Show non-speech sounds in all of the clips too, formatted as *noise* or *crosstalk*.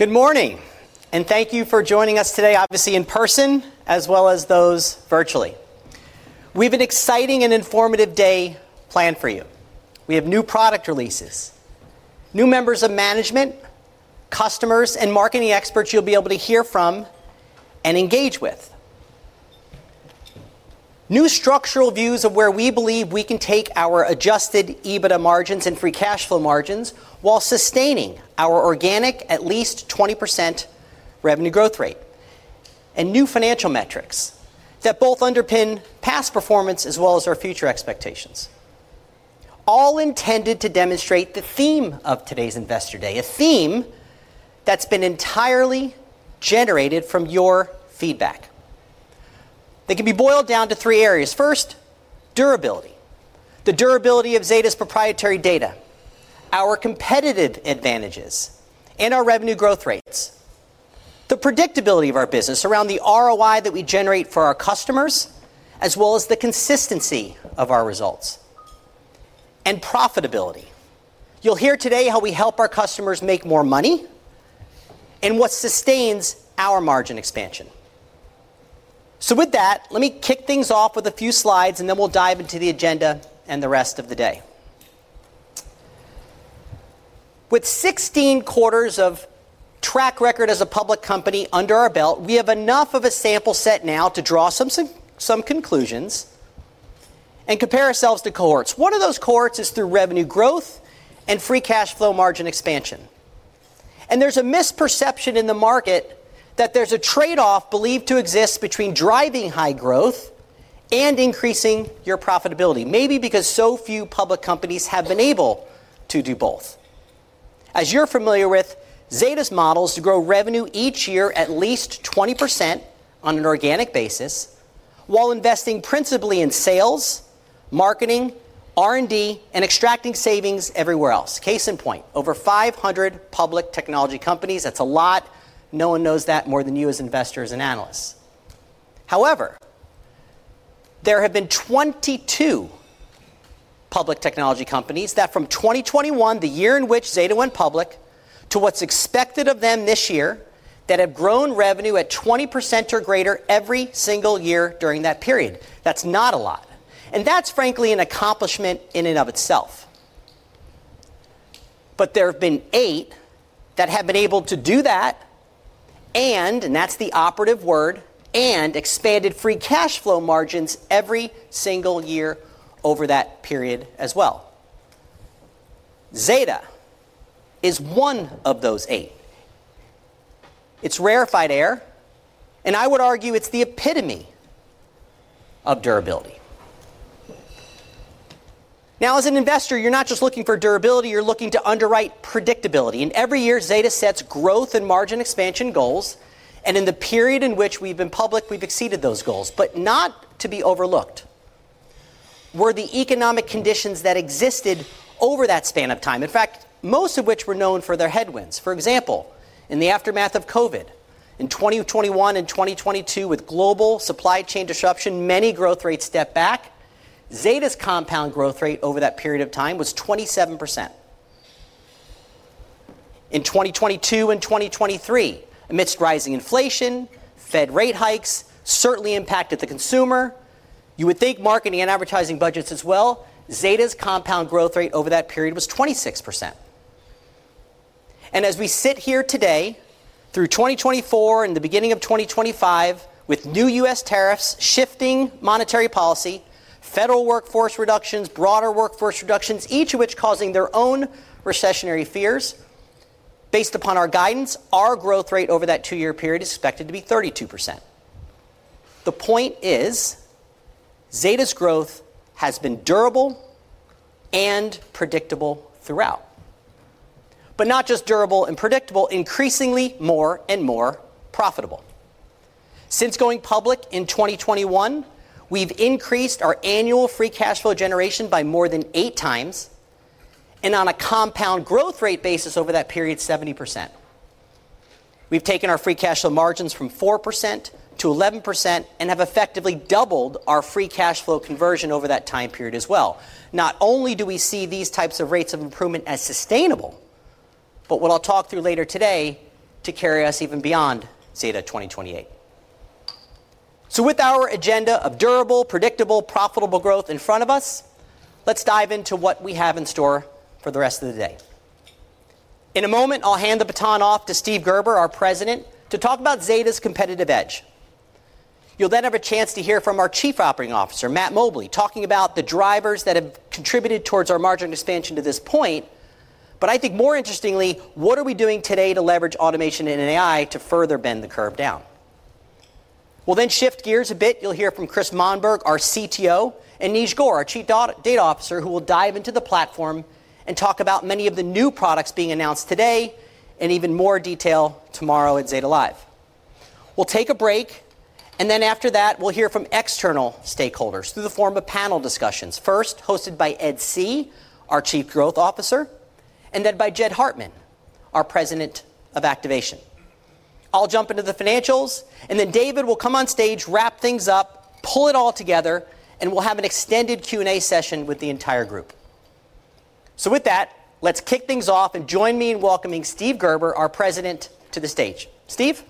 Good morning, and thank you for joining us today, obviously in person as well as those virtually. We have an exciting and informative day planned for you. We have new product releases, new members of management, customers, and marketing experts you'll be able to hear from and engage with. New structural views of where we believe we can take our adjusted EBITDA margins and free cash flow margins while sustaining our organic, at least 20% revenue growth rate, and new financial metrics that both underpin past performance as well as our future expectations. All intended to demonstrate the theme of today's Investor Day, a theme that's been entirely generated from your feedback. They can be boiled down to three areas. First, durability. The durability of Zeta Global's proprietary data, our competitive advantages, and our revenue growth rates. The predictability of our business around the ROI that we generate for our customers, as well as the consistency of our results. Profitability. You'll hear today how we help our customers make more money and what sustains our margin expansion. With that, let me kick things off with a few slides, and then we'll dive into the agenda and the rest of the day. With 16 quarters of track record as a public company under our belt, we have enough of a sample set now to draw some conclusions and compare ourselves to cohorts. One of those cohorts is through revenue growth and free cash flow margin expansion. There's a misperception in the market that there's a trade-off believed to exist between driving high growth and increasing your profitability, maybe because so few public companies have been able to do both. As you're familiar with, Zeta Global's models grow revenue each year at least 20% on an organic basis while investing principally in sales, marketing, R&D, and extracting savings everywhere else. Case in point, over 500 public technology companies. That's a lot. No one knows that more than you as investors and analysts. There have been 22 public technology companies that from 2021, the year in which Zeta Global went public, to what's expected of them this year, that have grown revenue at 20% or greater every single year during that period. That's not a lot. That's, frankly, an accomplishment in and of itself. There have been eight that have been able to do that, and, and that's the operative word, and expanded free cash flow margins every single year over that period as well. Zeta Global is one of those eight. It's rarefied air, and I would argue it's the epitome of durability. Now, as an investor, you're not just looking for durability. You're looking to underwrite predictability. Every year, Zeta Global sets growth and margin expansion goals. In the period in which we've been public, we've exceeded those goals, but not to be overlooked were the economic conditions that existed over that span of time. In fact, most of which were known for their headwinds. For example, in the aftermath of COVID, in 2021 and 2022, with global supply chain disruption, many growth rates stepped back. Zeta Global's compound growth rate over that period of time was 27%. In 2022 and 2023, amidst rising inflation, Fed rate hikes certainly impacted the consumer. You would think marketing and advertising budgets as well. Zeta Global's compound growth rate over that period was 26%. As we sit here today, through 2024 and the beginning of 2025, with new U.S. tariffs, shifting monetary policy, federal workforce reductions, broader workforce reductions, each of which causing their own recessionary fears, based upon our guidance, our growth rate over that two-year period is expected to be 32%. The point is, Zeta Global's growth has been durable and predictable throughout. Not just durable and predictable, increasingly more and more profitable. Since going public in 2021, we've increased our annual free cash flow generation by more than eight times, and on a compound growth rate basis over that period, 70%. We've taken our free cash flow margins from 4% to 11% and have effectively doubled our free cash flow conversion over that time period as well. Not only do we see these types of rates of improvement as sustainable, but what I'll talk through later today to carry us even beyond Zeta 2028. With our agenda of durable, predictable, profitable growth in front of us, let's dive into what we have in store for the rest of the day. In a moment, I'll hand the baton off to Steve Gerber, our President, to talk about Zeta Global's competitive edge. You'll then have a chance to hear from our Chief Operating Officer, Matt Mobley, talking about the drivers that have contributed towards our margin expansion to this point. I think more interestingly, what are we doing today to leverage automation and AI to further bend the curve down? We'll then shift gears a bit. You'll hear from Chris Monberg, our Chief Technology Officer, and Neej Gore, our Chief Data Officer, who will dive into the platform and talk about many of the new products being announced today and even more detail tomorrow at Zeta Live. We'll take a break, and then after that, we'll hear from external stakeholders through the form of panel discussions, first hosted by Ed See, our Chief Growth Officer, and then by Jed Hartman, our President of Activation. I'll jump into the financials, and then David A. Steinberg will come on stage, wrap things up, pull it all together, and we'll have an extended Q&A session with the entire group. With that, let's kick things off and join me in welcoming Steve Gerber, our President, to the stage. Steve?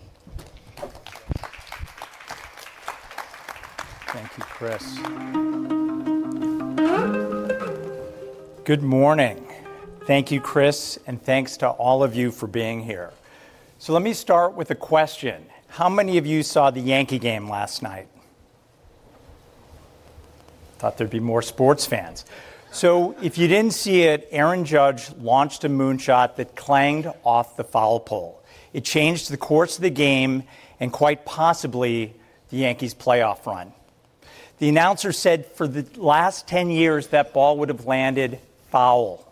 Thank you, Chris. Good morning. Thank you, Chris, and thanks to all of you for being here. Let me start with a question. How many of you saw the Yankee game last night? Thought there'd be more sports fans. If you didn't see it, Aaron Judge launched a moonshot that clanged off the foul pole. It changed the course of the game and quite possibly the Yankees' playoff run. The announcer said for the last 10 years, that ball would have landed foul.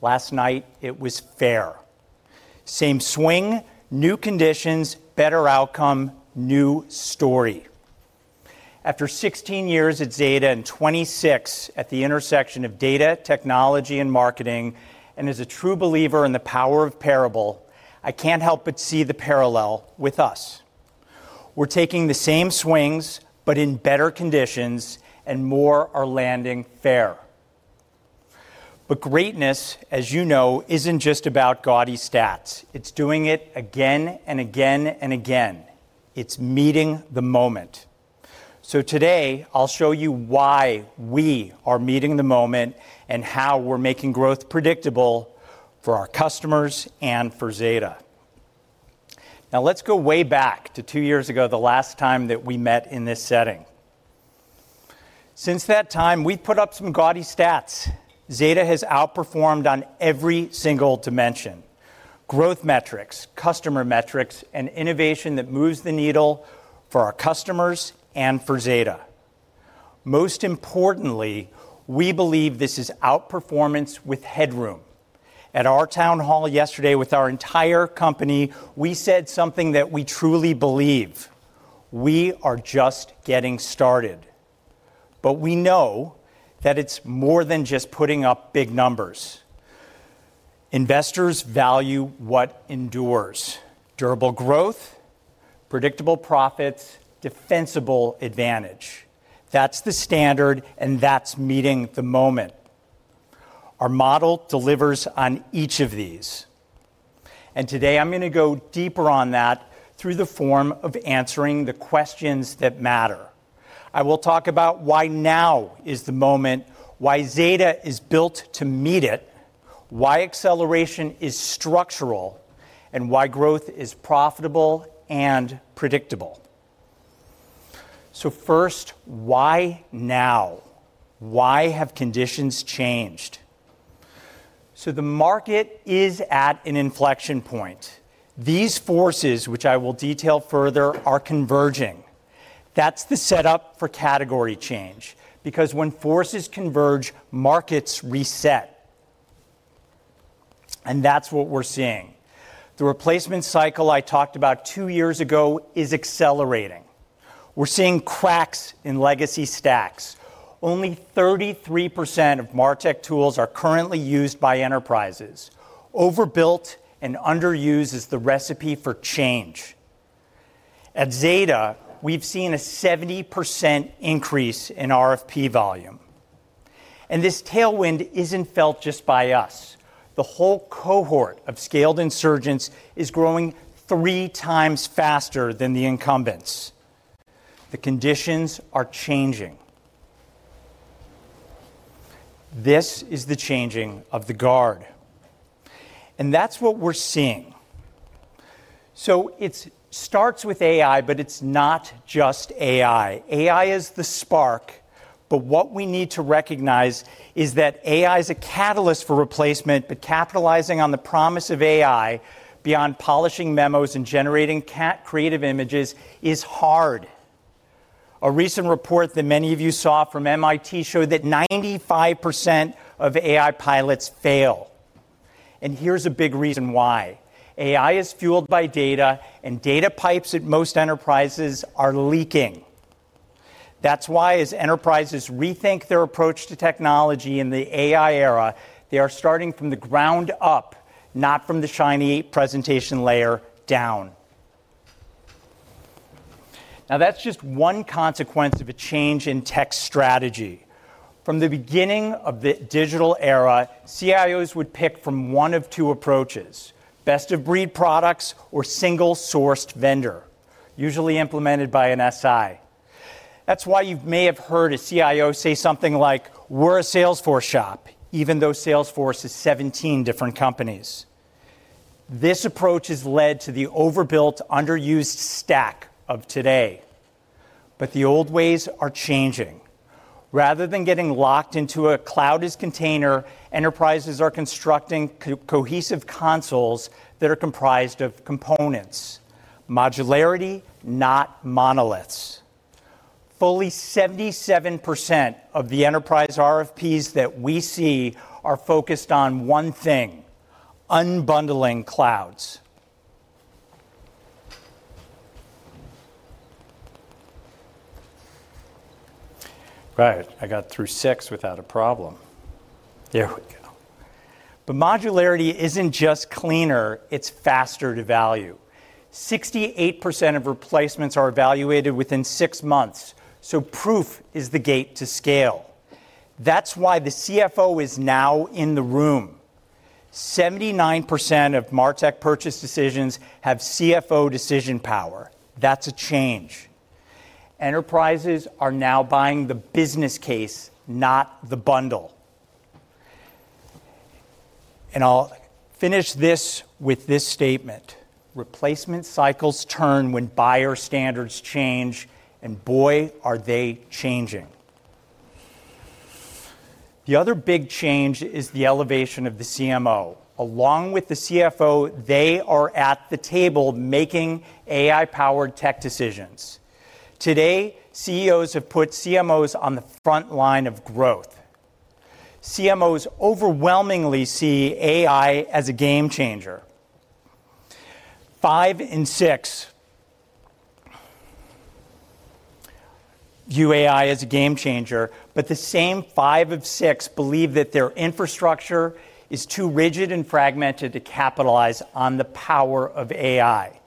Last night, it was fair. Same swing, new conditions, better outcome, new story. After 16 years at Zeta Global and 26 at the intersection of data, technology, and marketing, and as a true believer in the power of parable, I can't help but see the parallel with us. We're taking the same swings, but in better conditions, and more are landing fair. Greatness, as you know, isn't just about gaudy stats. It's doing it again and again and again. It's meeting the moment. Today, I'll show you why we are meeting the moment and how we're making growth predictable for our customers and for Zeta Global. Now, let's go way back to two years ago, the last time that we met in this setting. Since that time, we've put up some gaudy stats. Zeta Global has outperformed on every single dimension: growth metrics, customer metrics, and innovation that moves the needle for our customers and for Zeta Global. Most importantly, we believe this is outperformance with headroom. At our town hall yesterday with our entire company, we said something that we truly believe. We are just getting started. We know that it's more than just putting up big numbers. Investors value what endures: durable growth, predictable profits, defensible advantage. That's the standard, and that's meeting the moment. Our model delivers on each of these. Today, I'm going to go deeper on that through the form of answering the questions that matter. I will talk about why now is the moment, why Zeta Global is built to meet it, why acceleration is structural, and why growth is profitable and predictable. First, why now? Why have conditions changed? The market is at an inflection point. These forces, which I will detail further, are converging. That's the setup for category change, because when forces converge, markets reset. That's what we're seeing. The replacement cycle I talked about two years ago is accelerating. We're seeing cracks in legacy stacks. Only 33% of MarTech tools are currently used by enterprises. Overbuilt and underused is the recipe for change. At Zeta Global, we've seen a 70% increase in RFP volume. This tailwind isn't felt just by us. The whole cohort of scaled insurgents is growing three times faster than the incumbents. The conditions are changing. This is the changing of the guard. That's what we're seeing. It starts with AI, but it's not just AI. AI is the spark, but what we need to recognize is that AI is a catalyst for replacement. Capitalizing on the promise of AI beyond polishing memos and generating creative images is hard. A recent report that many of you saw from MIT showed that 95% of AI pilots fail. Here's a big reason why. AI is fueled by data, and data pipes at most enterprises are leaking. That's why, as enterprises rethink their approach to technology in the AI era, they are starting from the ground up, not from the shiny presentation layer down. That's just one consequence of a change in tech strategy. From the beginning of the digital era, CIOs would pick from one of two approaches: best-of-breed products or single-sourced vendor, usually implemented by an SI. That's why you may have heard a CIO say something like, "We're a Salesforce shop," even though Salesforce is 17 different companies. This approach has led to the overbuilt, underused stack of today. The old ways are changing. Rather than getting locked into a cloud-ish container, enterprises are constructing cohesive consoles that are comprised of components, modularity, not monoliths. Fully 77% of the enterprise RFPs that we see are focused on one thing: unbundling clouds. Right. I got through six without a problem. There we go. Modularity isn't just cleaner, it's faster to value. 68% of replacements are evaluated within six months, so proof is the gate to scale. That's why the CFO is now in the room. 79% of MarTech purchase decisions have CFO decision power. That's a change. Enterprises are now buying the business case, not the bundle. I'll finish this with this statement: replacement cycles turn when buyer standards change, and boy, are they changing. The other big change is the elevation of the CMO. Along with the CFO, they are at the table making AI-powered tech decisions. Today, CEOs have put CMOs on the front line of growth. CMOs overwhelmingly see AI as a game changer. Five in six view AI as a game changer, but the same five of six believe that their infrastructure is too rigid and fragmented to capitalize on the power of AI.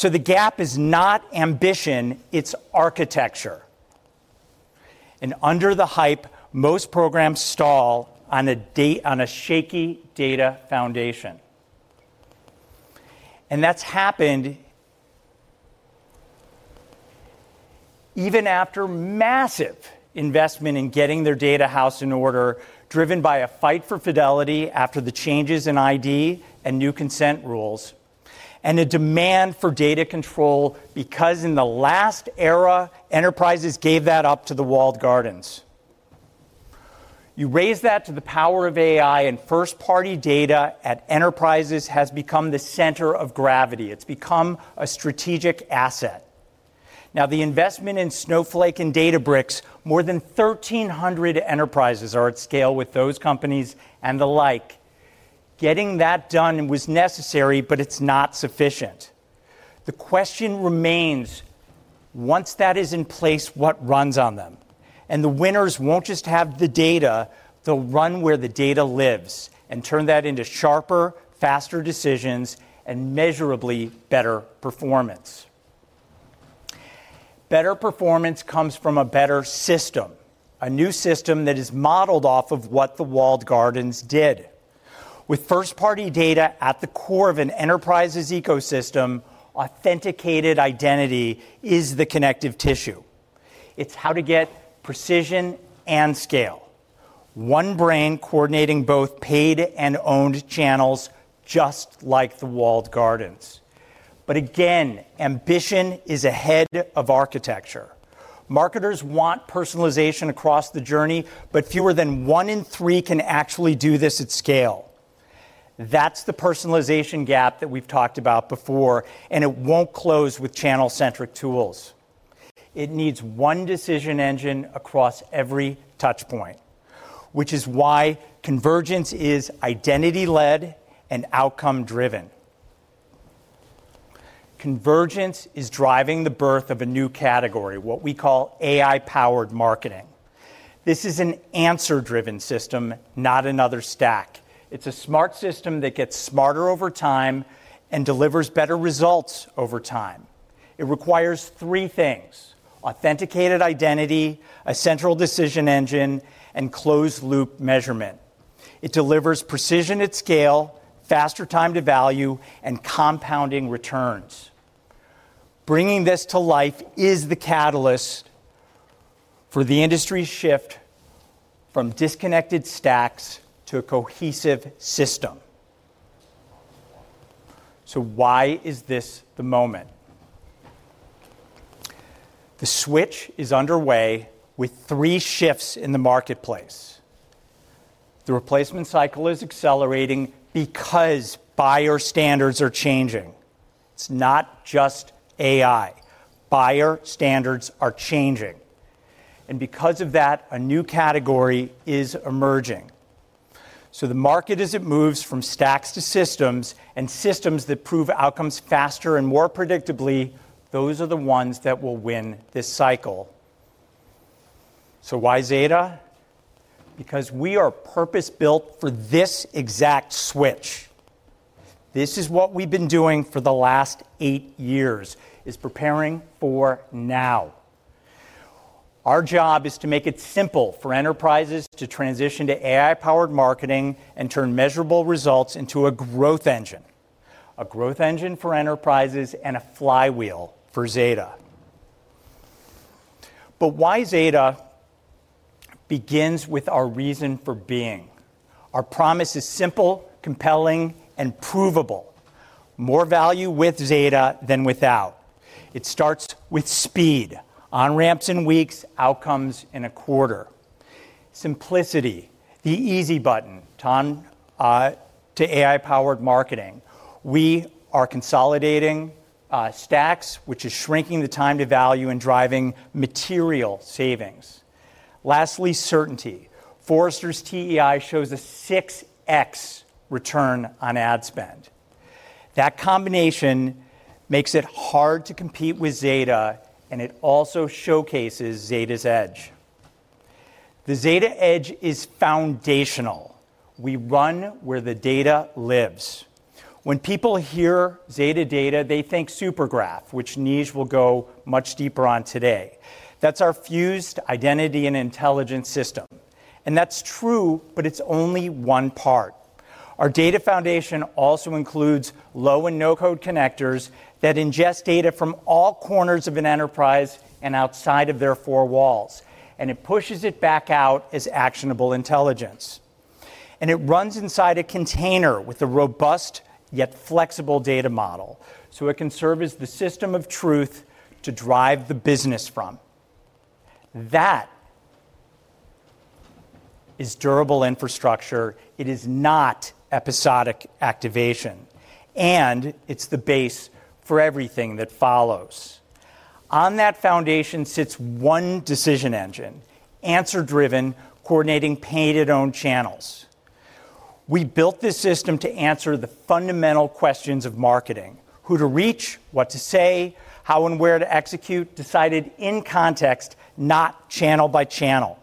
The gap is not ambition, it's architecture. Under the hype, most programs stall on a shaky data foundation. That's happened even after massive investment in getting their data house in order, driven by a fight for fidelity after the changes in ID and new consent rules, and a demand for data control because in the last era, enterprises gave that up to the walled gardens. You raise that to the power of AI, and first-party data at enterprises has become the center of gravity. It's become a strategic asset. Now, the investment in Snowflake and Databricks, more than 1,300 enterprises are at scale with those companies and the like. Getting that done was necessary, but it's not sufficient. The question remains, once that is in place, what runs on them? The winners won't just have the data, they'll run where the data lives and turn that into sharper, faster decisions and measurably better performance. Better performance comes from a better system, a new system that is modeled off of what the walled gardens did. With first-party data at the core of an enterprise's ecosystem, authenticated identity is the connective tissue. It's how to get precision and scale, one brain coordinating both paid and owned channels, just like the walled gardens. Ambition is ahead of architecture. Marketers want personalization across the journey, but fewer than one in three can actually do this at scale. That's the personalization gap that we've talked about before, and it won't close with channel-centric tools. It needs one decision engine across every touchpoint, which is why convergence is identity-led and outcome-driven. Convergence is driving the birth of a new category, what we call AI-powered marketing. This is an answer-driven system, not another stack. It's a smart system that gets smarter over time and delivers better results over time. It requires three things: authenticated identity, a central decision engine, and closed-loop measurement. It delivers precision at scale, faster time to value, and compounding returns. Bringing this to life is the catalyst for the industry's shift from disconnected stacks to a cohesive system. This is the moment. The switch is underway with three shifts in the marketplace. The replacement cycle is accelerating because buyer standards are changing. It's not just AI. Buyer standards are changing, and because of that, a new category is emerging. The market, as it moves from stacks to systems and systems that prove outcomes faster and more predictably, those are the ones that will win this cycle. Why Zeta? We are purpose-built for this exact switch. This is what we've been doing for the last eight years, preparing for now. Our job is to make it simple for enterprises to transition to AI-powered marketing and turn measurable results into a growth engine, a growth engine for enterprises and a flywheel for Zeta. Why Zeta? It begins with our reason for being. Our promise is simple, compelling, and provable. More value with Zeta than without. It starts with speed, on-ramps in weeks, outcomes in a quarter. Simplicity, the easy button to AI-powered marketing. We are consolidating stacks, which is shrinking the time to value and driving material savings. Lastly, certainty. Forrester's TEI shows a 6x return on ad spend. That combination makes it hard to compete with Zeta, and it also showcases Zeta's edge. The Zeta edge is foundational. We run where the data lives. When people hear Zeta data, they think Supergraph, which Neej will go much deeper on today. That's our fused identity and intelligence system, and that's true, but it's only one part. Our data foundation also includes low and no-code connectors that ingest data from all corners of an enterprise and outside of their four walls. It pushes it back out as actionable intelligence, and it runs inside a container with a robust yet flexible data model, so it can serve as the system of truth to drive the business from. That is durable infrastructure. It is not episodic activation, and it's the base for everything that follows. On that foundation sits one decision engine, answer-driven, coordinating paid and owned channels. We built this system to answer the fundamental questions of marketing: who to reach, what to say, how and where to execute, decided in context, not channel by channel.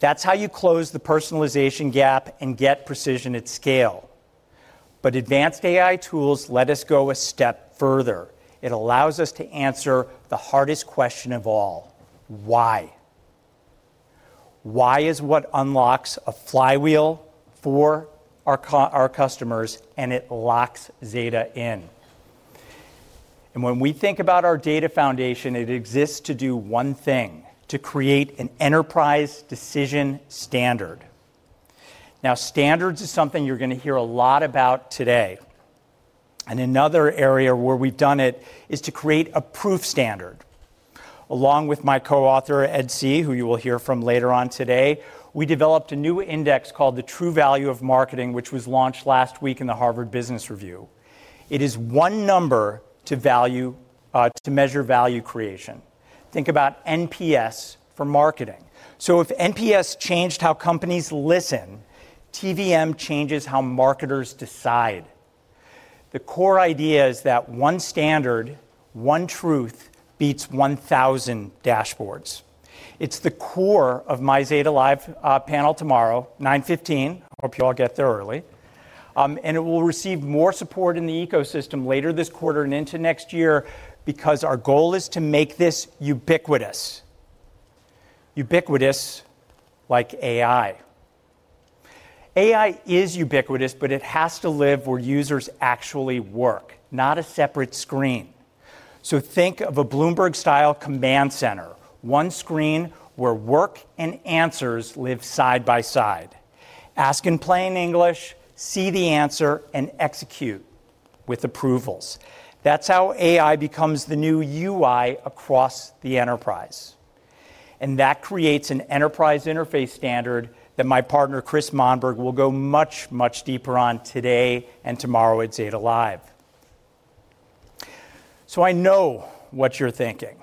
That is how you close the personalization gap and get precision at scale. Advanced AI tools let us go a step further. It allows us to answer the hardest question of all: why? Why is what unlocks a flywheel for our customers, and it locks Zeta Global in. When we think about our data foundation, it exists to do one thing: to create an enterprise decision standard. Standards is something you're going to hear a lot about today. Another area where we've done it is to create a proof standard. Along with my co-author, Ed See, who you will hear from later on today, we developed a new index called the True Value of Marketing, which was launched last week in the Harvard Business Review. It is one number to measure value creation. Think about NPS for marketing. If NPS changed how companies listen, TVM changes how marketers decide. The core idea is that one standard, one truth, beats 1,000 dashboards. It's the core of my Zeta Live panel tomorrow, 9:15 A.M. Hope you all get there early. It will receive more support in the ecosystem later this quarter and into next year because our goal is to make this ubiquitous, ubiquitous like AI. AI is ubiquitous, but it has to live where users actually work, not a separate screen. Think of a Bloomberg-style command center, one screen where work and answers live side by side. Ask in plain English, see the answer, and execute with approvals. That is how AI becomes the new UI across the enterprise. That creates an enterprise interface standard that my partner, Chris Monberg, will go much, much deeper on today and tomorrow at Zeta Live. I know what you're thinking.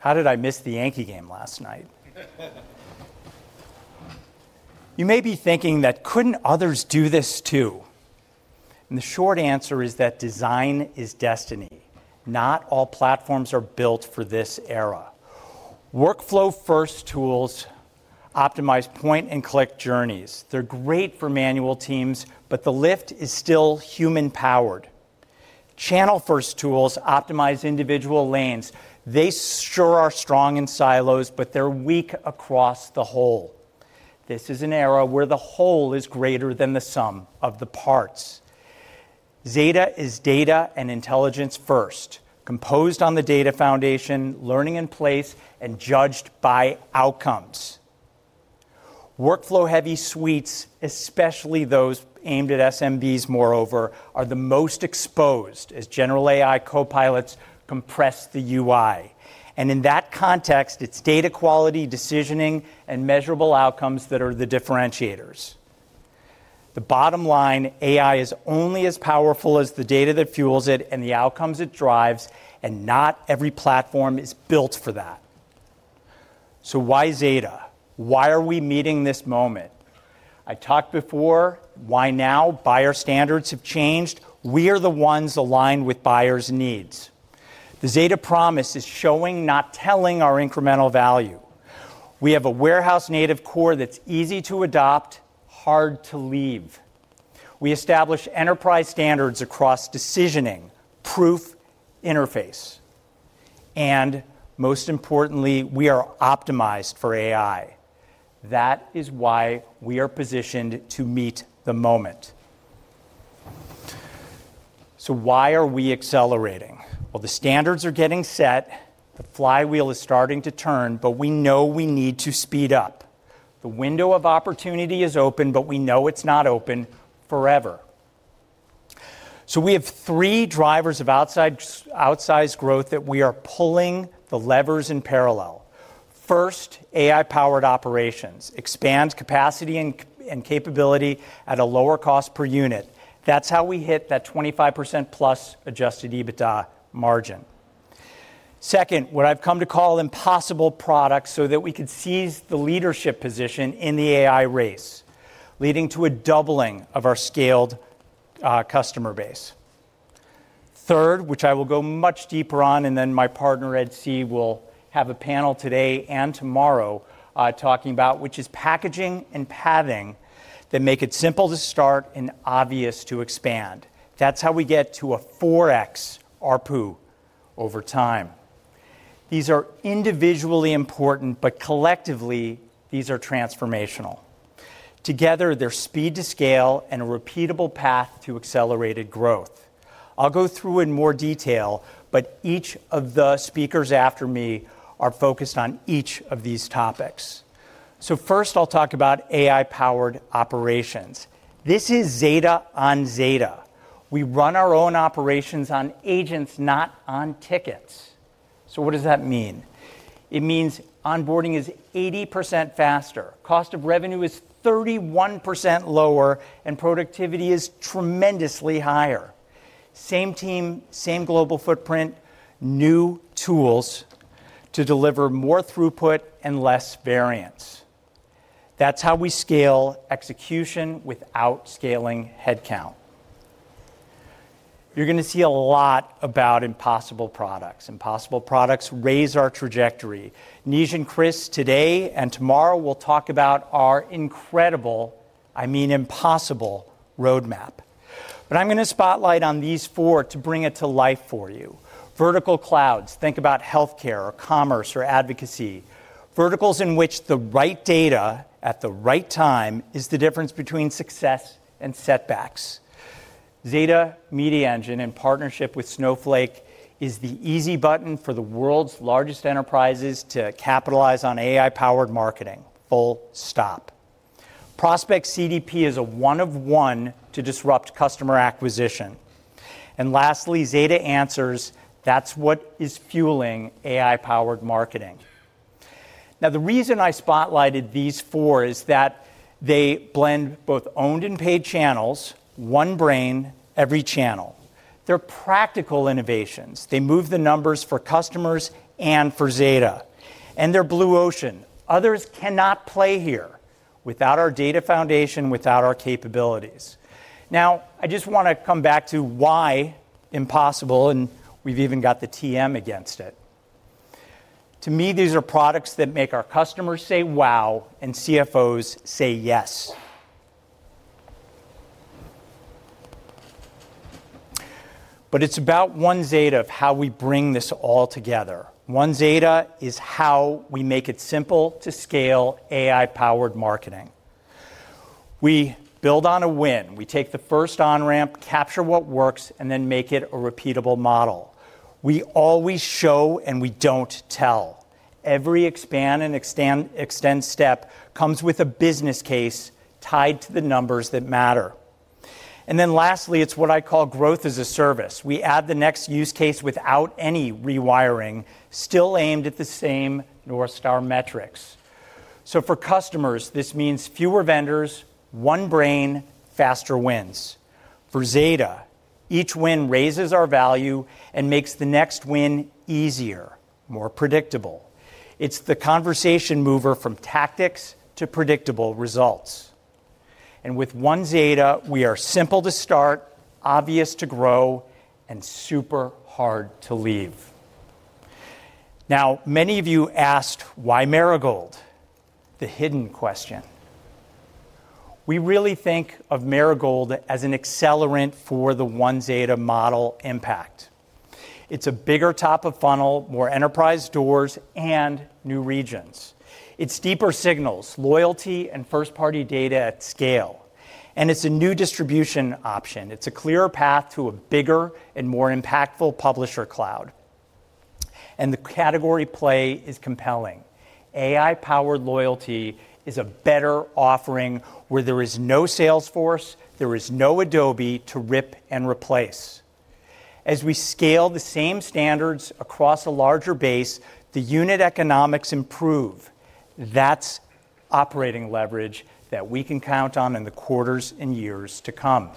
How did I miss the Yankee game last night? You may be thinking that couldn't others do this too? The short answer is that design is destiny. Not all platforms are built for this era. Workflow-first tools optimize point-and-click journeys. They're great for manual teams, but the lift is still human-powered. Channel-first tools optimize individual lanes. They sure are strong in silos, but they're weak across the whole. This is an era where the whole is greater than the sum of the parts. Zeta is data and intelligence first, composed on the data foundation, learning in place, and judged by outcomes. Workflow-heavy suites, especially those aimed at SMBs, moreover, are the most exposed as general AI copilots compress the UI. In that context, it's data quality, decisioning, and measurable outcomes that are the differentiators. The bottom line, AI is only as powerful as the data that fuels it and the outcomes it drives, and not every platform is built for that. Why Zeta? Why are we meeting this moment? I talked before, why now? Buyer standards have changed. We are the ones aligned with buyers' needs. The Zeta promise is showing, not telling, our incremental value. We have a warehouse-native core that's easy to adopt, hard to leave. We establish enterprise standards across decisioning, proof, interface. Most importantly, we are optimized for AI. That is why we are positioned to meet the moment. Why are we accelerating? The standards are getting set. The flywheel is starting to turn, but we know we need to speed up. The window of opportunity is open, but we know it's not open forever. We have three drivers of outsized growth that we are pulling the levers in parallel. First, AI-powered operations expand capacity and capability at a lower cost per unit. That's how we hit that 25%+ adjusted EBITDA margin. Second, what I've come to call an impossible product so that we could seize the leadership position in the AI race, leading to a doubling of our scaled customer base. Third, which I will go much deeper on, and then my partner, Ed See, will have a panel today and tomorrow talking about, which is packaging and padding that make it simple to start and obvious to expand. That's how we get to a 4x ARPU over time. These are individually important, but collectively, these are transformational. Together, they're speed to scale and a repeatable path to accelerated growth. I'll go through in more detail, but each of the speakers after me are focused on each of these topics. First, I'll talk about AI-powered operations. This is Zeta on Zeta. We run our own operations on agents, not on tickets. What does that mean? It means onboarding is 80% faster, cost of revenue is 31% lower, and productivity is tremendously higher. Same team, same global footprint, new tools to deliver more throughput and less variance. That's how we scale execution without scaling headcount. You're going to see a lot about impossible products. Impossible products raise our trajectory. Neej and Chris today and tomorrow will talk about our incredible, I mean impossible, roadmap. I'm going to spotlight on these four to bring it to life for you. Vertical clouds, think about healthcare or commerce or advocacy, verticals in which the right data at the right time is the difference between success and setbacks. Zeta, MediaEngine, in partnership with Snowflake, is the easy button for the world's largest enterprises to capitalize on AI-powered marketing, full stop. Prospect CDP is a one-of-one to disrupt customer acquisition. Lastly, Zeta Answers, that's what is fueling AI-powered marketing. The reason I spotlighted these four is that they blend both owned and paid channels, one brain, every channel. They're practical innovations. They move the numbers for customers and for Zeta. They're blue ocean. Others cannot play here without our data foundation, without our capabilities. I just want to come back to why impossible, and we've even got the TM against it. To me, these are products that make our customers say wow and CFOs say yes. It's about OneZeta of how we bring this all together. OneZeta is how we make it simple to scale AI-powered marketing. We build on a win. We take the first on-ramp, capture what works, and then make it a repeatable model. We always show and we don't tell. Every expand and extend step comes with a business case tied to the numbers that matter. Lastly, it's what I call growth as a service. We add the next use case without any rewiring, still aimed at the same North Star metrics. For customers, this means fewer vendors, one brain, faster wins. For Zeta, each win raises our value and makes the next win easier, more predictable. It's the conversation mover from tactics to predictable results. With OneZeta, we are simple to start, obvious to grow, and super hard to leave. Many of you asked, why Marigold? The hidden question. We really think of Marigold as an accelerant for the OneZeta model impact. It's a bigger top of funnel, more enterprise doors, and new regions. It's deeper signals, loyalty, and first-party data at scale. It's a new distribution option. It's a clearer path to a bigger and more impactful publisher cloud. The category play is compelling. AI-powered loyalty is a better offering where there is no Salesforce, there is no Adobe to rip and replace. As we scale the same standards across a larger base, the unit economics improve. That's operating leverage that we can count on in the quarters and years to come.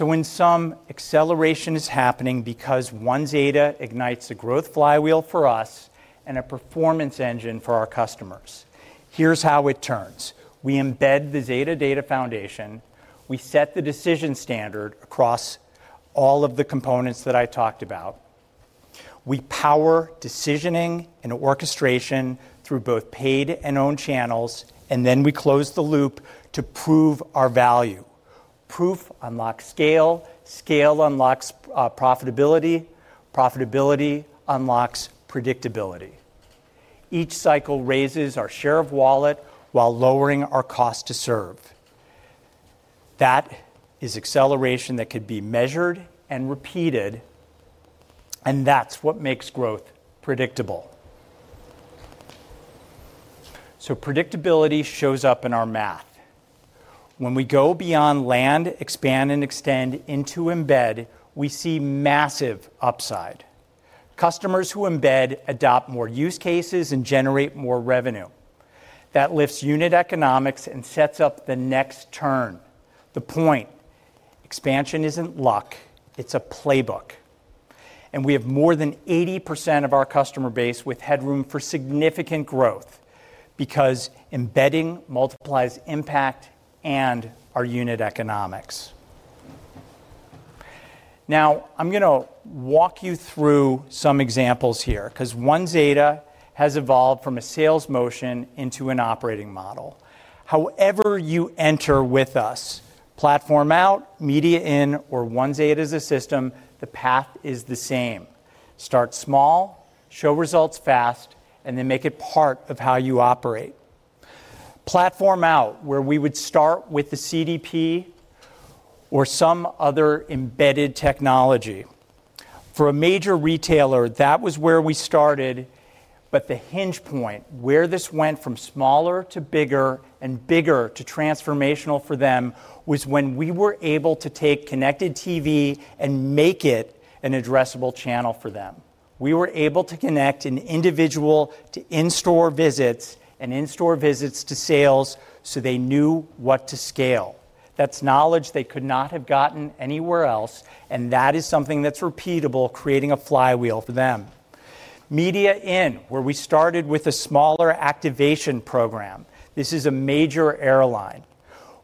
In sum, acceleration is happening because OneZeta ignites a growth flywheel for us and a performance engine for our customers. Here's how it turns. We embed the Zeta data foundation. We set the decision standard across all of the components that I talked about. We power decisioning and orchestration through both paid and owned channels, and then we close the loop to prove our value. Proof unlocks scale, scale unlocks profitability, profitability unlocks predictability. Each cycle raises our share of wallet while lowering our cost to serve. That is acceleration that could be measured and repeated, and that's what makes growth predictable. Predictability shows up in our math. When we go beyond land, expand, and extend into embed, we see massive upside. Customers who embed adopt more use cases and generate more revenue. That lifts unit economics and sets up the next turn. The point: expansion isn't luck, it's a playbook. We have more than 80% of our customer base with headroom for significant growth because embedding multiplies impact and our unit economics. Now, I'm going to walk you through some examples here because OneZeta has evolved from a sales motion into an operating model. However you enter with us, platform out, media in, or OneZeta as a system, the path is the same. Start small, show results fast, and then make it part of how you operate. Platform out, where we would start with the CDP or some other embedded technology. For a major retailer, that was where we started, but the hinge point, where this went from smaller to bigger and bigger to transformational for them, was when we were able to take connected TV and make it an addressable channel for them. We were able to connect an individual to in-store visits and in-store visits to sales so they knew what to scale. That's knowledge they could not have gotten anywhere else, and that is something that's repeatable, creating a flywheel for them. Media in, where we started with a smaller activation program. This is a major airline.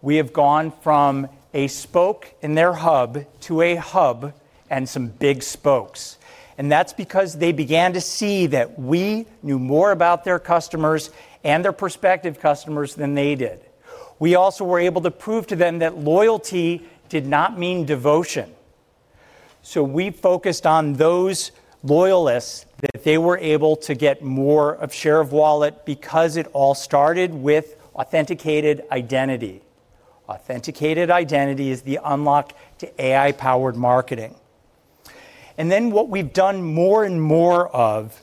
We have gone from a spoke in their hub to a hub and some big spokes. That's because they began to see that we knew more about their customers and their prospective customers than they did. We also were able to prove to them that loyalty did not mean devotion. We focused on those loyalists that they were able to get more of a share of wallet because it all started with authenticated identity. Authenticated identity is the unlock to AI-powered marketing. What we've done more and more of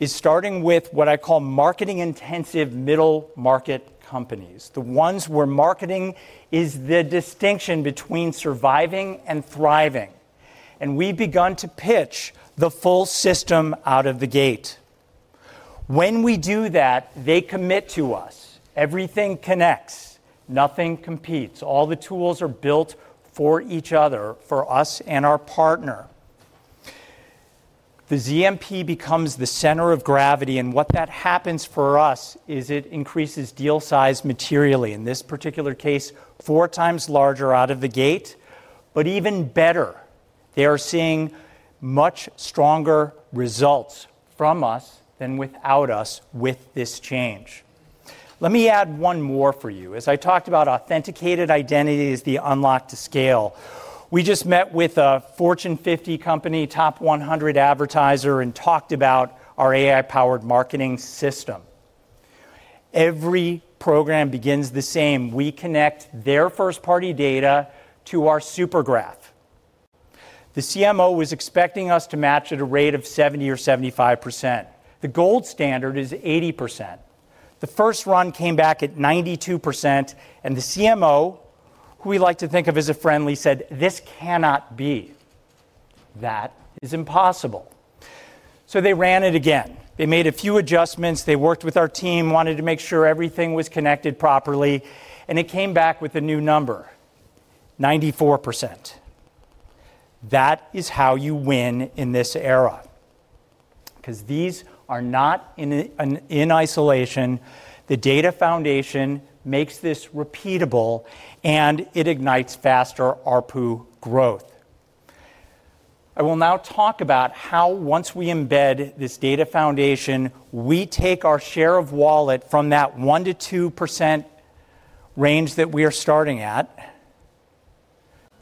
is starting with what I call marketing-intensive middle-market companies, the ones where marketing is the distinction between surviving and thriving. We've begun to pitch the full system out of the gate. When we do that, they commit to us. Everything connects. Nothing competes. All the tools are built for each other, for us and our partner. The Zeta Marketing Platform becomes the center of gravity, and what happens for us is it increases deal size materially, in this particular case, four times larger out of the gate. Even better, they are seeing much stronger results from us than without us with this change. Let me add one more for you. As I talked about authenticated identity as the unlock to scale, we just met with a Fortune 50 company, top 100 advertiser, and talked about our AI-powered marketing system. Every program begins the same. We connect their first-party data to our Supergraph. The CMO was expecting us to match at a rate of 70% or 75%. The gold standard is 80%. The first run came back at 92%, and the CMO, who we like to think of as a friend, said, "This cannot be. That is impossible." They ran it again. They made a few adjustments. They worked with our team, wanted to make sure everything was connected properly, and it came back with a new number: 94%. That is how you win in this era, because these are not in isolation. The data foundation makes this repeatable, and it ignites faster ARPU growth. I will now talk about how, once we embed this data foundation, we take our share of wallet from that 1%-2% range that we are starting at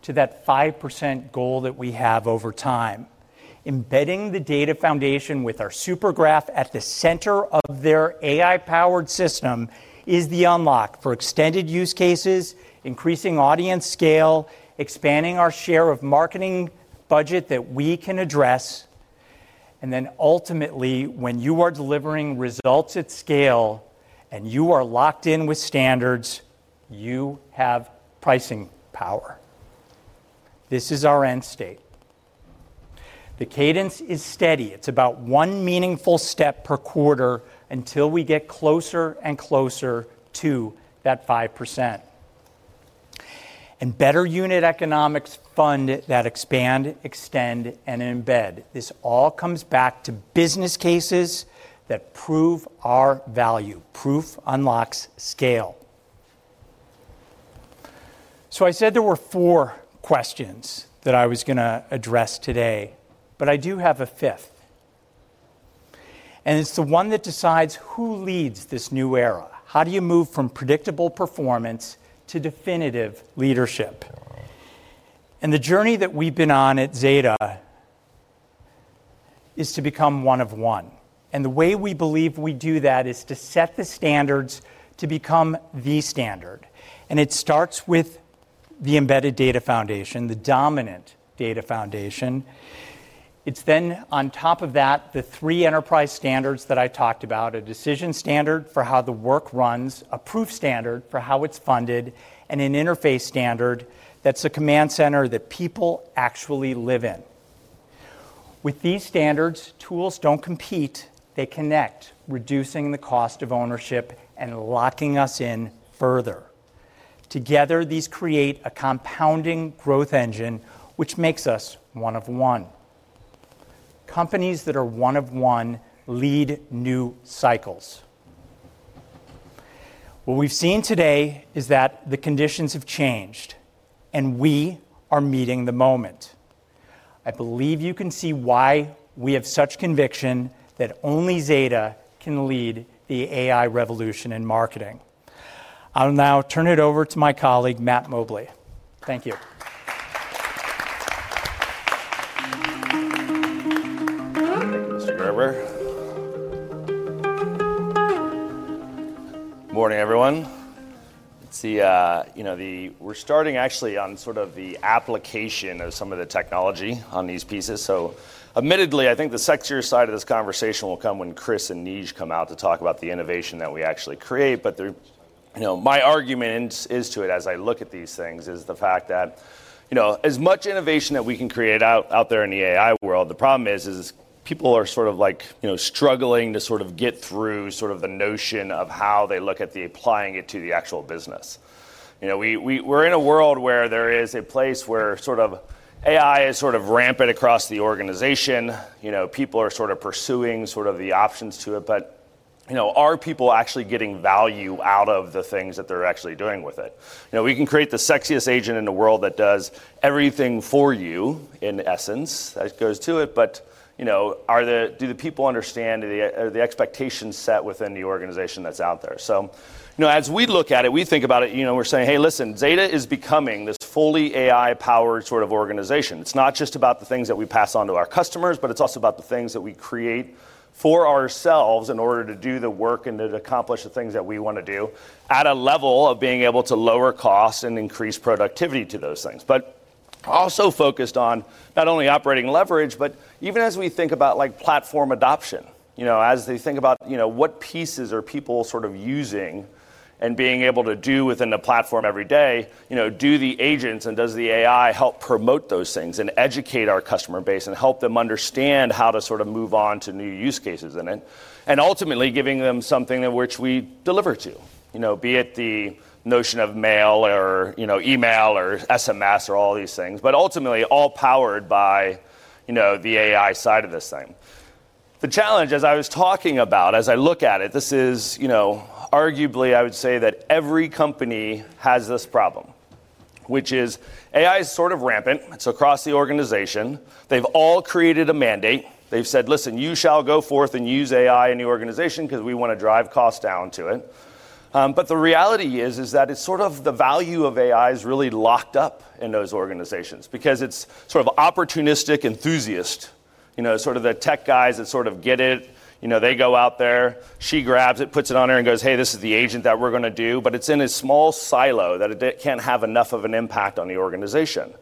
to that 5% goal that we have over time. Embedding the data foundation with our Supergraph at the center of their AI-powered system is the unlock for extended use cases, increasing audience scale, expanding our share of marketing budget that we can address. Ultimately, when you are delivering results at scale and you are locked in with standards, you have pricing power. This is our end state. The cadence is steady. It's about one meaningful step per quarter until we get closer and closer to that 5%. Better unit economics fund that expand, extend, and embed. This all comes back to business cases that prove our value. Proof unlocks scale. I said there were four questions that I was going to address today, but I do have a fifth. It's the one that decides who leads this new era. How do you move from predictable performance to definitive leadership? The journey that we've been on at Zeta Global is to become one of one. The way we believe we do that is to set the standards to become the standard. It starts with the embedded data foundation, the dominant data foundation. On top of that, the three enterprise standards that I talked about: a decision standard for how the work runs, a proof standard for how it's funded, and an interface standard that's a command center that people actually live in. With these standards, tools don't compete. They connect, reducing the cost of ownership and locking us in further. Together, these create a compounding growth engine, which makes us one of one. Companies that are one of one lead new cycles. What we've seen today is that the conditions have changed, and we are meeting the moment. I believe you can see why we have such conviction that only Zeta Global can lead the AI revolution in marketing. I'll now turn it over to my colleague, Matt Mobley. Thank you. Morning, everyone. We're starting actually on sort of the application of some of the technology on these pieces. Admittedly, I think the sexier side of this conversation will come when Chris Monberg and Neej Gore come out to talk about the innovation that we actually create. My argument is to it, as I look at these things, is the fact that as much innovation that we can create out there in the AI world, the problem is, people are sort of struggling to get through the notion of how they look at applying it to the actual business. We're in a world where there is a place where AI is rampant across the organization. People are pursuing the options to it. Are people actually getting value out of the things that they're actually doing with it? We can create the sexiest agent in the world that does everything for you, in essence, that goes to it. Do the people understand the expectations set within the organization that's out there? As we look at it, we think about it, we're saying, hey, listen, Zeta Global is becoming this fully AI-powered organization. It's not just about the things that we pass on to our customers, but it's also about the things that we create for ourselves in order to do the work and to accomplish the things that we want to do at a level of being able to lower costs and increase productivity to those things. Also focused on not only operating leverage, but even as we think about platform adoption, as they think about what pieces are people using and being able to do within the platform every day, do the agents and does the AI help promote those things and educate our customer base and help them understand how to move on to new use cases in it? Ultimately giving them something in which we deliver to, be it the notion of mail or email or SMS or all these things, ultimately all powered by the AI side of this thing. The challenge, as I was talking about, as I look at it, this is, arguably I would say that every company has this problem, which is AI is rampant. It's across the organization. They've all created a mandate. They've said, listen, you shall go forth and use AI in your organization because we want to drive costs down to it. The reality is that the value of AI is really locked up in those organizations because it's opportunistic enthusiasts, the tech guys that get it. They go out there, she grabs it, puts it on there and goes, hey, this is the agent that we're going to do, but it's in a small silo that can't have enough of an impact on the organization.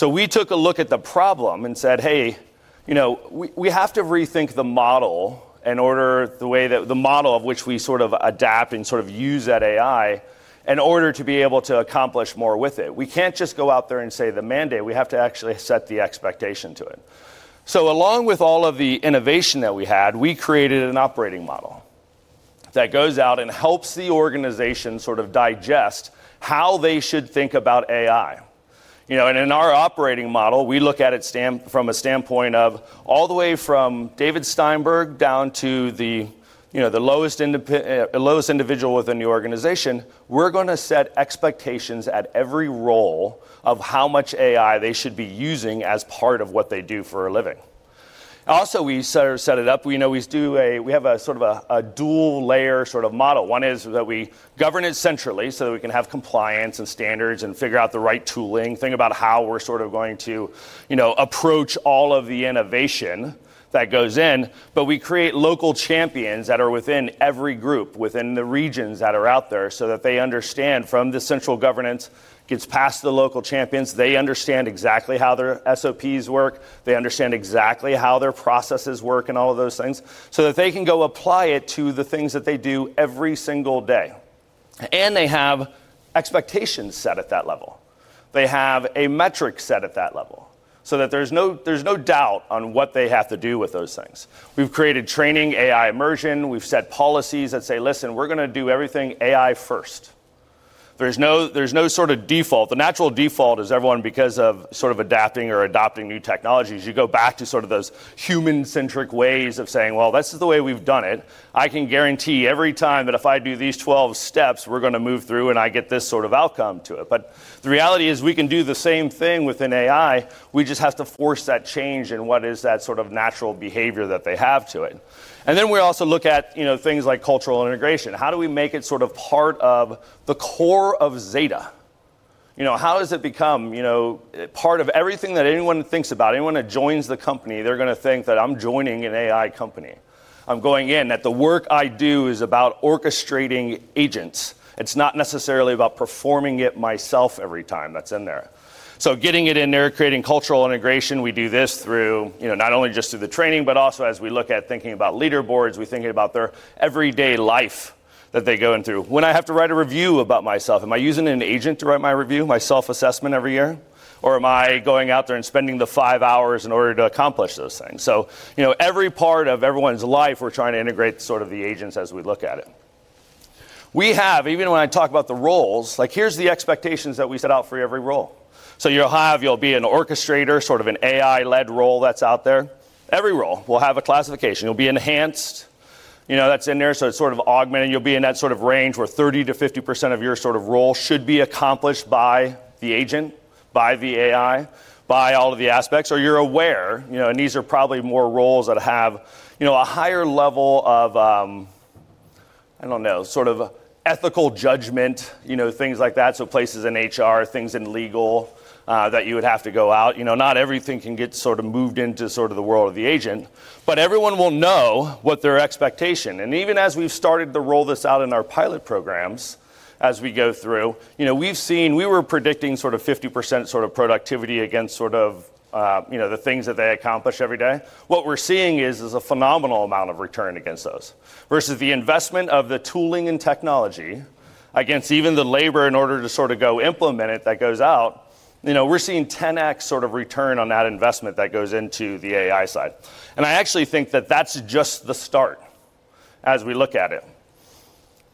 We took a look at the problem and said, hey, we have to rethink the model in order the way that the model of which we adapt and use that AI in order to be able to accomplish more with it. We can't just go out there and say the mandate. We have to actually set the expectation to it. Along with all of the innovation that we had, we created an operating model that goes out and helps the organization digest how they should think about AI. In our operating model, we look at it from a standpoint of all the way from David A. Steinberg down to the lowest individual within the organization. We're going to set expectations at every role of how much AI they should be using as part of what they do for a living. Also, we set it up with a dual layer model. One is that we govern it centrally so that we can have compliance and standards and figure out the right tooling. Think about how we're going to approach all of the innovation that goes in. We create local champions that are within every group, within the regions that are out there so that they understand from the central governance, gets passed to the local champions. They understand exactly how their SOPs work. They understand exactly how their processes work and all of those things so that they can go apply it to the things that they do every single day. They have expectations set at that level. They have a metric set at that level so that there's no doubt on what they have to do with those things. We've created training, AI immersion. We've set policies that say, listen, we're going to do everything AI-first. There's no default. The natural default is everyone, because of adapting or adopting new technologies, you go back to those human-centric ways of saying, well, this is the way we've done it. I can guarantee every time that if I do these 12 steps, we're going to move through and I get this outcome to it. The reality is we can do the same thing within AI. We just have to force that change in what is that sort of natural behavior that they have to it. Then we also look at things like cultural integration. How do we make it sort of part of the core of Zeta Global? How does it become part of everything that anyone thinks about? Anyone that joins the company, they're going to think that I'm joining an AI company. I'm going in that the work I do is about orchestrating agents. It's not necessarily about performing it myself every time that's in there. Getting it in there, creating cultural integration, we do this through not only just through the training, but also as we look at thinking about leaderboards, we think about their everyday life that they go into. When I have to write a review about myself, am I using an agent to write my review, my self-assessment every year? Or am I going out there and spending the five hours in order to accomplish those things? Every part of everyone's life, we're trying to integrate sort of the agents as we look at it. We have, even when I talk about the roles, like here's the expectations that we set out for every role. You'll be an orchestrator, sort of an AI-led role that's out there. Every role will have a classification. You'll be enhanced, that's in there. It's sort of augmented. You'll be in that sort of range where 30%-50% of your sort of role should be accomplished by the agent, by the AI, by all of the aspects. Or you're aware, and these are probably more roles that have a higher level of, I don't know, sort of ethical judgment, things like that. Places in HR, things in legal that you would have to go out, not everything can get sort of moved into the world of the agent, but everyone will know what their expectation. Even as we've started to roll this out in our pilot programs, as we go through, we've seen, we were predicting 50% productivity against the things that they accomplish every day. What we're seeing is a phenomenal amount of return against those versus the investment of the tooling and technology against even the labor in order to go implement it that goes out. We're seeing 10x return on that investment that goes into the AI side. I actually think that that's just the start as we look at it.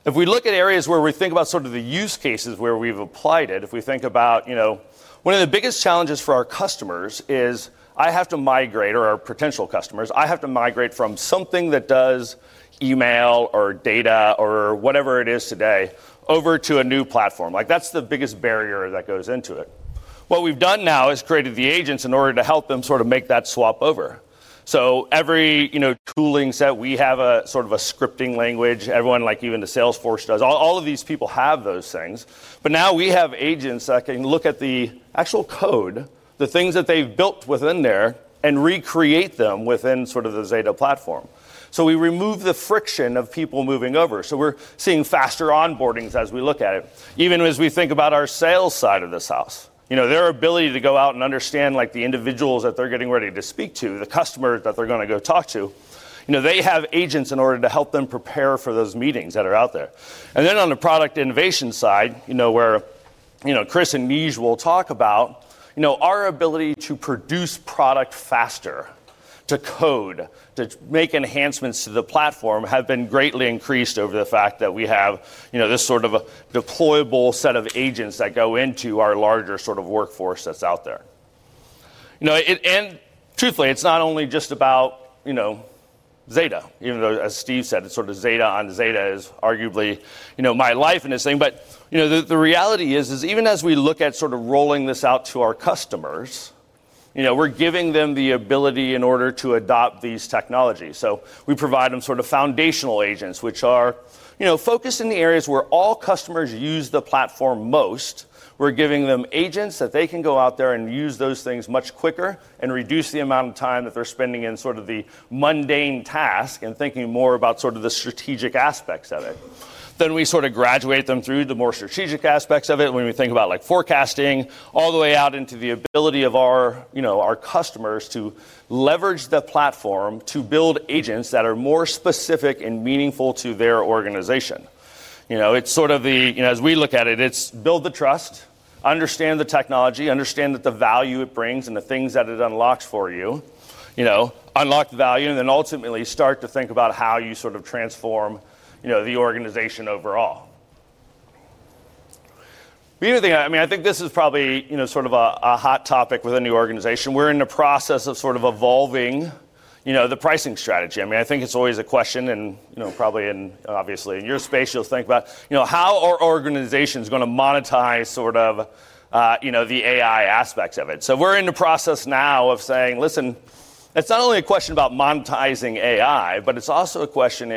If we look at areas where we think about sort of the use cases where we've applied it, if we think about, you know, one of the biggest challenges for our customers is I have to migrate, or our potential customers, I have to migrate from something that does email or data or whatever it is today over to a new platform. That's the biggest barrier that goes into it. What we've done now is created the agents in order to help them sort of make that swap over. Every tooling set, we have a sort of a scripting language. Everyone, like even Salesforce does, all of these people have those things. Now we have agents that can look at the actual code, the things that they've built within there, and recreate them within sort of the Zeta platform. We remove the friction of people moving over. We're seeing faster onboardings as we look at it. Even as we think about our sales side of this house, their ability to go out and understand like the individuals that they're getting ready to speak to, the customers that they're going to go talk to, they have agents in order to help them prepare for those meetings that are out there. On the product innovation side, where Chris and Neej will talk about, our ability to produce product faster, to code, to make enhancements to the platform have been greatly increased over the fact that we have this sort of deployable set of agents that go into our larger sort of workforce that's out there. Truthfully, it's not only just about Zeta, even though, as Steve said, it's sort of Zeta on Zeta is arguably my life in this thing. The reality is, is even as we look at sort of rolling this out to our customers, we're giving them the ability in order to adopt these technologies. We provide them sort of foundational agents, which are focused in the areas where all customers use the platform most. We're giving them agents that they can go out there and use those things much quicker and reduce the amount of time that they're spending in sort of the mundane task and thinking more about sort of the strategic aspects of it. We sort of graduate them through the more strategic aspects of it when we think about forecasting all the way out into the ability of our customers to leverage the platform to build agents that are more specific and meaningful to their organization. As we look at it, it's build the trust, understand the technology, understand the value it brings and the things that it unlocks for you, unlock the value, and then ultimately start to think about how you sort of transform the organization overall. The other thing, I think this is probably a hot topic within the organization. We're in the process of evolving the pricing strategy. I think it's always a question, and obviously, in your space, you'll think about how are organizations going to monetize the AI aspects of it. We're in the process now of saying, listen, it's not only a question about monetizing AI, but it's also a question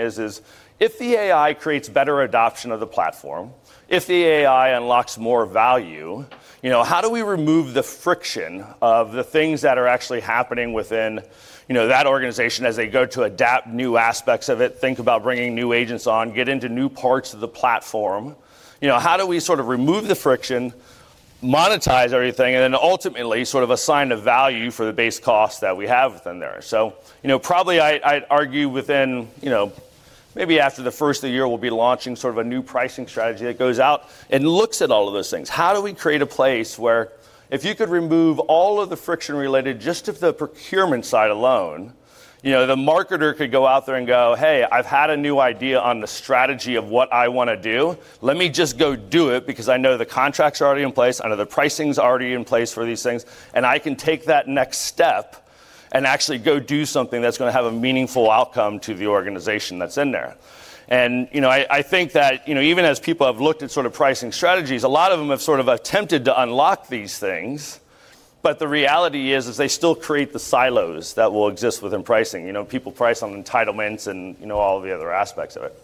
if the AI creates better adoption of the platform, if the AI unlocks more value, how do we remove the friction of the things that are actually happening within that organization as they go to adapt new aspects of it, think about bringing new agents on, get into new parts of the platform? How do we remove the friction, monetize everything, and then ultimately assign a value for the base cost that we have within there? Probably I'd argue within, maybe after the first of the year, we'll be launching a new pricing strategy that goes out and looks at all of those things. How do we create a place where if you could remove all of the friction related just to the procurement side alone, the marketer could go out there and go, hey, I've had a new idea on the strategy of what I want to do. Let me just go do it because I know the contracts are already in place. I know the pricing is already in place for these things, and I can take that next step and actually go do something that's going to have a meaningful outcome to the organization that's in there. I think that even as people have looked at pricing strategies, a lot of them have attempted to unlock these things. The reality is, they still create the silos that will exist within pricing. People price on entitlements and all the other aspects of it.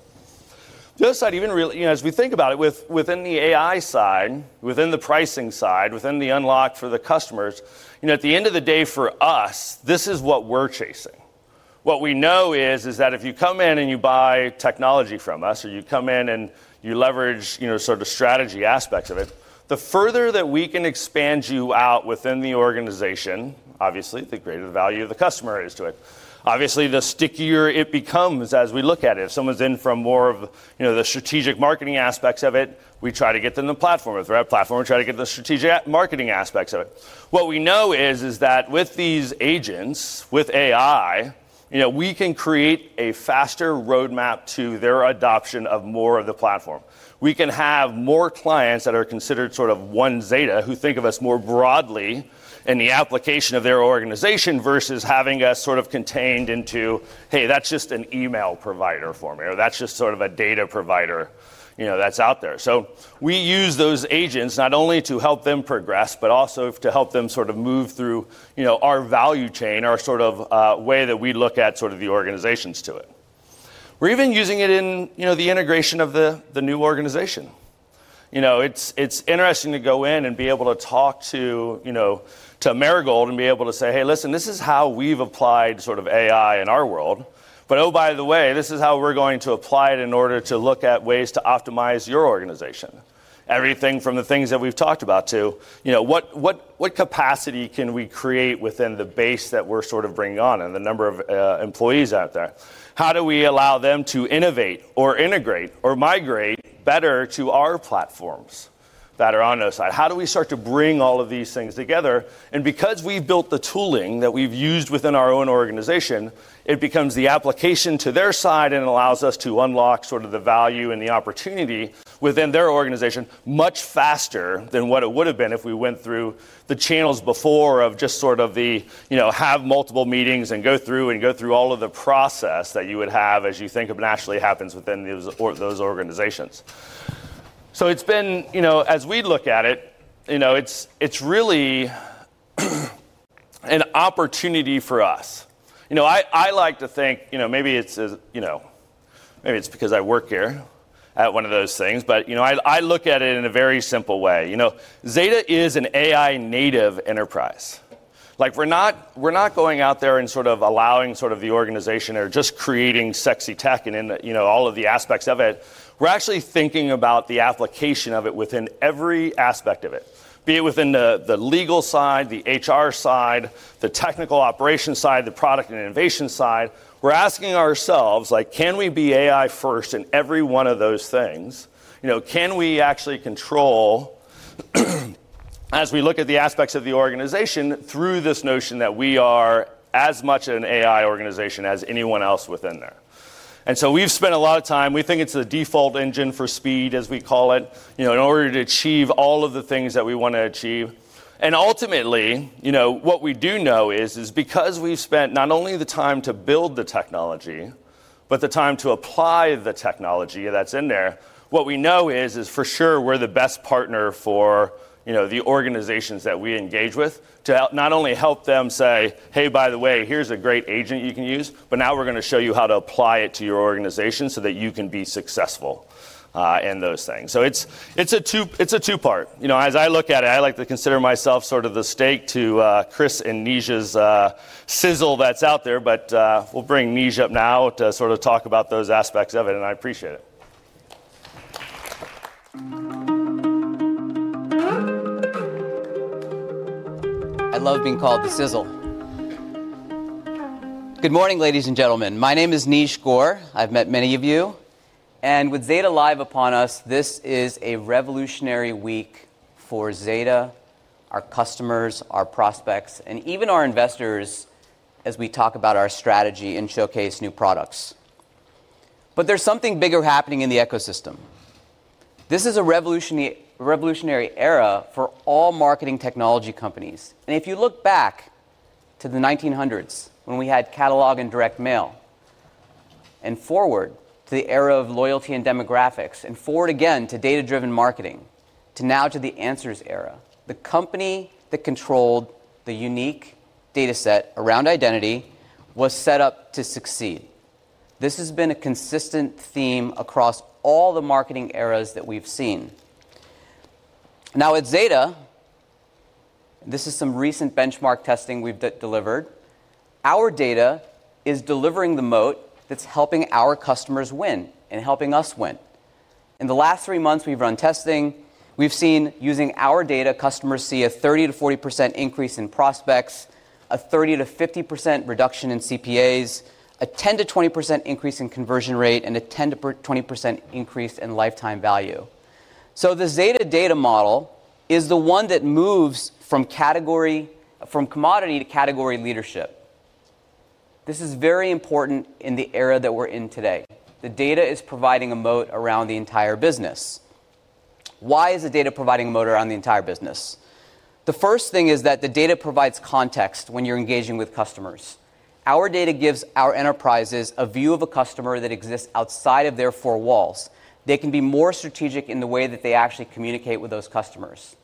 The other side, even really, as we think about it within the AI side, within the pricing side, within the unlock for the customers, at the end of the day, for us, this is what we're chasing. What we know is that if you come in and you buy technology from us, or you come in and you leverage sort of strategy aspects of it, the further that we can expand you out within the organization, obviously, the greater the value of the customer is to it. Obviously, the stickier it becomes as we look at it. If someone's in from more of the strategic marketing aspects of it, we try to get them the platform. If they're at platform, we try to get the strategic marketing aspects of it. What we know is that with these agents, with AI, we can create a faster roadmap to their adoption of more of the platform. We can have more clients that are considered sort of OneZeta, who think of us more broadly in the application of their organization versus having us sort of contained into, hey, that's just an email provider for me, or that's just sort of a data provider that's out there. We use those agents not only to help them progress, but also to help them sort of move through our value chain, our sort of way that we look at the organizations to it. We're even using it in the integration of the new organization. It's interesting to go in and be able to talk to Marigold and be able to say, hey, listen, this is how we've applied sort of AI in our world. By the way, this is how we're going to apply it in order to look at ways to optimize your organization. Everything from the things that we've talked about to what capacity can we create within the base that we're sort of bringing on and the number of employees out there. How do we allow them to innovate or integrate or migrate better to our platforms that are on their side? How do we start to bring all of these things together? Because we built the tooling that we've used within our own organization, it becomes the application to their side and allows us to unlock the value and the opportunity within their organization much faster than what it would have been if we went through the channels before of just having multiple meetings and going through all of the process that you would have as you think of naturally happens within those organizations. It has been, as we look at it, really an opportunity for us. I like to think maybe it's because I work here at one of those things, but I look at it in a very simple way. Zeta Global is an AI-native enterprise. We're not going out there and allowing the organization or just creating sexy tech and all of the aspects of it. We're actually thinking about the application of it within every aspect of it, be it within the legal side, the HR side, the technical operations side, the product and innovation side. We're asking ourselves, can we be AI-first in every one of those things? Can we actually control as we look at the aspects of the organization through this notion that we are as much an AI organization as anyone else within there? We have spent a lot of time, we think it's a default engine for speed, as we call it, in order to achieve all of the things that we want to achieve. Ultimately, what we do know is, because we've spent not only the time to build the technology, but the time to apply the technology that's in there, what we know is for sure we're the best partner for the organizations that we engage with to not only help them say, hey, by the way, here's a great agent you can use, but now we're going to show you how to apply it to your organization so that you can be successful in those things. It's a two-part. As I look at it, I like to consider myself the stake to Chris Monberg and Neej Gore's sizzle that's out there, but we'll bring Neej up now to talk about those aspects of it, and I appreciate it. I love being called the sizzle. Good morning, ladies and gentlemen. My name is Neej Gore. I've met many of you. With Zeta Live upon us, this is a revolutionary week for Zeta Global, our customers, our prospects, and even our investors as we talk about our strategy and showcase new products. There's something bigger happening in the ecosystem. This is a revolutionary era for all marketing technology companies. If you look back to the 1900s when we had catalog and direct mail, and forward to the era of loyalty and demographics, and forward again to data-driven marketing, to now to the Answers era, the company that controlled the unique data set around identity was set up to succeed. This has been a consistent theme across all the marketing eras that we've seen. Now, at Zeta Global, this is some recent benchmark testing we've delivered. Our data is delivering the moat that's helping our customers win and helping us win. In the last three months, we've run testing. We've seen using our data, customers see a 30%-40% increase in prospects, a 30%-50% reduction in CPAs, a 10%-20% increase in conversion rate, and a 10%-20% increase in lifetime value. The Zeta data model is the one that moves from category, from commodity to category leadership. This is very important in the era that we're in today. The data is providing a moat around the entire business. Why is the data providing a moat around the entire business? The first thing is that the data provides context when you're engaging with customers. Our data gives our enterprises a view of a customer that exists outside of their four walls. They can be more strategic in the way that they actually communicate with those customers.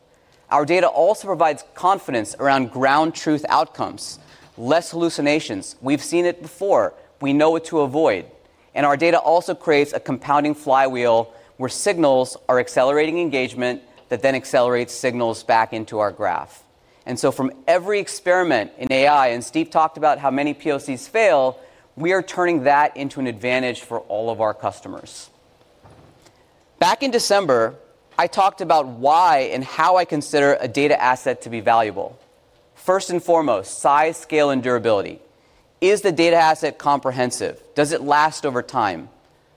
Our data also provides confidence around ground truth outcomes, less hallucinations. We've seen it before. We know what to avoid. Our data also creates a compounding flywheel where signals are accelerating engagement that then accelerates signals back into our graph. From every experiment in AI, and Steve Gerber talked about how many POCs fail, we are turning that into an advantage for all of our customers. Back in December, I talked about why and how I consider a data asset to be valuable. First and foremost, size, scale, and durability. Is the data asset comprehensive? Does it last over time?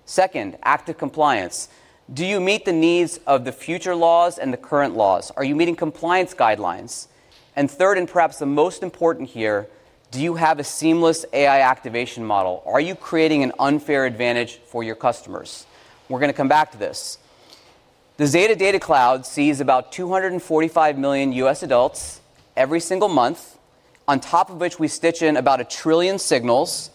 Second, active compliance. Do you meet the needs of the future laws and the current laws? Are you meeting compliance guidelines? Third, and perhaps the most important here, do you have a seamless AI activation model? Are you creating an unfair advantage for your customers? We're going to come back to this. The Zeta Data Cloud sees about 245 million U.S. adults every single month, on top of which we stitch in about a trillion signals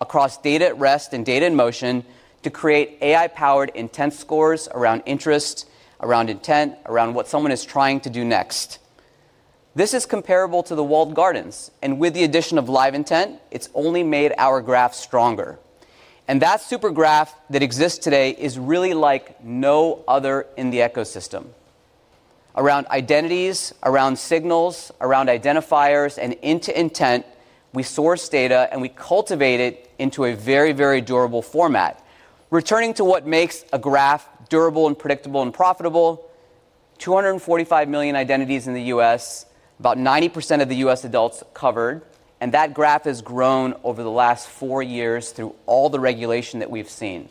across data at rest and data in motion to create AI-powered intent scores around interest, around intent, around what someone is trying to do next. This is comparable to the walled gardens. With the addition of live intent, it's only made our graph stronger. That Supergraph that exists today is really like no other in the ecosystem. Around identities, around signals, around identifiers, and into intent, we source data and we cultivate it into a very, very durable format. Returning to what makes a graph durable, predictable, and profitable, 245 million identities in the U.S., about 90% of the U.S. adults covered, and that graph has grown over the last four years through all the regulation that we've seen.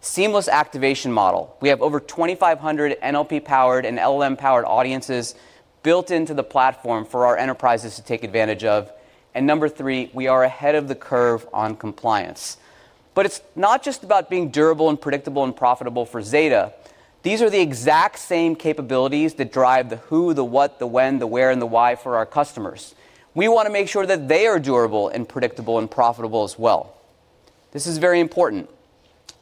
Seamless activation model. We have over 2,500 NLP-powered and LLM-powered audiences built into the platform for our enterprises to take advantage of. Number three, we are ahead of the curve on compliance. It's not just about being durable, predictable, and profitable for Zeta Global. These are the exact same capabilities that drive the who, the what, the when, the where, and the why for our customers. We want to make sure that they are durable, predictable, and profitable as well. This is very important.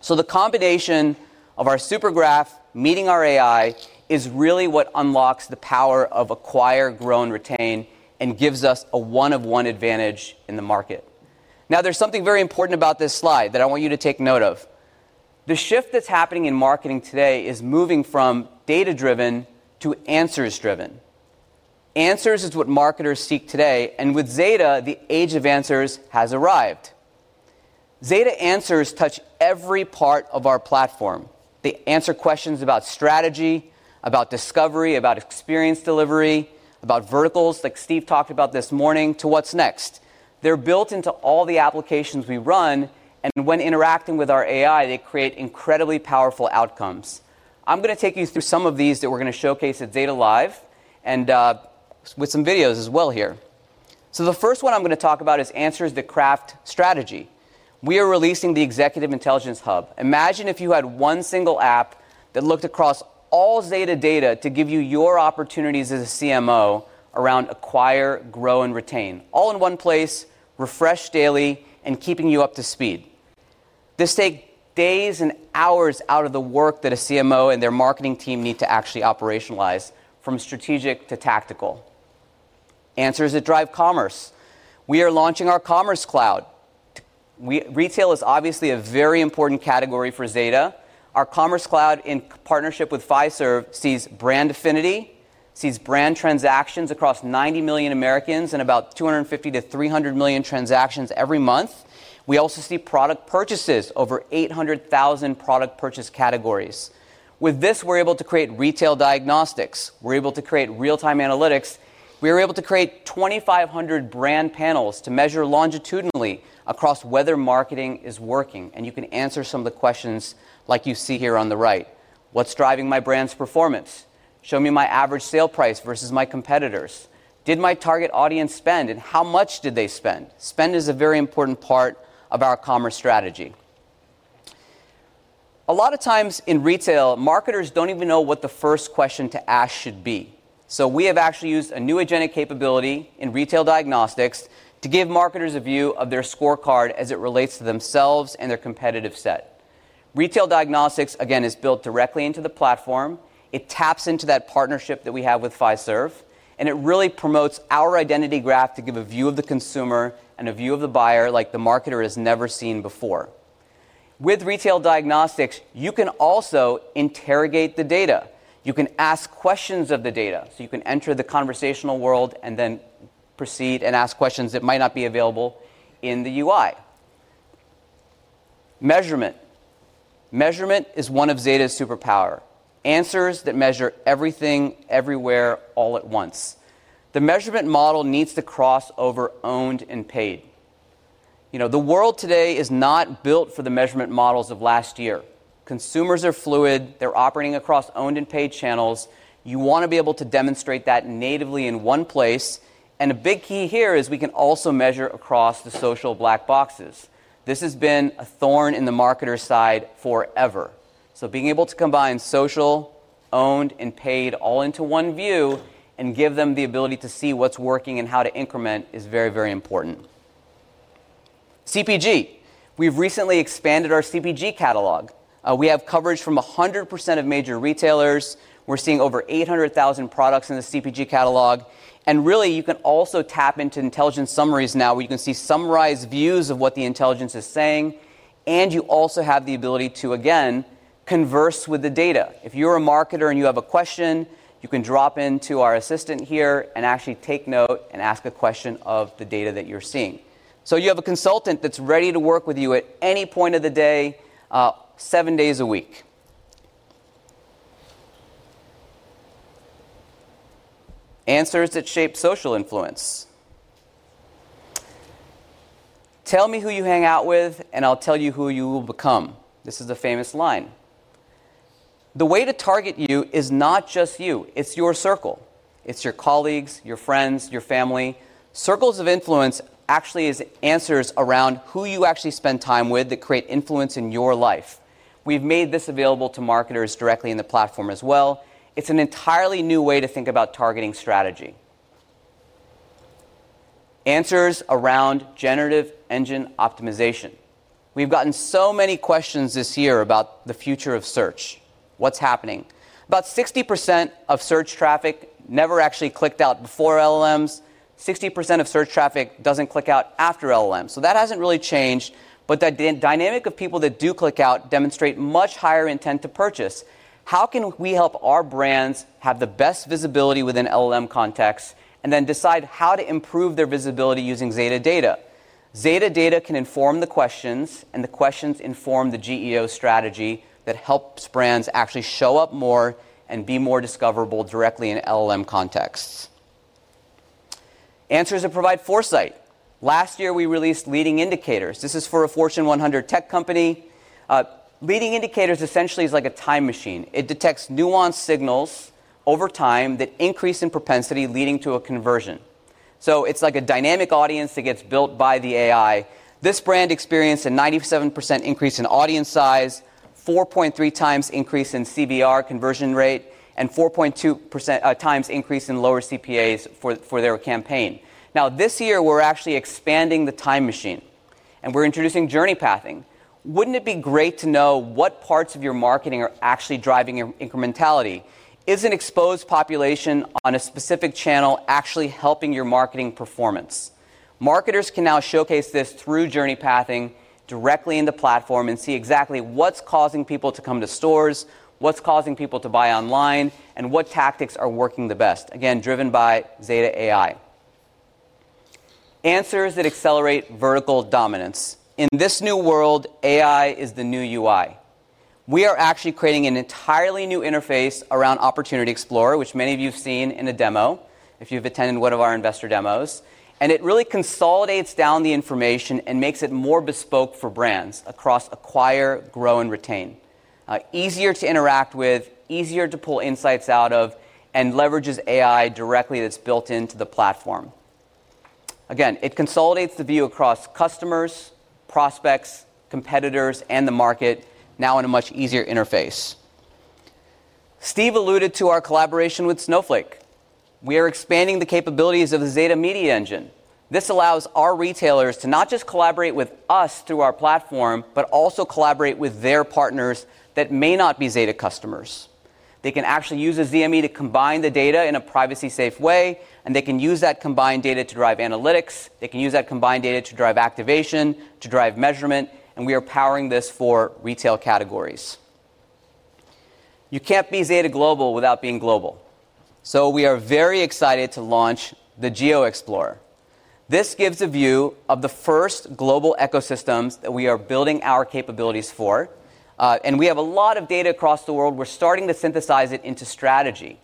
The combination of our Supergraph meeting our AI is really what unlocks the power of acquire, grow, and retain, and gives us a one-of-one advantage in the market. There is something very important about this slide that I want you to take note of. The shift that's happening in marketing today is moving from data-driven to answers-driven. Answers is what marketers seek today. With Zeta Global, the age of answers has arrived. Zeta Answers touch every part of our platform. They answer questions about strategy, about discovery, about experience delivery, about verticals, like Steve Gerber talked about this morning, to what's next. They're built into all the applications we run, and when interacting with our AI, they create incredibly powerful outcomes. I'm going to take you through some of these that we're going to showcase at Zeta Live and with some videos as well here. The first one I'm going to talk about is answers that craft strategy. We are releasing the Executive Intelligence Hub. Imagine if you had one single app that looked across all Zeta data to give you your opportunities as a CMO around acquire, grow, and retain, all in one place, refreshed daily, and keeping you up to speed. This takes days and hours out of the work that a CMO and their marketing team need to actually operationalize from strategic to tactical. Answers that drive commerce. We are launching our Commerce Cloud. Retail is obviously a very important category for Zeta. Our Commerce Cloud in partnership with Fiserv sees brand affinity, sees brand transactions across 90 million Americans and about $250 million-$300 million transactions every month. We also see product purchases over 800,000 product purchase categories. With this, we're able to create retail diagnostics. We're able to create real-time analytics. We are able to create 2,500 brand panels to measure longitudinally across whether marketing is working, and you can answer some of the questions like you see here on the right. What's driving my brand's performance? Show me my average sale price versus my competitors. Did my target audience spend and how much did they spend? Spend is a very important part of our commerce strategy. A lot of times in retail, marketers don't even know what the first question to ask should be. We have actually used a new agentic capability in retail diagnostics to give marketers a view of their scorecard as it relates to themselves and their competitive set. Retail diagnostics, again, is built directly into the platform. It taps into that partnership that we have with Fiserv, and it really promotes our identity graph to give a view of the consumer and a view of the buyer like the marketer has never seen before. With retail diagnostics, you can also interrogate the data. You can ask questions of the data. You can enter the conversational world and then proceed and ask questions that might not be available in the UI. Measurement is one of Zeta's superpowers. Answers that measure everything everywhere all at once. The measurement model needs to cross over owned and paid. The world today is not built for the measurement models of last year. Consumers are fluid. They're operating across owned and paid channels. You want to be able to demonstrate that natively in one place. A big key here is we can also measure across the social black boxes. This has been a thorn in the marketer's side forever. Being able to combine social, owned, and paid all into one view and give them the ability to see what's working and how to increment is very, very important. CPG. We've recently expanded our CPG catalog. We have coverage from 100% of major retailers. We're seeing over 800,000 products in the CPG catalog. You can also tap into intelligence summaries now where you can see summarized views of what the intelligence is saying. You also have the ability to, again, converse with the data. If you're a marketer and you have a question, you can drop into our assistant here and actually take note and ask a question of the data that you're seeing. You have a consultant that's ready to work with you at any point of the day, seven days a week. Answers that shape social influence. Tell me who you hang out with, and I'll tell you who you will become. This is a famous line. The way to target you is not just you. It's your circle. It's your colleagues, your friends, your family. Circles of influence actually are answers around who you actually spend time with that create influence in your life. We've made this available to marketers directly in the platform as well. It's an entirely new way to think about targeting strategy. Answers around generative engine optimization. We've gotten so many questions this year about the future of search. What's happening? About 60% of search traffic never actually clicked out before LLMs. 60% of search traffic doesn't click out after LLMs. That hasn't really changed. That dynamic of people that do click out demonstrates much higher intent to purchase. How can we help our brands have the best visibility within LLM contexts and then decide how to improve their visibility using Zeta data? Zeta data can inform the questions, and the questions inform the GEO strategy that helps brands actually show up more and be more discoverable directly in LLM contexts. Answers that provide foresight. Last year, we released Leading Indicators. This is for a Fortune 100 tech company. Leading Indicators essentially is like a time machine. It detects nuanced signals over time that increase in propensity, leading to a conversion. It's like a dynamic audience that gets built by the AI. This brand experienced a 97% increase in audience size, 4.3 times increase in CVR conversion rate, and 4.2% times increase in lower CPAs for their campaign. Now, this year, we're actually expanding the time machine, and we're introducing journey pathing. Wouldn't it be great to know what parts of your marketing are actually driving incrementality? Is an exposed population on a specific channel actually helping your marketing performance? Marketers can now showcase this through journey pathing directly in the platform and see exactly what's causing people to come to stores, what's causing people to buy online, and what tactics are working the best, again, driven by Zeta AI. Answers that accelerate vertical dominance. In this new world, AI is the new UI. We are actually creating an entirely new interface around Opportunity Explorer, which many of you have seen in a demo if you've attended one of our investor demos. It really consolidates down the information and makes it more bespoke for brands across acquire, grow, and retain. Easier to interact with, easier to pull insights out of, and leverages AI directly that's built into the platform. It consolidates the view across customers, prospects, competitors, and the market now in a much easier interface. Steve alluded to our collaboration with Snowflake. We are expanding the capabilities of the Zeta Media Engine. This allows our retailers to not just collaborate with us through our platform, but also collaborate with their partners that may not be Zeta customers. They can actually use a ZME to combine the data in a privacy-safe way, and they can use that combined data to drive analytics. They can use that combined data to drive activation, to drive measurement, and we are powering this for retail categories. You can't be Zeta Global without being global. We are very excited to launch the GeoExplorer. This gives a view of the first global ecosystems that we are building our capabilities for. We have a lot of data across the world. We're starting to synthesize it into strategy.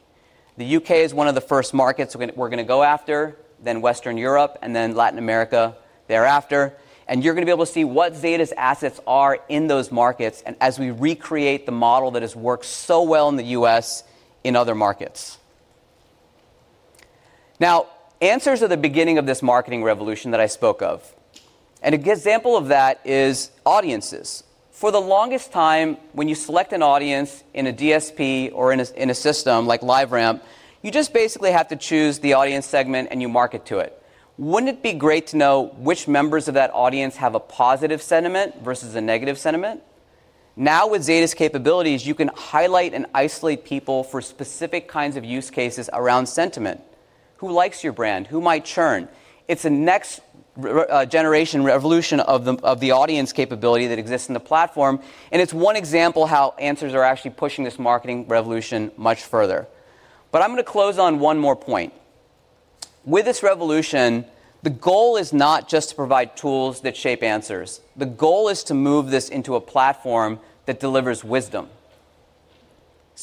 The U.K. is one of the first markets we're going to go after, then Western Europe, and then Latin America thereafter. You're going to be able to see what Zeta's assets are in those markets and as we recreate the model that has worked so well in the U.S. in other markets. Now, answers at the beginning of this marketing revolution that I spoke of. An example of that is audiences. For the longest time, when you select an audience in a DSP or in a system like LiveRamp, you just basically have to choose the audience segment and you market to it. Wouldn't it be great to know which members of that audience have a positive sentiment versus a negative sentiment? Now, with Zeta's capabilities, you can highlight and isolate people for specific kinds of use cases around sentiment. Who likes your brand? Who might churn? It's a next generation revolution of the audience capability that exists in the platform. It's one example of how Answers workflows are actually pushing this marketing revolution much further. I'm going to close on one more point. With this revolution, the goal is not just to provide tools that shape answers. The goal is to move this into a platform that delivers wisdom.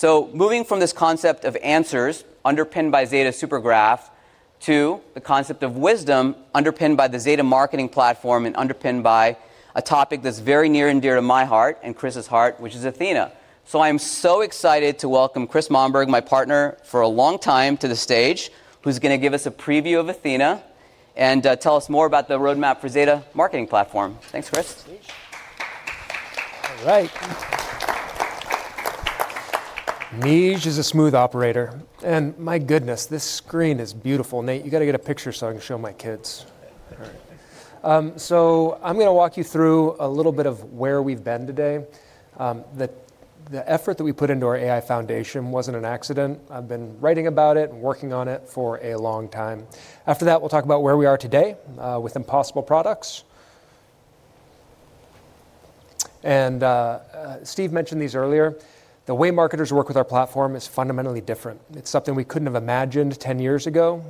Moving from this concept of answers underpinned by Zeta Supergraph to the concept of wisdom underpinned by the Zeta Marketing Platform and underpinned by a topic that's very near and dear to my heart and Chris's heart, which is Athena. I'm so excited to welcome Chris Monberg, my partner for a long time, to the stage, who's going to give us a preview of Athena and tell us more about the roadmap for Zeta Marketing Platform. Thanks, Chris. Neej. All right. Neej is a smooth operator. My goodness, this screen is beautiful. Nate, you got to get a picture so I can show my kids. I'm going to walk you through a little bit of where we've been today. The effort that we put into our AI foundation wasn't an accident. I've been writing about it and working on it for a long time. After that, we'll talk about where we are today with Impossible Products. Steve mentioned these earlier. The way marketers work with our platform is fundamentally different. It's something we couldn't have imagined 10 years ago.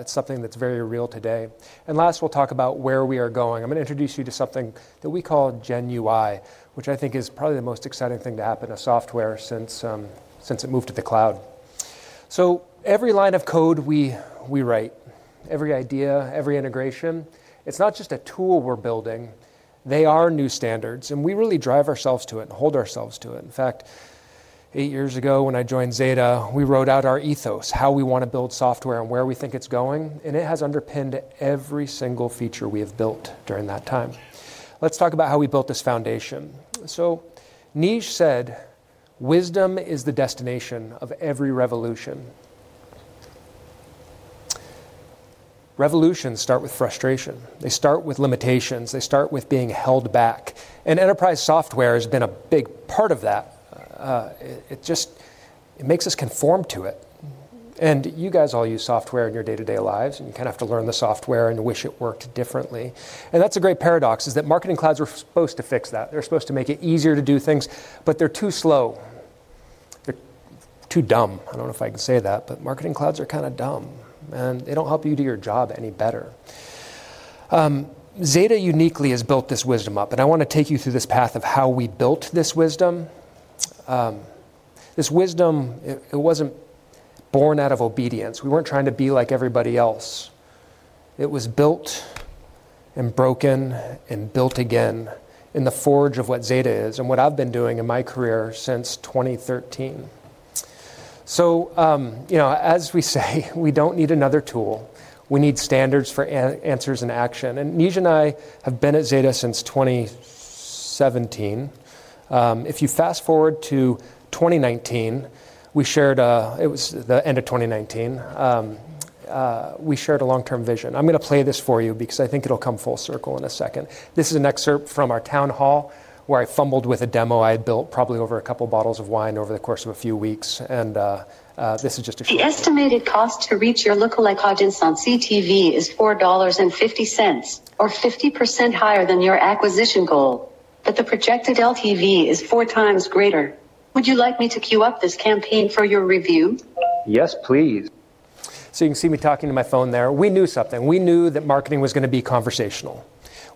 It's something that's very real today. Last, we'll talk about where we are going. I'm going to introduce you to something that we call Gen UI, which I think is probably the most exciting thing to happen to software since it moved to the cloud. Every line of code we write, every idea, every integration, it's not just a tool we're building. They are new standards. We really drive ourselves to it and hold ourselves to it. In fact, eight years ago, when I joined Zeta Global, we wrote out our ethos, how we want to build software and where we think it's going. It has underpinned every single feature we have built during that time. Let's talk about how we built this foundation. Neej said, wisdom is the destination of every revolution. Revolutions start with frustration. They start with limitations. They start with being held back. Enterprise software has been a big part of that. It just makes us conform to it. You guys all use software in your day-to-day lives. You kind of have to learn the software and wish it worked differently. The great paradox is that marketing clouds are supposed to fix that. They're supposed to make it easier to do things. They're too slow. They're too dumb. I don't know if I can say that. Marketing clouds are kind of dumb. They don't help you do your job any better. Zeta Global uniquely has built this wisdom up. I want to take you through this path of how we built this wisdom. This wisdom wasn't born out of obedience. We weren't trying to be like everybody else. It was built and broken and built again in the forge of what Zeta Global is and what I've been doing in my career since 2013. As we say, we don't need another tool. We need standards for answers and action. Neej and I have been at Zeta Global since 2017. If you fast forward to 2019, it was the end of 2019. We shared a long-term vision. I'm going to play this for you because I think it'll come full circle in a second. This is an excerpt from our town hall where I fumbled with a demo I had built probably over a couple of bottles of wine over the course of a few weeks. This is just a short— The estimated cost to reach your local audience on CTV is $4.50, or 50% higher than your acquisition goal. The projected LTV is four times greater. Would you like me to queue up this campaign for your review? Yes, please. You can see me talking to my phone there. We knew something. We knew that marketing was going to be conversational.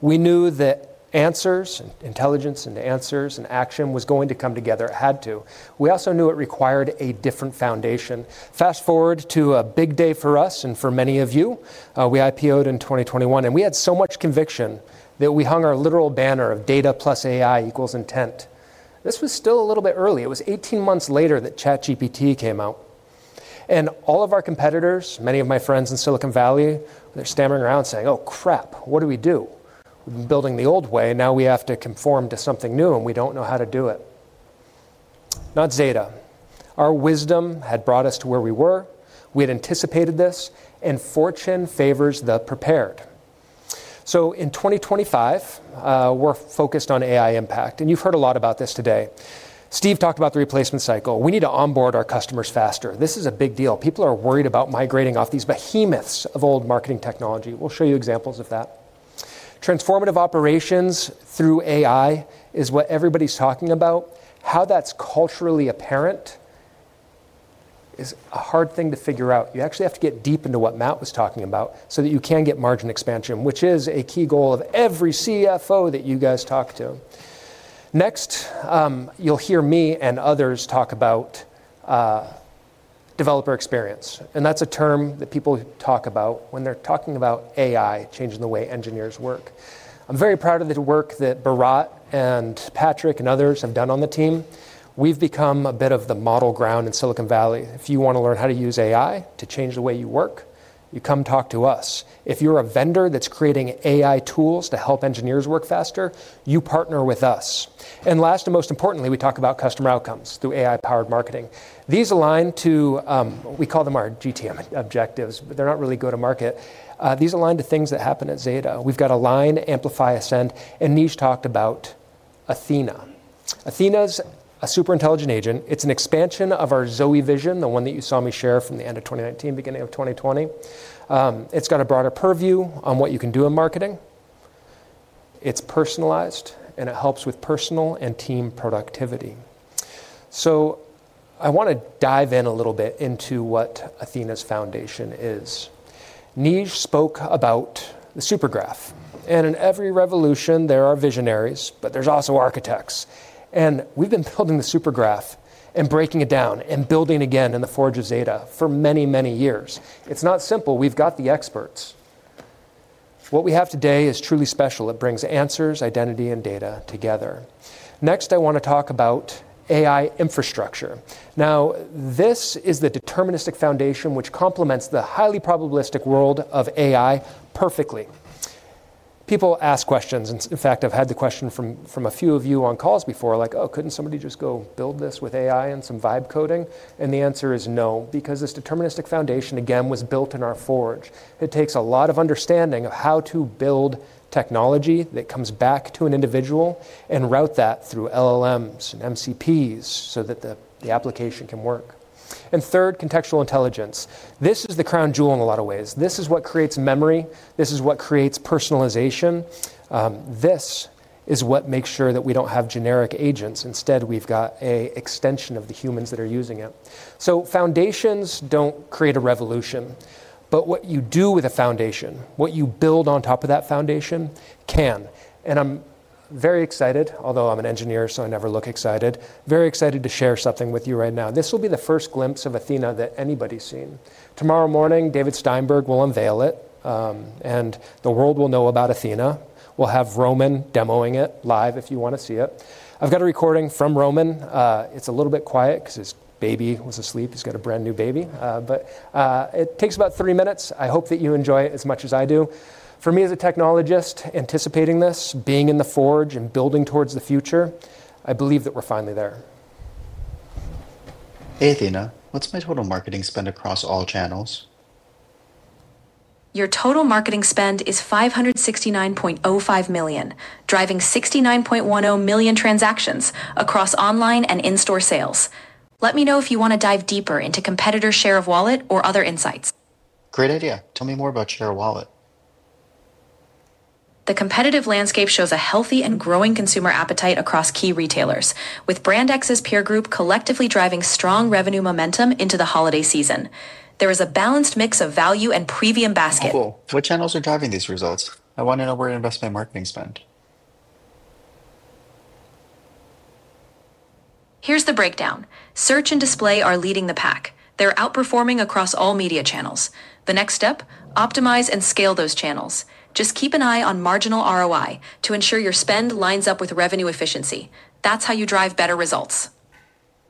We knew that Answers, intelligence into Answers, and action was going to come together. It had to. We also knew it required a different foundation. Fast forward to a big day for us and for many of you. We IPO'd in 2021. We had so much conviction that we hung our literal banner of Data plus AI equals intent. This was still a little bit early. It was 18 months later that ChatGPT came out. All of our competitors, many of my friends in Silicon Valley, they're standing around saying, oh, crap, what do we do? We've been building the old way. Now we have to conform to something new. We don't know how to do it. Not Zeta. Our wisdom had brought us to where we were. We had anticipated this. Fortune favors the prepared. In 2025, we're focused on AI impact. You've heard a lot about this today. Steve talked about the replacement cycle. We need to onboard our customers faster. This is a big deal. People are worried about migrating off these behemoths of old marketing technology. We'll show you examples of that. Transformative operations through AI is what everybody's talking about. How that's culturally apparent is a hard thing to figure out. You actually have to get deep into what Matt was talking about so that you can get margin expansion, which is a key goal of every CFO that you guys talk to. Next, you'll hear me and others talk about developer experience. That's a term that people talk about when they're talking about AI changing the way engineers work. I'm very proud of the work that Barat and Patrick and others have done on the team. We've become a bit of the model ground in Silicon Valley. If you want to learn how to use AI to change the way you work, you come talk to us. If you're a vendor that's creating AI tools to help engineers work faster, you partner with us. Last and most importantly, we talk about customer outcomes through AI-powered marketing. These align to what we call our GTM objectives. They're not really go-to-market. These align to things that happen at Zeta. We've got Align, Amplify, Ascend. Neej talked about Athena. Athena is a super intelligent agent. It's an expansion of our Zoe vision, the one that you saw me share from the end of 2019, beginning of 2020. It's got a broader purview on what you can do in marketing. It's personalized. It helps with personal and team productivity. I want to dive in a little bit into what Athena's foundation is. Neej spoke about the Supergraph. In every revolution, there are visionaries, but there's also architects. We've been building the Supergraph and breaking it down and building again in the forge of Zeta for many, many years. It's not simple. We've got the experts. What we have today is truly special. It brings Answers, identity, and data together. Next, I want to talk about AI infrastructure. This is the deterministic foundation, which complements the highly probabilistic world of AI perfectly. People ask questions. In fact, I've had the question from a few of you on calls before, like, oh, couldn't somebody just go build this with AI and some vibe coding? The answer is no, because this deterministic foundation, again, was built in our forge. It takes a lot of understanding of how to build technology that comes back to an individual and route that through LLMs and MCPs so that the application can work. Third, contextual intelligence. This is the crown jewel in a lot of ways. This is what creates memory. This is what creates personalization. This is what makes sure that we don't have generic agents. Instead, we've got an extension of the humans that are using it. Foundations don't create a revolution, but what you do with a foundation, what you build on top of that foundation, can. I'm very excited, although I'm an engineer, so I never look excited. Very excited to share something with you right now. This will be the first glimpse of Athena that anybody's seen. Tomorrow morning, David A. Steinberg will unveil it, and the world will know about Athena. We'll have Roman demoing it live if you want to see it. I've got a recording from Roman. It's a little bit quiet because his baby was asleep. He's got a brand new baby. It takes about three minutes. I hope that you enjoy it as much as I do. For me, as a technologist anticipating this, being in the forge and building towards the future, I believe that we're finally there. Hey, Athena. What's my total marketing spend across all channels? Your total marketing spend is $569.05 million, driving 69.10 million transactions across online and in-store sales. Let me know if you want to dive deeper into competitors' share of wallet or other insights. Great idea. Tell me more about share of wallet. The competitive landscape shows a healthy and growing consumer appetite across key retailers, with Zeta Global's peer group collectively driving strong revenue momentum into the holiday season. There is a balanced mix of value and premium basket. Cool. What channels are driving these results? I want to know where to invest my marketing spend. Here's the breakdown. Search and display are leading the pack. They're outperforming across all media channels. The next step is to optimize and scale those channels. Just keep an eye on marginal ROI to ensure your spend lines up with revenue efficiency. That's how you drive better results.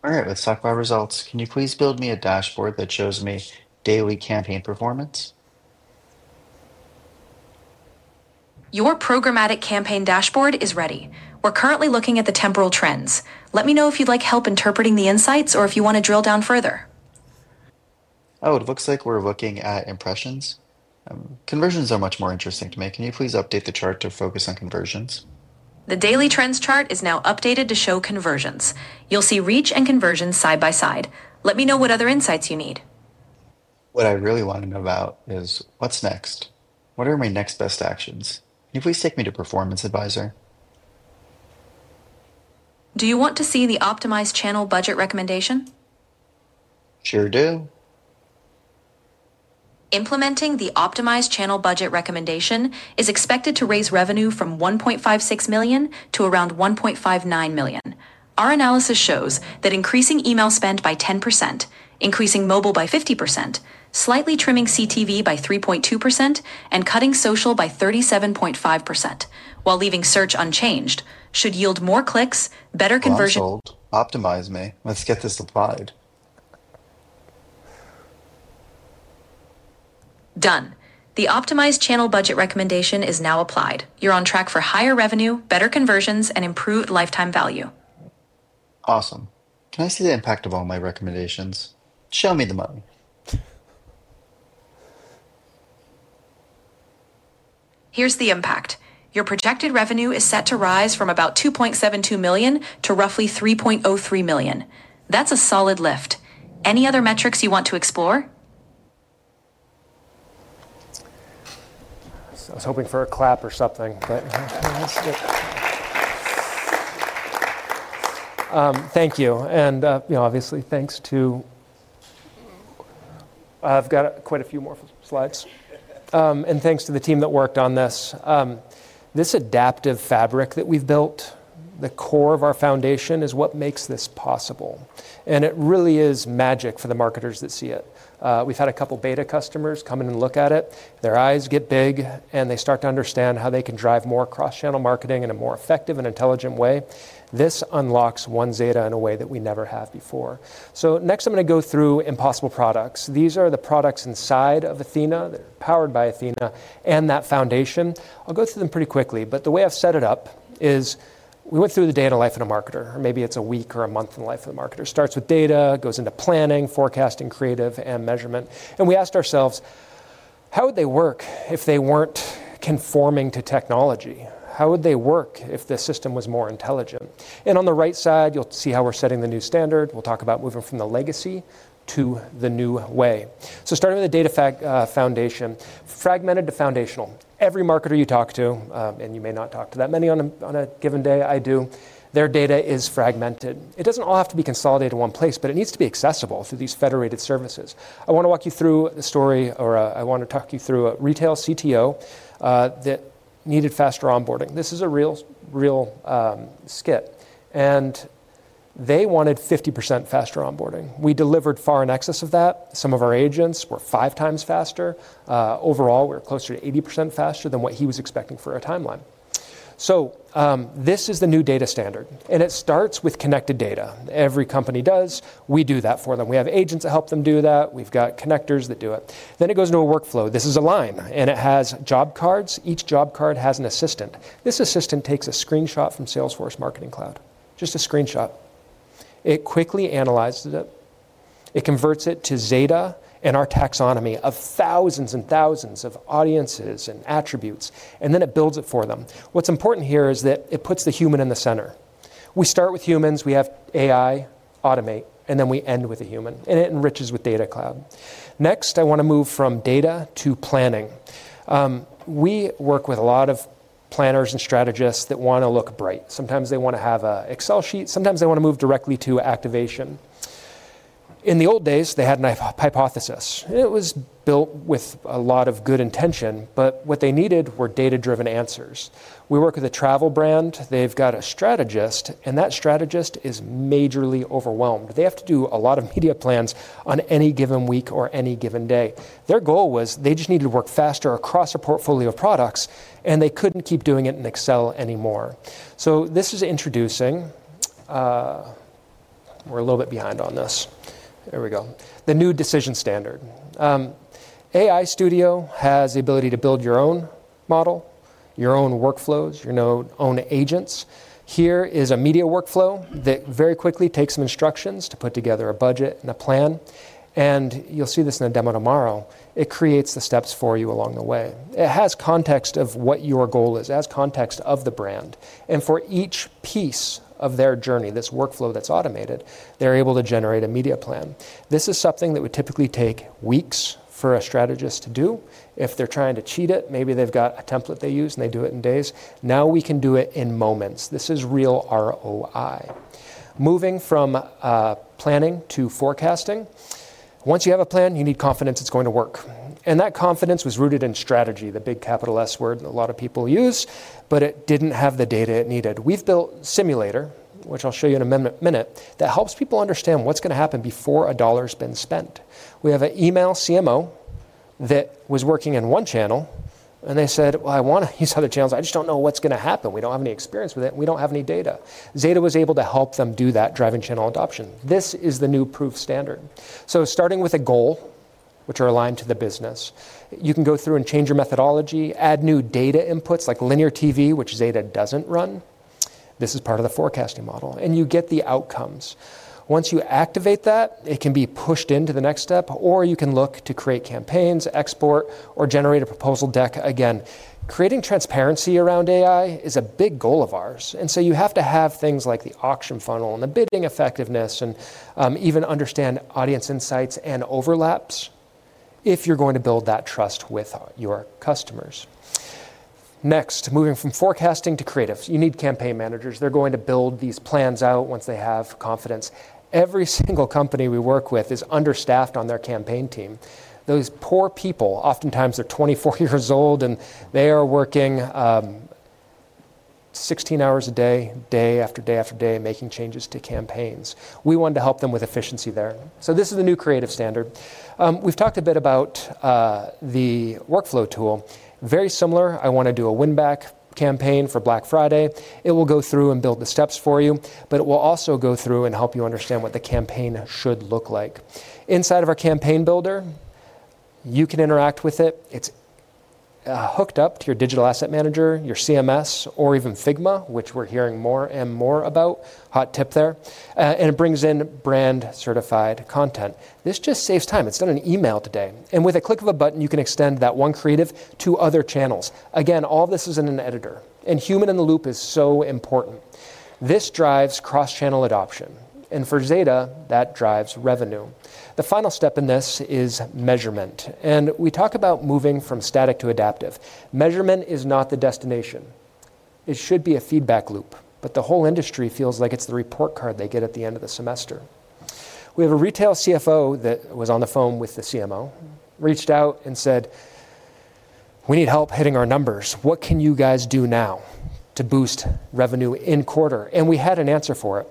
All right, let's talk about results. Can you please build me a dashboard that shows me daily campaign performance? Your programmatic campaign dashboard is ready. We're currently looking at the temporal trends. Let me know if you'd like help interpreting the insights or if you want to drill down further. Oh, it looks like we're looking at impressions. Conversions are much more interesting to me. Can you please update the chart to focus on conversions? The daily trends chart is now updated to show conversions. You'll see reach and conversions side by side. Let me know what other insights you need. What I really want to know about is what's next. What are my next best actions? Can you please take me to Performance Advisor? Do you want to see the optimized channel budget recommendation? Sure do. Implementing the optimized channel budget recommendation is expected to raise revenue from $1.56 million to around $1.59 million. Our analysis shows that increasing email spend by 10%, increasing mobile by 50%, slightly trimming CTV by 3.2%, and cutting social by 37.5%, while leaving search unchanged, should yield more clicks, better conversions. Excellent. Optimize me. Let's get this applied. Done. The optimized channel budget recommendation is now applied. You're on track for higher revenue, better conversions, and improved lifetime value. Awesome. Can I see the impact of all my recommendations? Show me the money. Here's the impact. Your projected revenue is set to rise from about $2.72 million to roughly $3.03 million. That's a solid lift. Any other metrics you want to explore? I was hoping for a clap or something. Thank you. Obviously, thanks to—I've got quite a few more slides. Thanks to the team that worked on this. This adaptive fabric that we've built, the core of our foundation, is what makes this possible. It really is magic for the marketers that see it. We've had a couple of beta customers come in and look at it. Their eyes get big. They start to understand how they can drive more cross-channel marketing in a more effective and intelligent way. This unlocks OneZeta in a way that we never have before. Next, I'm going to go through Impossible Products. These are the products inside of Athena, powered by Athena and that foundation. I'll go through them pretty quickly. The way I've set it up is we went through the day in the life of a marketer. Or maybe it's a week or a month in the life of a marketer. Starts with data, goes into planning, forecasting, creative, and measurement. We asked ourselves, how would they work if they weren't conforming to technology? How would they work if the system was more intelligent? On the right side, you'll see how we're setting the new standard. We'll talk about moving from the legacy to the new way. Starting with the data foundation, fragmented to foundational. Every marketer you talk to—you may not talk to that many on a given day; I do—their data is fragmented. It doesn't all have to be consolidated in one place, but it needs to be accessible through these federated services. I want to walk you through the story, or I want to talk you through a retail CTO that needed faster onboarding. This is a real, real skit. They wanted 50% faster onboarding. We delivered far in excess of that. Some of our agents were five times faster. Overall, we were closer to 80% faster than what he was expecting for a timeline. This is the new data standard. It starts with connected data. Every company does. We do that for them. We have agents that help them do that. We've got connectors that do it. It goes into a workflow. This is Align. It has job cards. Each job card has an assistant. This assistant takes a screenshot from Salesforce Marketing Cloud, just a screenshot. It quickly analyzes it. It converts it to Zeta and our taxonomy of thousands and thousands of audiences and attributes. Then it builds it for them. What's important here is that it puts the human in the center. We start with humans. We have AI, automate. We end with a human, and it enriches with Data Cloud. Next, I want to move from data to planning. We work with a lot of planners and strategists that want to look bright. Sometimes they want to have an Excel sheet. Sometimes they want to move directly to activation. In the old days, they had a hypothesis. It was built with a lot of good intention. What they needed were data-driven answers. We work with a travel brand. They've got a strategist, and that strategist is majorly overwhelmed. They have to do a lot of media plans on any given week or any given day. Their goal was they just needed to work faster across a portfolio of products, and they couldn't keep doing it in Excel anymore. This is introducing the new decision standard. AI Agent Studio has the ability to build your own model, your own workflows, your own agents. Here is a media workflow that very quickly takes some instructions to put together a budget and a plan. You'll see this in a demo tomorrow. It creates the steps for you along the way. It has context of what your goal is. It has context of the brand, and for each piece of their journey, this workflow that's automated, they're able to generate a media plan. This is something that would typically take weeks for a strategist to do. If they're trying to cheat it, maybe they've got a template they use, and they do it in days. Now we can do it in moments. This is real ROI. Moving from planning to forecasting, once you have a plan, you need confidence it's going to work. That confidence was rooted in strategy, the big capital S word that a lot of people use, but it didn't have the data it needed. We've built Simulator, which I'll show you in a minute, that helps people understand what's going to happen before a dollar has been spent. We have an email CMO that was working in one channel, and they said they want to use other channels. They just don't know what's going to happen. We don't have any experience with it, and we don't have any data. Zeta Global was able to help them do that, driving channel adoption. This is the new proof standard. Starting with a goal, which are aligned to the business, you can go through and change your methodology, add new data inputs like linear TV, which Zeta Global doesn't run. This is part of the forecasting model, and you get the outcomes. Once you activate that, it can be pushed into the next step. You can look to create campaigns, export, or generate a proposal deck again. Creating transparency around AI is a big goal of ours. You have to have things like the auction funnel and the bidding effectiveness and even understand audience insights and overlaps if you're going to build that trust with your customers. Next, moving from forecasting to creatives, you need campaign managers. They're going to build these plans out once they have confidence. Every single company we work with is understaffed on their campaign team. Those poor people, oftentimes, they're 24 years old, and they are working 16 hours a day, day after day after day, making changes to campaigns. We wanted to help them with efficiency there. This is the new creative standard. We've talked a bit about the workflow tool. Very similar, I want to do a win-back campaign for Black Friday. It will go through and build the steps for you, but it will also go through and help you understand what the campaign should look like. Inside of our campaign builder, you can interact with it. It's hooked up to your digital asset manager, your CMS, or even Figma, which we're hearing more and more about. Hot tip there. It brings in brand-certified content. This just saves time. It's done in email today, and with a click of a button, you can extend that one creative to other channels. All of this is in an editor. Human in the loop is so important. This drives cross-channel adoption, and for Zeta, that drives revenue. The final step in this is measurement. We talk about moving from static to adaptive. Measurement is not the destination. It should be a feedback loop. The whole industry feels like it's the report card they get at the end of the semester. We have a retail CFO that was on the phone with the CMO, reached out and said, we need help hitting our numbers. What can you guys do now to boost revenue in quarter? We had an answer for it.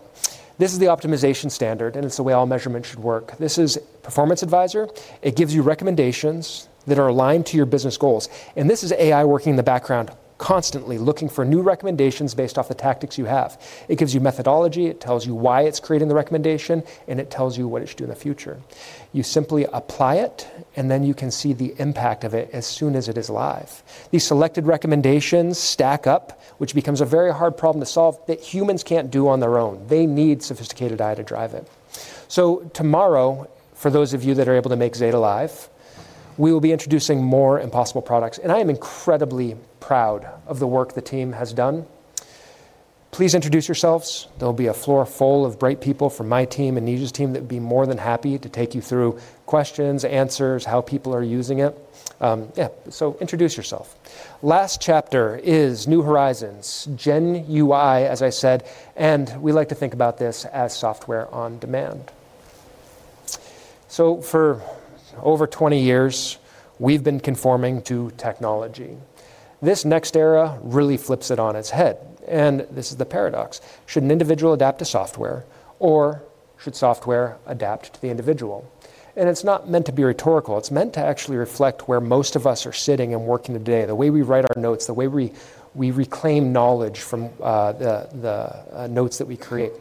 This is the optimization standard, and it's the way all measurement should work. This is Performance Advisor. It gives you recommendations that are aligned to your business goals. This is AI working in the background constantly, looking for new recommendations based off the tactics you have. It gives you methodology. It tells you why it's creating the recommendation, and it tells you what it should do in the future. You simply apply it, and then you can see the impact of it as soon as it is live. These selected recommendations stack up, which becomes a very hard problem to solve that humans can't do on their own. They need sophisticated AI to drive it. Tomorrow, for those of you that are able to make Zeta live, we will be introducing more Impossible Products. I am incredibly proud of the work the team has done. Please introduce yourselves. There will be a floor full of bright people from my team and Neej's team that would be more than happy to take you through questions, answers, how people are using it. Introduce yourself. Last chapter is new horizons, Gen UI, as I said. We like to think about this as software on demand. For over 20 years, we've been conforming to technology. This next era really flips it on its head. This is the paradox. Should an individual adapt to software? Or should software adapt to the individual? It's not meant to be rhetorical. It's meant to actually reflect where most of us are sitting and working today, the way we write our notes, the way we reclaim knowledge from the notes that we create.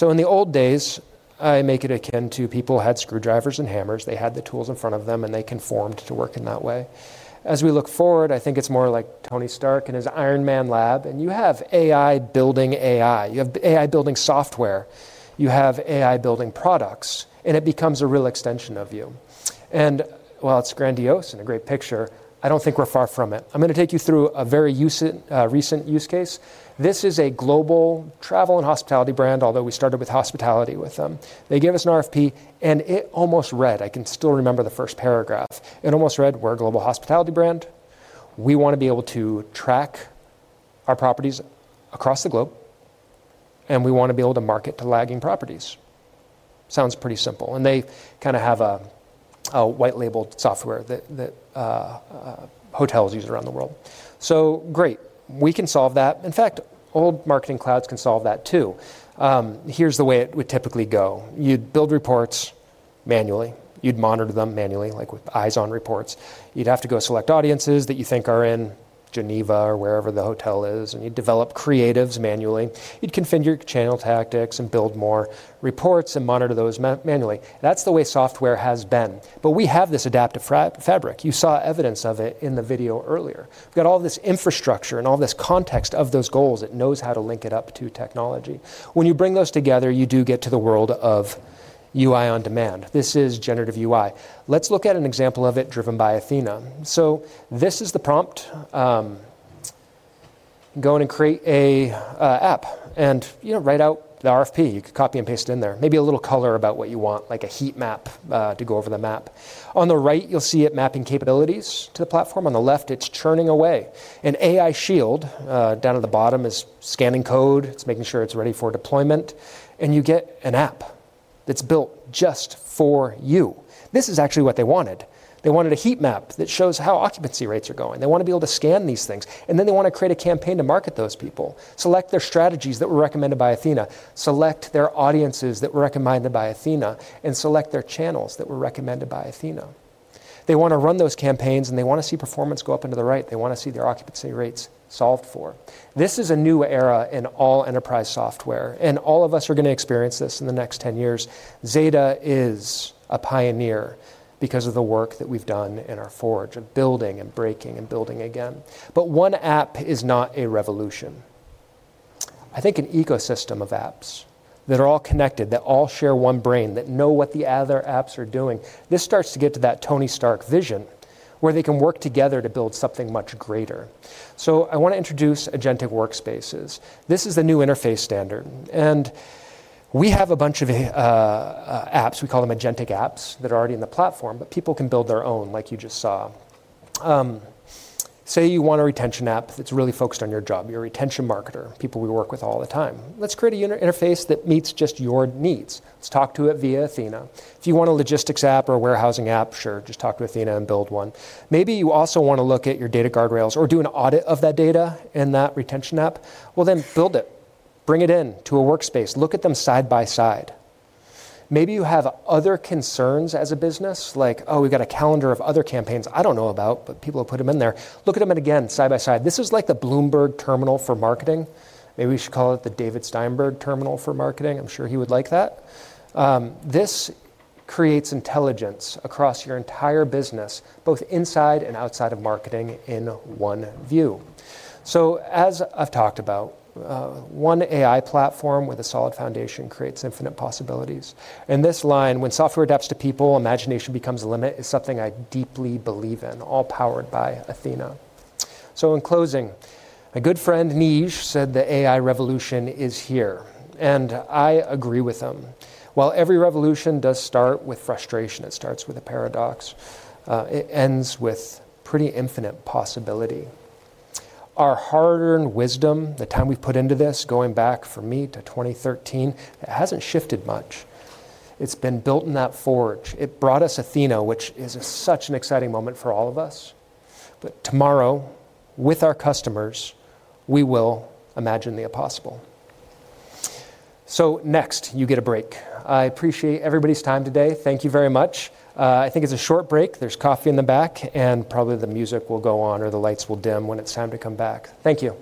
In the old days, I make it akin to people had screwdrivers and hammers. They had the tools in front of them. They conformed to work in that way. As we look forward, I think it's more like Tony Stark and his Iron Man lab. You have AI building AI. You have AI building software. You have AI building products. It becomes a real extension of you. While it's grandiose and a great picture, I don't think we're far from it. I'm going to take you through a very recent use case. This is a global travel and hospitality brand, although we started with hospitality with them. They gave us an RFP. It almost read—I can still remember the first paragraph—it almost read, "We're a global hospitality brand. We want to be able to track our properties across the globe. We want to be able to market to lagging properties." Sounds pretty simple. They kind of have a white-labeled software that hotels use around the world. Great. We can solve that. In fact, old marketing clouds can solve that too. Here's the way it would typically go. You'd build reports manually. You'd monitor them manually, like with eyes on reports. You'd have to go select audiences that you think are in Geneva or wherever the hotel is. You'd develop creatives manually. You'd configure channel tactics and build more reports and monitor those manually. That's the way software has been. We have this adaptive fabric. You saw evidence of it in the video earlier. We've got all of this infrastructure and all this context of those goals. It knows how to link it up to technology. When you bring those together, you do get to the world of UI on demand. This is generative UI. Let's look at an example of it driven by Athena. This is the prompt. Go in and create an app and write out the RFP. You could copy and paste it in there. Maybe a little color about what you want, like a heat map to go over the map. On the right, you'll see it mapping capabilities to the platform. On the left, it's churning away. An AI shield down at the bottom is scanning code. It's making sure it's ready for deployment, and you get an app that's built just for you. This is actually what they wanted. They wanted a heat map that shows how occupancy rates are going. They want to be able to scan these things. They want to create a campaign to market those people, select their strategies that were recommended by Athena, select their audiences that were recommended by Athena, and select their channels that were recommended by Athena. They want to run those campaigns, and they want to see performance go up into the right. They want to see their occupancy rates solved for. This is a new era in all enterprise software. All of us are going to experience this in the next 10 years. Zeta Global is a pioneer because of the work that we've done in our forge of building and breaking and building again. One app is not a revolution. I think an ecosystem of apps that are all connected, that all share one brain, that know what the other apps are doing, starts to get to that Tony Stark vision, where they can work together to build something much greater. I want to introduce agentic workspaces. This is the new interface standard. We have a bunch of apps, we call them agentic apps, that are already in the platform. People can build their own, like you just saw. Say you want a retention app that's really focused on your job. You're a retention marketer, people we work with all the time. Let's create an interface that meets just your needs. Let's talk to it via Athena. If you want a logistics app or a warehousing app, sure, just talk to Athena and build one. Maybe you also want to look at your data guardrails or do an audit of that data in that retention app. Build it. Bring it into a workspace. Look at them side by side. Maybe you have other concerns as a business, like, oh, we've got a calendar of other campaigns I don't know about. People will put them in there. Look at them again side by side. This is like the Bloomberg terminal for marketing. Maybe we should call it the David A. Steinberg terminal for marketing. I'm sure he would like that. This creates intelligence across your entire business, both inside and outside of marketing in one view. As I've talked about, one AI platform with a solid foundation creates infinite possibilities. This line, "When software adapts to people, imagination becomes a limit," is something I deeply believe in, all powered by Athena. In closing, a good friend, Neej, said the AI revolution is here. I agree with him. While every revolution does start with frustration, it starts with a paradox. It ends with pretty infinite possibility. Our hard-earned wisdom, the time we've put into this, going back for me to 2013, it hasn't shifted much. It's been built in that forge. It brought us Athena, which is such an exciting moment for all of us. Tomorrow, with our customers, we will imagine the impossible. Next, you get a break. I appreciate everybody's time today. Thank you very much. I think it's a short break. There's coffee in the back. Probably the music will go on or the lights will dim when it's time to come back. Thank you.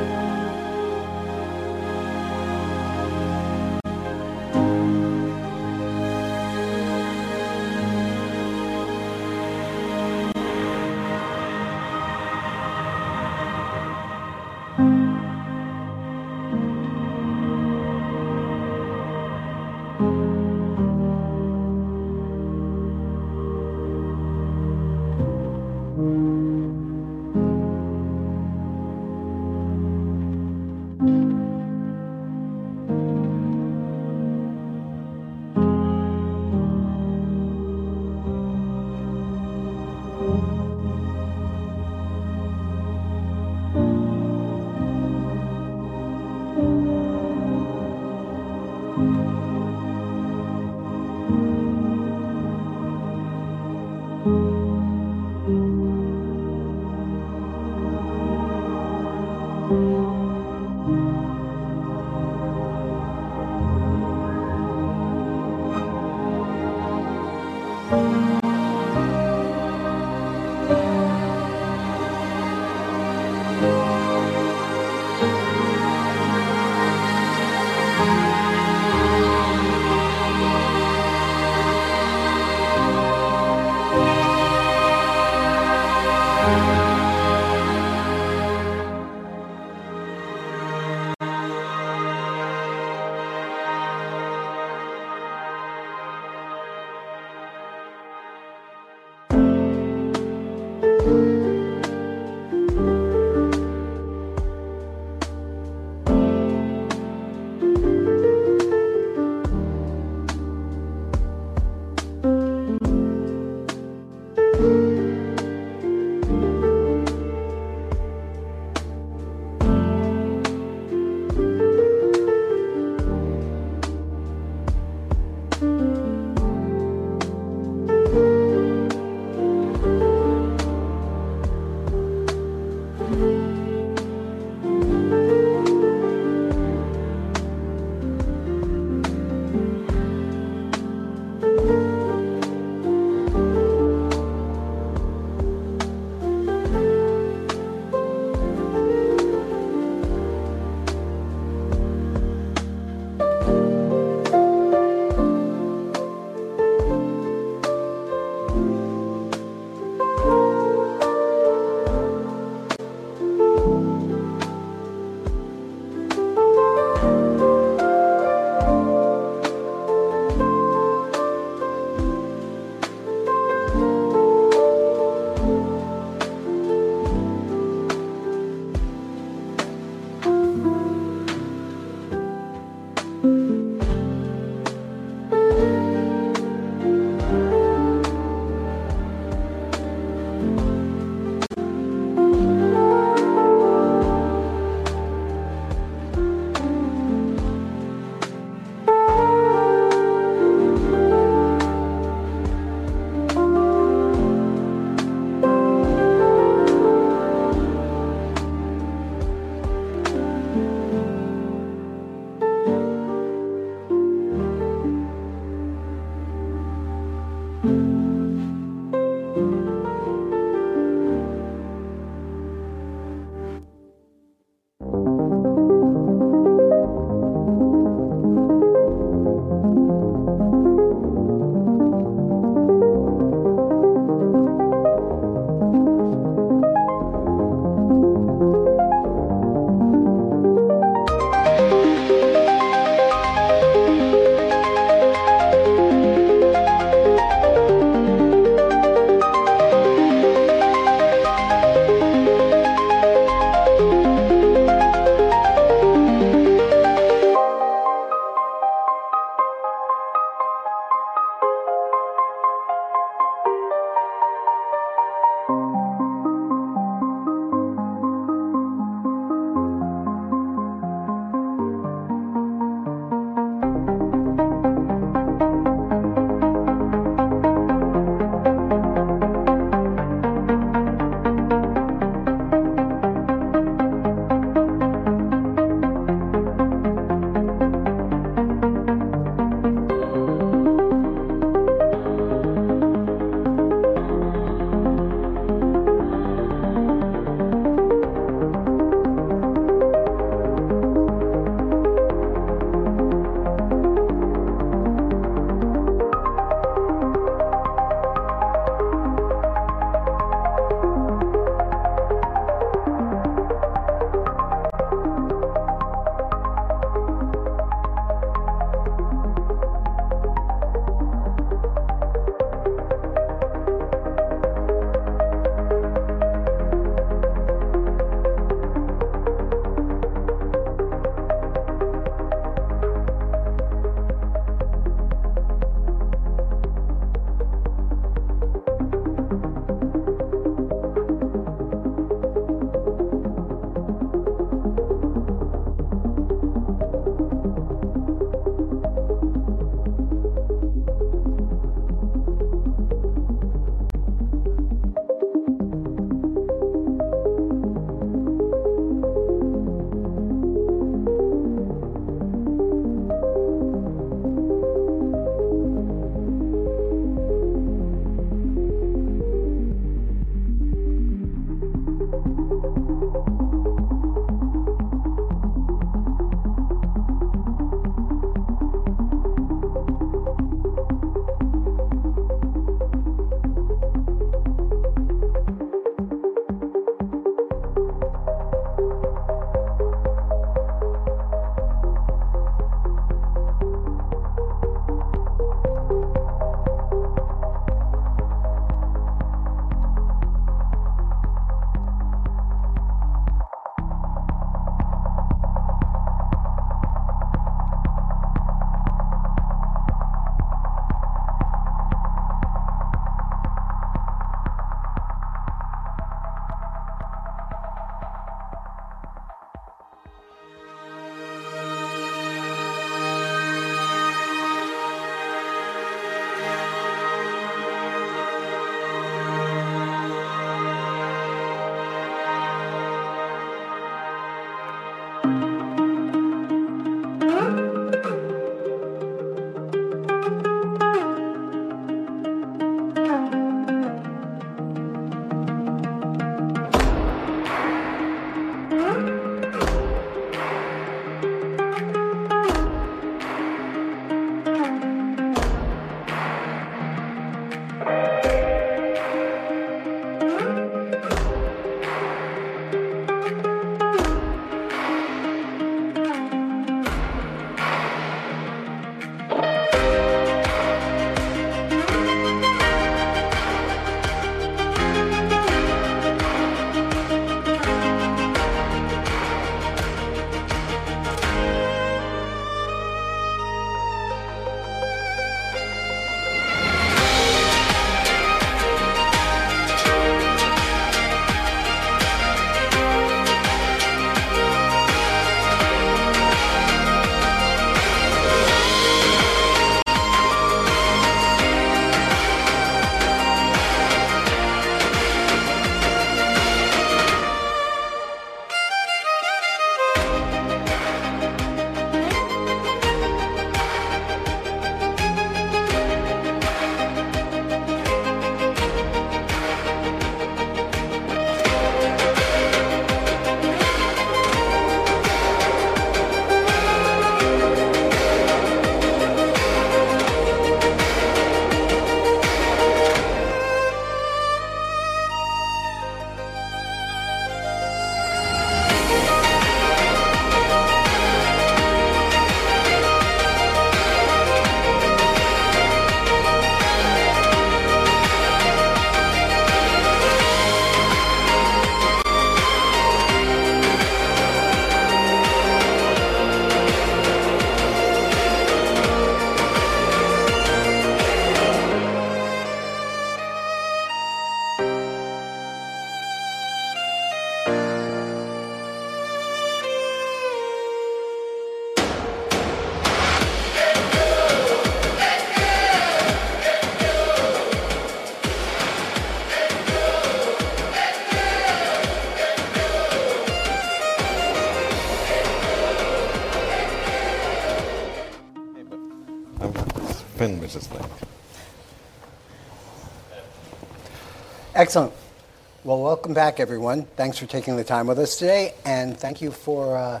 Thanks, man. Excellent. Welcome back, everyone. Thanks for taking the time with us today. Thank you for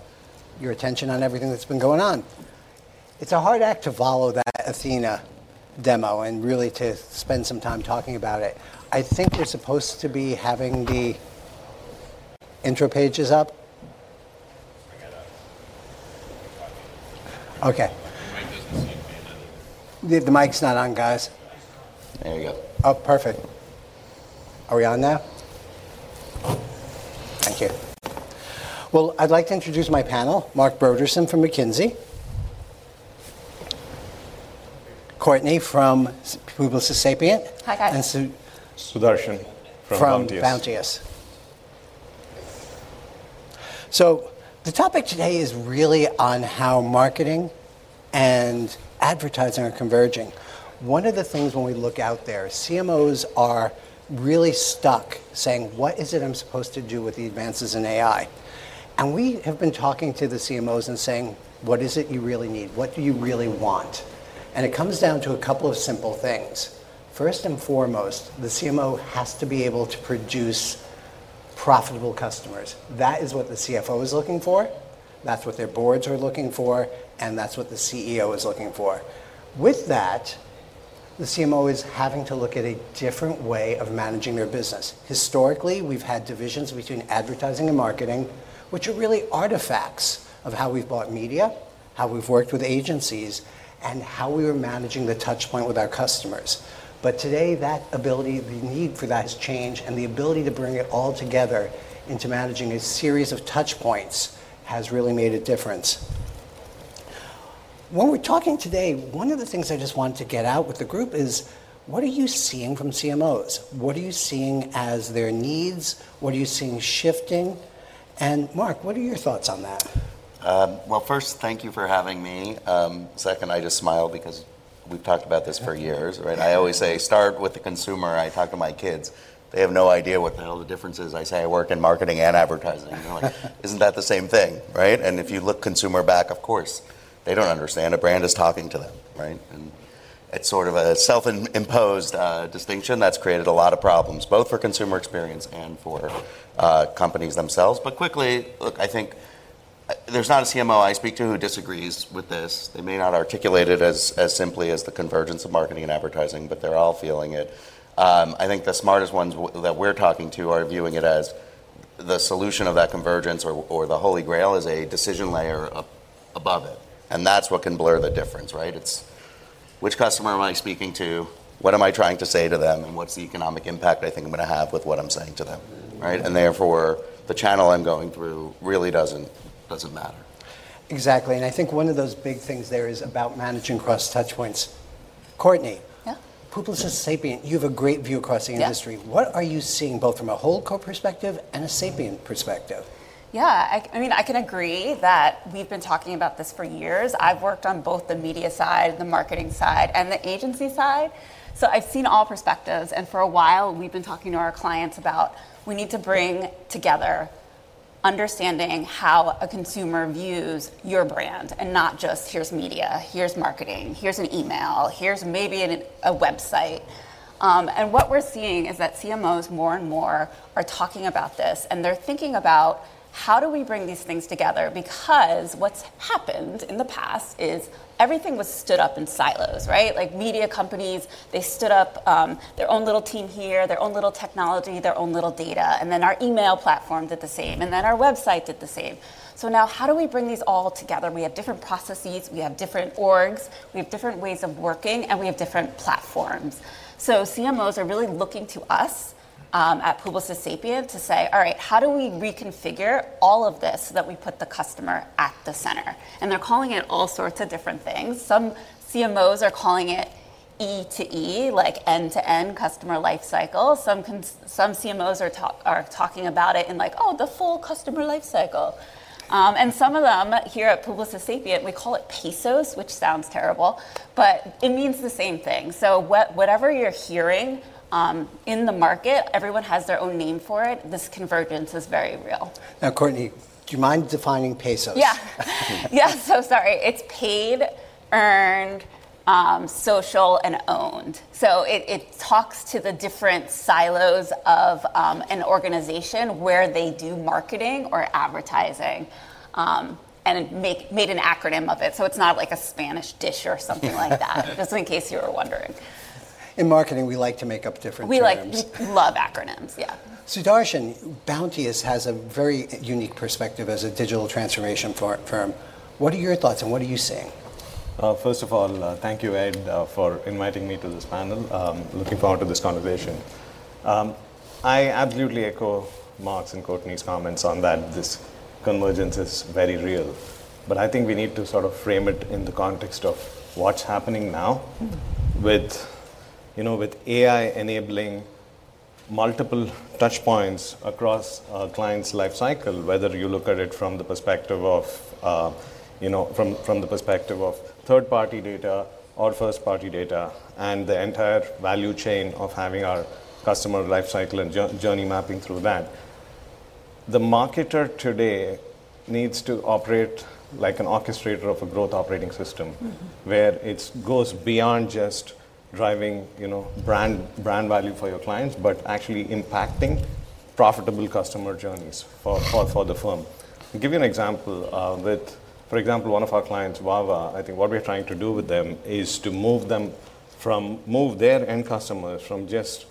your attention on everything that's been going on. It's a hard act to follow that Athena demo and really to spend some time talking about it. I think you're supposed to be having the intro pages up. OK. The mic's not on, guys. There you go. Oh, perfect. Are we on now? Thank you. I'd like to introduce my panel, Marc Brodersen from McKinsey, Courtney from Publicis Sapient, and Sudarshan from. *crosstalk* The topic today is really on how marketing and advertising are converging. One of the things when we look out there, CMOs are really stuck saying, what is it I'm supposed to do with the advances in AI? We have been talking to the CMOs and saying, what is it you really need? What do you really want? It comes down to a couple of simple things. First and foremost, the CMO has to be able to produce profitable customers. That is what the CFO is looking for. That's what their boards are looking for. That's what the CEO is looking for. With that, the CMO is having to look at a different way of managing their business. Historically, we've had divisions between advertising and marketing, which are really artifacts of how we've bought media, how we've worked with agencies, and how we were managing the touchpoint with our customers. Today, that ability, the need for that has changed. The ability to bring it all together into managing a series of touchpoints has really made a difference. When we're talking today, one of the things I just wanted to get out with the group is, what are you seeing from CMOs? What are you seeing as their needs? What are you seeing shifting? Marc, what are your thoughts on that? First, thank you for having me. Second, I just smiled because we've talked about this for years. I always say, start with the consumer. I talk to my kids. They have no idea what the hell the difference is. I say, I work in marketing and advertising. They're like, isn't that the same thing? If you look consumer back, of course, they don't understand. A brand is talking to them. It's sort of a self-imposed distinction that's created a lot of problems, both for consumer experience and for companies themselves. Quickly, look, I think there's not a CMO I speak to who disagrees with this. They may not articulate it as simply as the convergence of marketing and advertising, but they're all feeling it. I think the smartest ones that we're talking to are viewing it as the solution of that convergence or the holy grail is a decision layer above it. That's what can blur the difference. It's which customer am I speaking to? What am I trying to say to them? What's the economic impact I think I'm going to have with what I'm saying to them? Therefore, the channel I'm going through really doesn't matter. Exactly. I think one of those big things there is about managing cross touchpoints. Courtney, Publicis Sapient, you have a great view across the industry. What are you seeing both from a whole core perspective and a Sapient perspective? Yeah, I mean, I can agree that we've been talking about this for years. I've worked on both the media side, the marketing side, and the agency side. I've seen all perspectives. For a while, we've been talking to our clients about, we need to bring together understanding how a consumer views your brand and not just, here's media, here's marketing, here's an email, here's maybe a website. What we're seeing is that CMOs more and more are talking about this. They're thinking about, how do we bring these things together? What's happened in the past is everything was stood up in silos. Media companies stood up their own little team here, their own little technology, their own little data. Our email platform did the same. Our website did the same. Now, how do we bring these all together? We have different processes. We have different orgs. We have different ways of working. We have different platforms. CMOs are really looking to us at Publicis Sapient to say, all right, how do we reconfigure all of this so that we put the customer at the center? They're calling it all sorts of different things. Some CMOs are calling it E to E, like end-to-end customer lifecycle. Some CMOs are talking about it in like, oh, the full customer lifecycle. Some of them here at Publicis Sapient, we call it PESOs, which sounds terrible. It means the same thing. Whatever you're hearing in the market, everyone has their own name for it. This convergence is very real. Now, Courtney, do you mind defining PESOs? Yeah, sorry. It's Paid, Earned, Social, and Owned. It talks to the different silos of an organization where they do marketing or advertising, and it made an acronym of it. It's not like a Spanish dish or something like that, just in case you were wondering. In marketing, we like to make up different terms. We love acronyms, yeah. Sudarshan, Bounteous has a very unique perspective as a digital transformation firm. What are your thoughts? What are you seeing? First of all, thank you, Ed, for inviting me to this panel. Looking forward to this conversation. I absolutely echo Marc's and Courtney's comments on that. This convergence is very real. I think we need to sort of frame it in the context of what's happening now, with AI enabling multiple touchpoints across clients' lifecycle, whether you look at it from the perspective of third-party data or first-party data and the entire value chain of having our customer lifecycle and journey mapping through that. The marketer today needs to operate like an orchestrator of a growth operating system, where it goes beyond just driving brand value for your clients, but actually impacting profitable customer journeys for the firm. I'll give you an example. One of our clients, Wawa, I think what we're trying to do with them is to move their end customers from just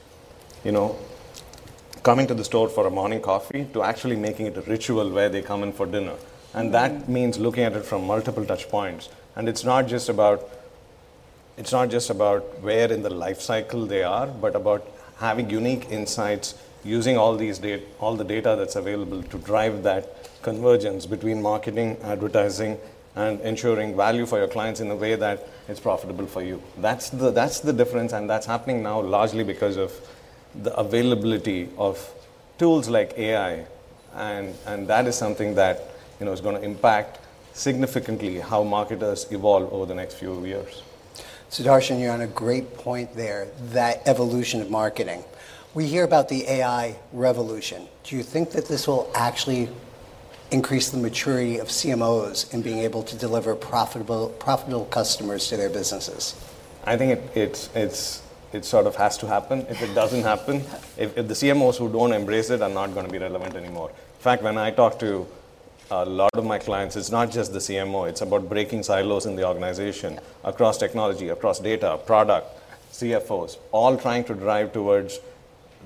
coming to the store for a morning coffee to actually making it a ritual where they come in for dinner. That means looking at it from multiple touchpoints. It's not just about where in the lifecycle they are, but about having unique insights using all the data that's available to drive that convergence between marketing, advertising, and ensuring value for your clients in a way that is profitable for you. That's the difference. That's happening now largely because of the availability of tools like AI. That is something that is going to impact significantly how marketers evolve over the next few years. Sudarshan, you're on a great point there, that evolution of marketing. We hear about the AI revolution. Do you think that this will actually increase the maturity of CMOs in being able to deliver profitable customers to their businesses? I think it sort of has to happen. If it doesn't happen, the CMOs who don't embrace it are not going to be relevant anymore. In fact, when I talk to a lot of my clients, it's not just the CMO. It's about breaking silos in the organization across technology, across data, product, CFOs, all trying to drive towards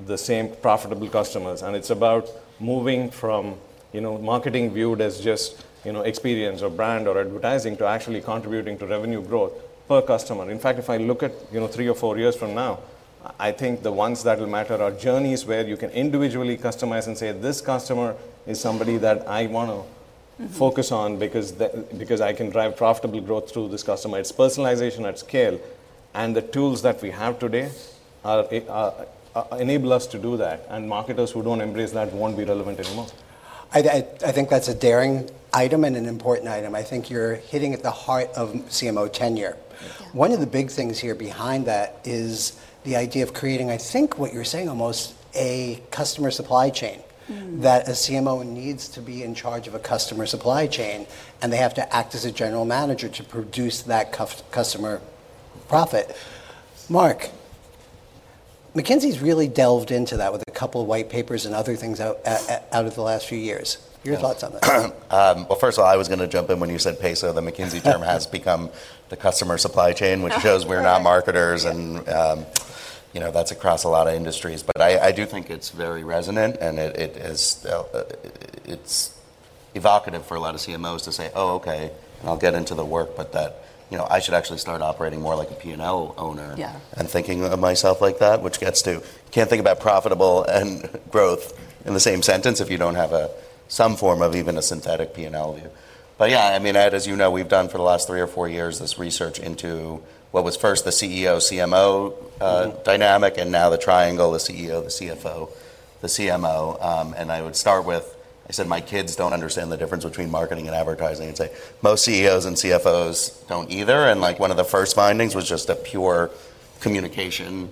the same profitable customers. It's about moving from marketing viewed as just experience or brand or advertising to actually contributing to revenue growth per customer. In fact, if I look at three or four years from now, I think the ones that will matter are journeys where you can individually customize and say, this customer is somebody that I want to focus on because I can drive profitable growth through this customer. It's personalization at scale. The tools that we have today enable us to do that. Marketers who don't embrace that won't be relevant anymore. I think that's a daring item and an important item. I think you're hitting at the heart of CMO tenure. One of the big things here behind that is the idea of creating, I think what you're saying almost, a customer supply chain, that a CMO needs to be in charge of a customer supply chain. They have to act as a general manager to produce that customer profit. Marc, McKinsey's really delved into that with a couple of white papers and other things out of the last few years. Your thoughts on that? First of all, I was going to jump in when you said PESOs, the McKinsey term, has become the customer supply chain, which shows we're not marketers. That's across a lot of industries. I do think it's very resonant, and it's evocative for a lot of CMOs to say, oh, OK. I'll get into the work, but I should actually start operating more like a P&L owner and thinking of myself like that, which gets to you can't think about profitable and growth in the same sentence if you don't have some form of even a synthetic P&L view. As you know, we've done for the last three or four years this research into what was first the CEO-CMO dynamic, and now the triangle, the CEO, the CFO, the CMO. I would start with, I said, my kids don't understand the difference between marketing and advertising. Most CEOs and CFOs don't either. One of the first findings was just a pure communication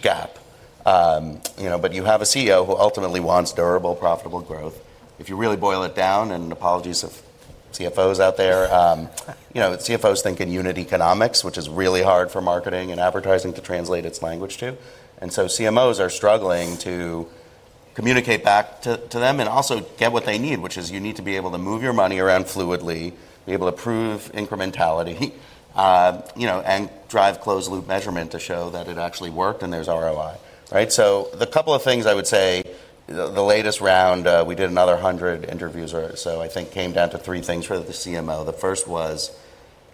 gap. You have a CEO who ultimately wants durable, profitable growth. If you really boil it down, and apologies to CFOs out there, CFOs think in unit economics, which is really hard for marketing and advertising to translate its language to. CMOs are struggling to communicate back to them and also get what they need, which is you need to be able to move your money around fluidly, be able to prove incrementality, and drive closed-loop measurement to show that it actually worked. There's ROI. The couple of things I would say, the latest round, we did another 100 interviews or so. I think it came down to three things for the CMO. The first was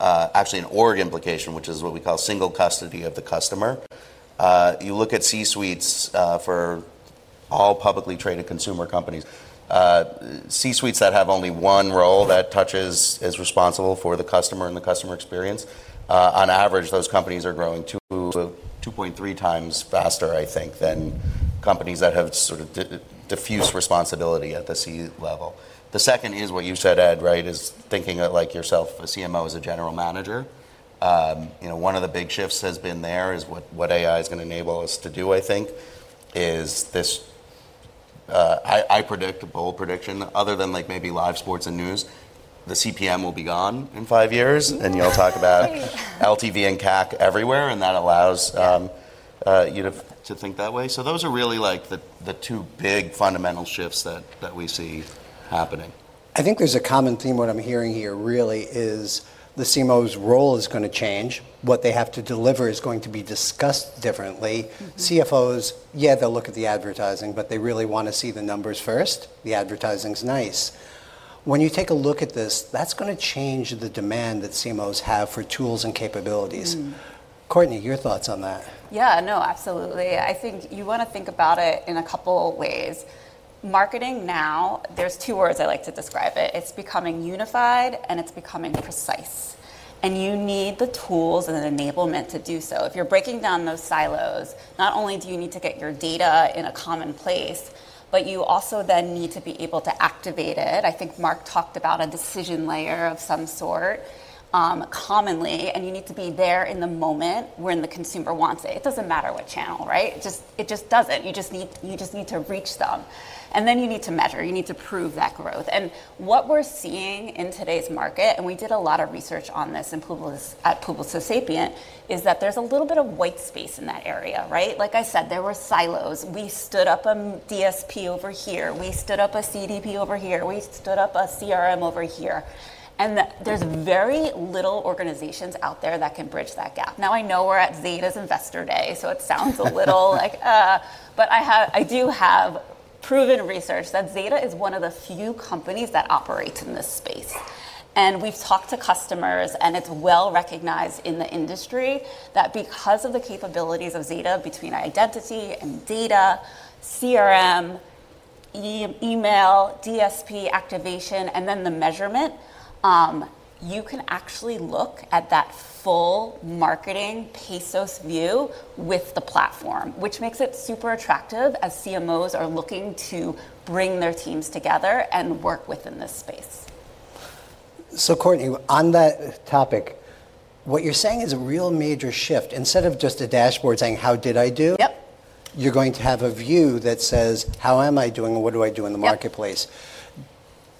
actually an org implication, which is what we call single custody of the customer. You look at C-suites for all publicly traded consumer companies, C-suites that have only one role that touches, is responsible for the customer and the customer experience. On average, those companies are growing 2.3 times faster, I think, than companies that have sort of diffuse responsibility at the C-level. The second is what you said, Ed, right, is thinking of like yourself, a CMO as a general manager. One of the big shifts has been there is what AI is going to enable us to do, I think, is this bold prediction. Other than maybe live sports and news, the CPM will be gone in five years. You'll talk about LTV and CAC everywhere. That allows you to think that way. Those are really the two big fundamental shifts that we see happening. I think there's a common theme. What I'm hearing here really is the CMO's role is going to change. What they have to deliver is going to be discussed differently. CFOs, yeah, they'll look at the advertising. They really want to see the numbers first. The advertising is nice. When you take a look at this, that's going to change the demand that CMOs have for tools and capabilities. Courtney, your thoughts on that? Yeah, no, absolutely. I think you want to think about it in a couple of ways. Marketing now, there are two words I like to describe it. It's becoming unified, and it's becoming precise. You need the tools and the enablement to do so. If you're breaking down those silos, not only do you need to get your data in a common place, but you also then need to be able to activate it. I think Marc talked about a decision layer of some sort commonly. You need to be there in the moment when the consumer wants it. It doesn't matter what channel, right? It just doesn't. You just need to reach them. You need to measure. You need to prove that growth. What we're seeing in today's market, and we did a lot of research on this at Publicis Sapient, is that there's a little bit of white space in that area. Like I said, there were silos. We stood up a DSP over here. We stood up a CDP over here. We stood up a CRM over here. There are very few organizations out there that can bridge that gap. I know we're at Zeta Global's Investor Day, so it sounds a little like, but I do have proven research that Zeta Global is one of the few companies that operates in this space. We've talked to customers, and it's well recognized in the industry that because of the capabilities of Zeta Global, between identity and data, CRM, email, DSP activation, and then the measurement, you can actually look at that full marketing PESOs view with the platform, which makes it super attractive as CMOs are looking to bring their teams together and work within this space. Courtney, on that topic, what you're saying is a real major shift. Instead of just a dashboard saying, how did I do, you're going to have a view that says, how am I doing? What do I do in the marketplace?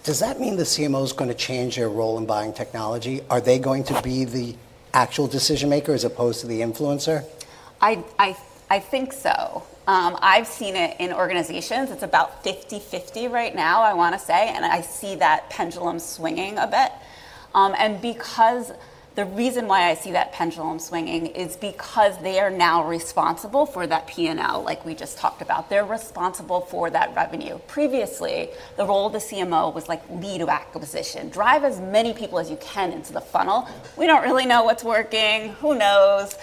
Does that mean the CMO is going to change their role in buying technology? Are they going to be the actual decision maker as opposed to the influencer? I think so. I've seen it in organizations. It's about 50/50 right now, I want to say. I see that pendulum swinging a bit. The reason why I see that pendulum swinging is because they are now responsible for that P&L, like we just talked about. They're responsible for that revenue. Previously, the role of the CMO was like lead to acquisition. Drive as many people as you can into the funnel. We don't really know what's working. Who knows?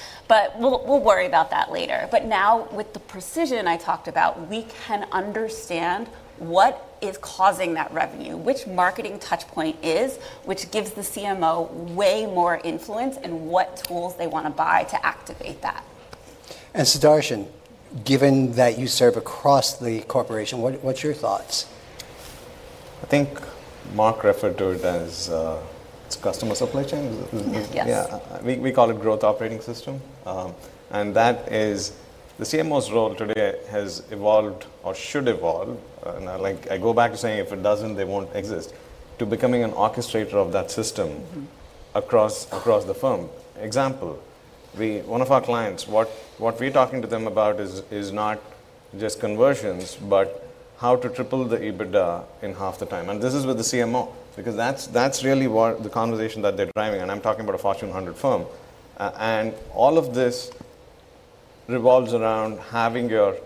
We'll worry about that later. Now, with the precision I talked about, we can understand what is causing that revenue, which marketing touchpoint is, which gives the CMO way more influence in what tools they want to buy to activate that. Sudarshan, given that you serve across the corporation, what's your thoughts? I think Marc referred to it as customer supply chain. Yes. We call it growth operating system. That is, the CMO's role today has evolved or should evolve. I go back to saying, if it doesn't, they won't exist, to becoming an orchestrator of that system across the firm. Example, one of our clients, what we're talking to them about is not just conversions, but how to triple the EBITDA in half the time. This is with the CMO because that's really the conversation that they're driving. I'm talking about a Fortune 100 firm. All of this revolves around having your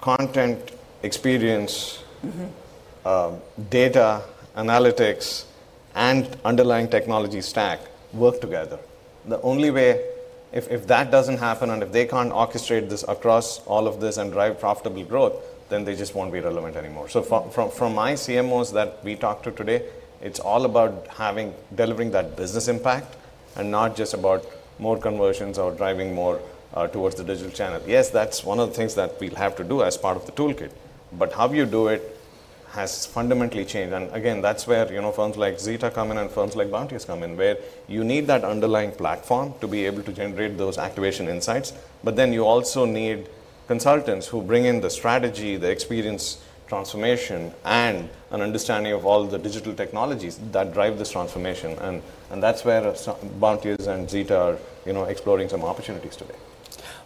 content, experience, data, and analytics, and underlying technology stack work together. The only way, if that doesn't happen, and if they can't orchestrate this across all of this and drive profitable growth, then they just won't be relevant anymore. For my CMOs that we talk to today, it's all about delivering that business impact and not just about more conversions or driving more towards the digital channel. Yes, that's one of the things that we'll have to do as part of the toolkit, but how you do it has fundamentally changed. That's where firms like Zeta Global come in and firms like Bounteous come in, where you need that underlying platform to be able to generate those activation insights. You also need consultants who bring in the strategy, the experience transformation, and an understanding of all the digital technologies that drive this transformation. That's where Bounteous and Zeta Global are exploring some opportunities today.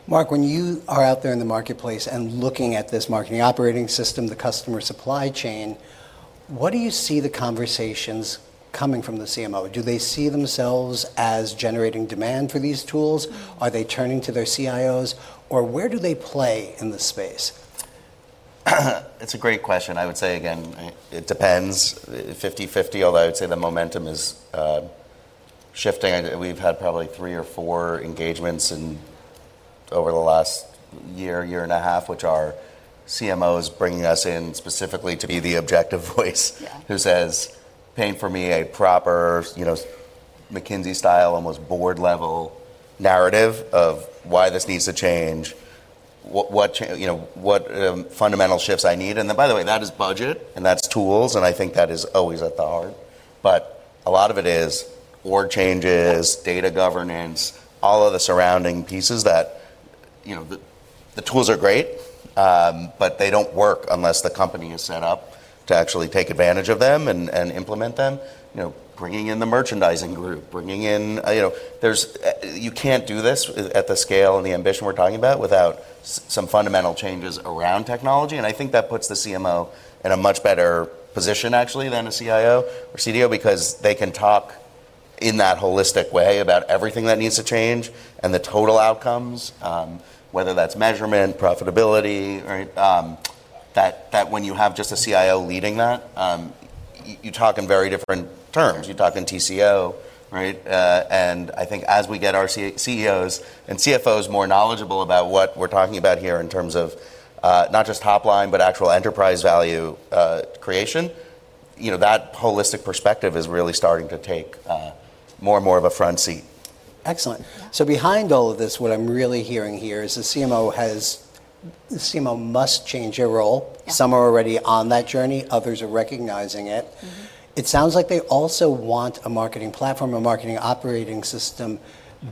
Marc, when you are out there in the marketplace and looking at this marketing operating system, the customer supply chain, what do you see the conversations coming from the CMO? Do they see themselves as generating demand for these tools? Are they turning to their CIOs? Where do they play in the space? It's a great question. I would say, again, it depends, 50/50. Although I would say the momentum is shifting. We've had probably three or four engagements over the last year, year and a half, which are CMOs bringing us in specifically to be the objective voice who says, paint for me a proper McKinsey-style, almost board-level narrative of why this needs to change, what fundamental shifts I need. That is budget. That is tools. I think that is always at the heart. A lot of it is board changes, data governance, all of the surrounding pieces that the tools are great. They don't work unless the company is set up to actually take advantage of them and implement them, bringing in the merchandising group, bringing in. You can't do this at the scale and the ambition we're talking about without some fundamental changes around technology. I think that puts the CMO in a much better position, actually, than a CIO or CDO because they can talk in that holistic way about everything that needs to change and the total outcomes, whether that's measurement, profitability. When you have just a CIO leading that, you talk in very different terms. You talk in TCO. I think as we get our CEOs and CFOs more knowledgeable about what we're talking about here in terms of not just top line, but actual enterprise value creation, that holistic perspective is really starting to take more and more of a front seat. Excellent. Behind all of this, what I'm really hearing here is the CMO must change their role. Some are already on that journey. Others are recognizing it. It sounds like they also want a marketing platform, a marketing operating system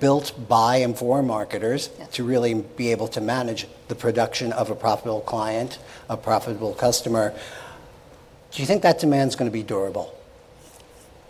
built by and for marketers to really be able to manage the production of a profitable client, a profitable customer. Do you think that demand is going to be durable?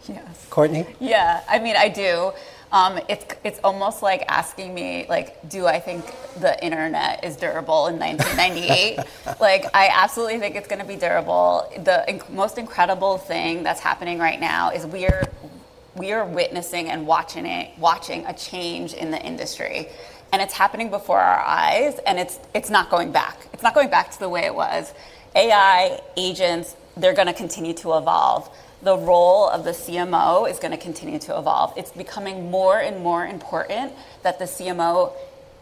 Yeah. Courtney? Yeah, I mean, I do. It's almost like asking me, do I think the internet is durable in 1998? I absolutely think it's going to be durable. The most incredible thing that's happening right now is we are witnessing and watching a change in the industry. It's happening before our eyes, and it's not going back. It's not going back to the way it was. AI agents, they're going to continue to evolve. The role of the CMO is going to continue to evolve. It's becoming more and more important that the CMO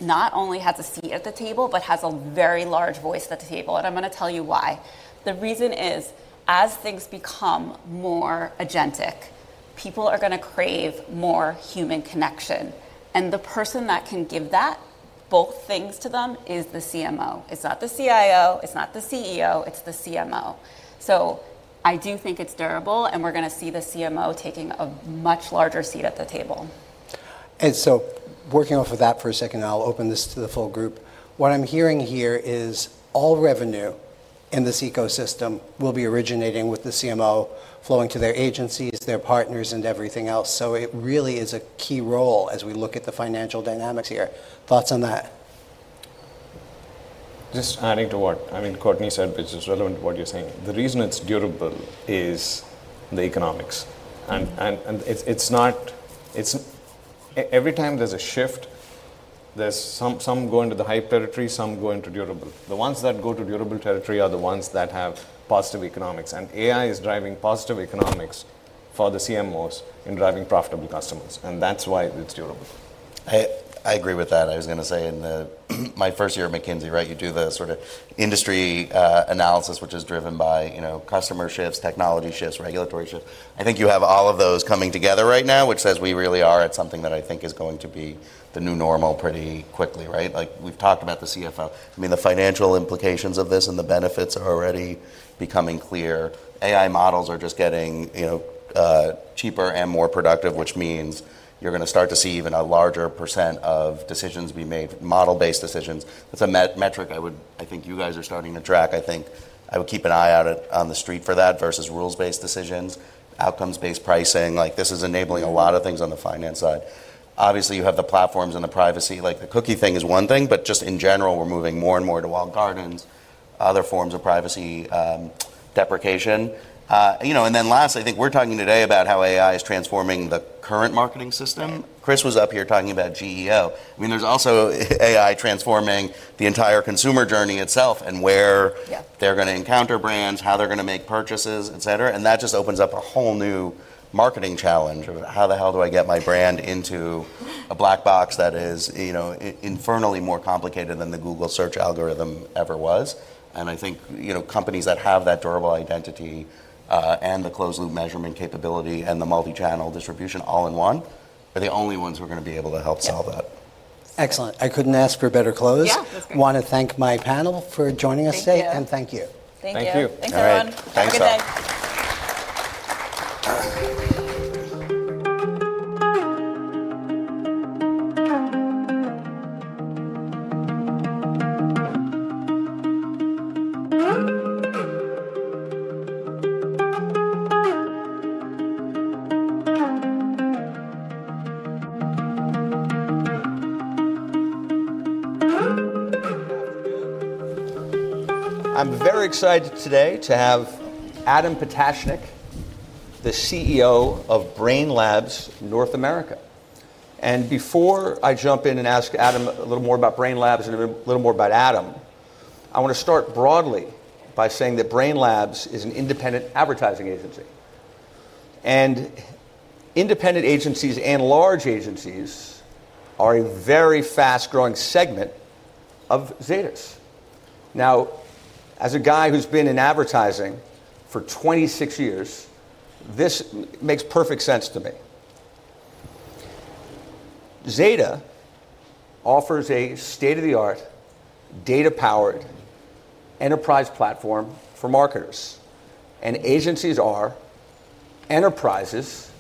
not only has a seat at the table, but has a very large voice at the table. I'm going to tell you why. The reason is, as things become more agentic, people are going to crave more human connection. The person that can give both things to them is the CMO. It's not the CIO. It's not the CEO. It's the CMO. I do think it's durable, and we're going to see the CMO taking a much larger seat at the table. Working off of that for a second, I'll open this to the full group. What I'm hearing here is all revenue in this ecosystem will be originating with the CMO, flowing to their agencies, their partners, and everything else. It really is a key role as we look at the financial dynamics here. Thoughts on that? Just adding to what Courtney said, which is relevant to what you're saying, the reason it's durable is the economics. Every time there's a shift, some go into the hype territory, some go into durable. The ones that go to durable territory are the ones that have positive economics. AI is driving positive economics for the CMOs in driving profitable customers, and that's why it's durable. I agree with that. I was going to say, in my first year at McKinsey, you do the sort of industry analysis, which is driven by customer shifts, technology shifts, regulatory shifts. I think you have all of those coming together right now, which says we really are at something that I think is going to be the new normal pretty quickly. We've talked about the CFO. I mean, the financial implications of this and the benefits are already becoming clear. AI models are just getting cheaper and more productive, which means you're going to start to see even a larger percent of decisions be made, model-based decisions. That's a metric I think you guys are starting to track. I think I would keep an eye out on the street for that versus rules-based decisions, outcomes-based pricing. This is enabling a lot of things on the finance side. Obviously, you have the platforms and the privacy. The cookie thing is one thing. Just in general, we're moving more and more to walled gardens, other forms of privacy deprecation. Lastly, I think we're talking today about how AI is transforming the current marketing system. Chris Monberg was up here talking about GEO. There's also AI transforming the entire consumer journey itself and where they're going to encounter brands, how they're going to make purchases, et cetera. That just opens up a whole new marketing challenge of how the hell do I get my brand into a black box that is infernally more complicated than the Google search algorithm ever was. I think companies that have that durable identity and the closed-loop measurement capability and the multi-channel distribution all in one are the only ones who are going to be able to help solve that. Excellent. I couldn't ask for a better close. Yeah. Want to thank my panel for joining us today. Thank you. Thank you. Thank you. Thanks, everyone. All right. Have a good day. I'm very excited today to have Adam Potashnick, the CEO of Brainlabs North America. Before I jump in and ask Adam a little more about Brainlabs and a little more about Adam, I want to start broadly by saying that Brainlabs is an independent advertising agency. Independent agencies and large agencies are a very fast-growing segment of Zeta's. As a guy who's been in advertising for 26 years, this makes perfect sense to me. Zeta offers a state-of-the-art, data-powered enterprise platform for marketers. Agencies are enterprises.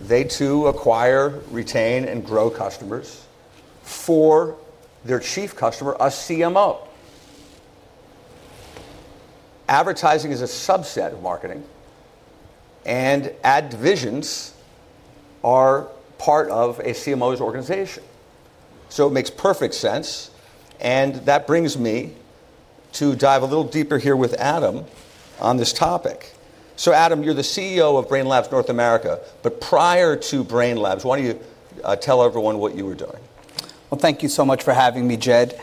They too acquire. Retain and grow customers for their Chief Customer, a CMO. Advertising is a subset of marketing, and ad divisions are part of a CMO's organization. It makes perfect sense. That brings me to dive a little deeper here with Adam on this topic. Adam, you're the CEO of Brainlabs North America. Prior to Brainlabs, why don't you tell everyone what you were doing? Thank you so much for having me, Jed,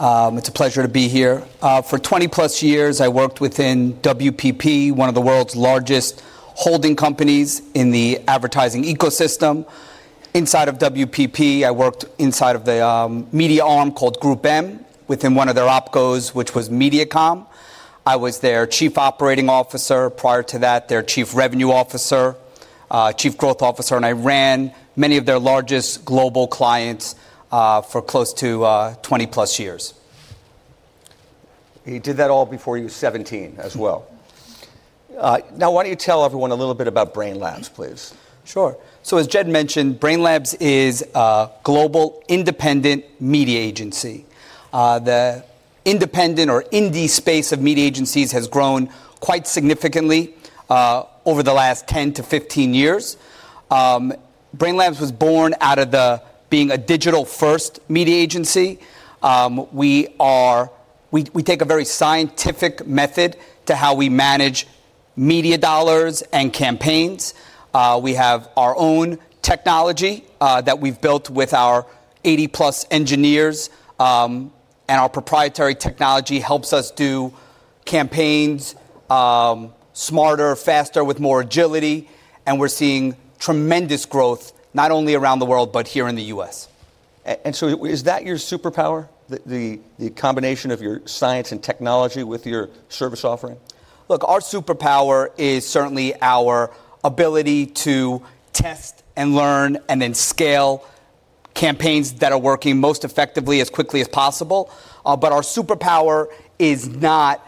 it's a pleasure to be here. For 20+ years, I worked within WPP, one of the world's largest holding companies in the advertising ecosystem. Inside of WPP, I worked inside of the media arm called GroupM within one of their opcos, which was MediaCom. I was their Chief Operating Officer, prior to that, their Chief Revenue Officer, Chief Growth Officer, and I ran many of their largest global clients for close to 20+ years. He did that all before he was 17 as well. Now, why don't you tell everyone a little bit about Brainlabs, please? Sure. As Jed mentioned, Brainlabs is a global independent media agency. The independent or indie space of media agencies has grown quite significantly over the last 10-15 years. Brainlabs was born out of being a digital-first media agency. We take a very scientific method to how we manage media dollars and campaigns. We have our own technology that we've built with our 80+ engineers, and our proprietary technology helps us do campaigns smarter, faster, with more agility. We're seeing tremendous growth not only around the world, but here in the U.S. Is that your superpower, the combination of your science and technology with your service offering? Look, our superpower is certainly our ability to test and learn and then scale campaigns that are working most effectively as quickly as possible. Our superpower is not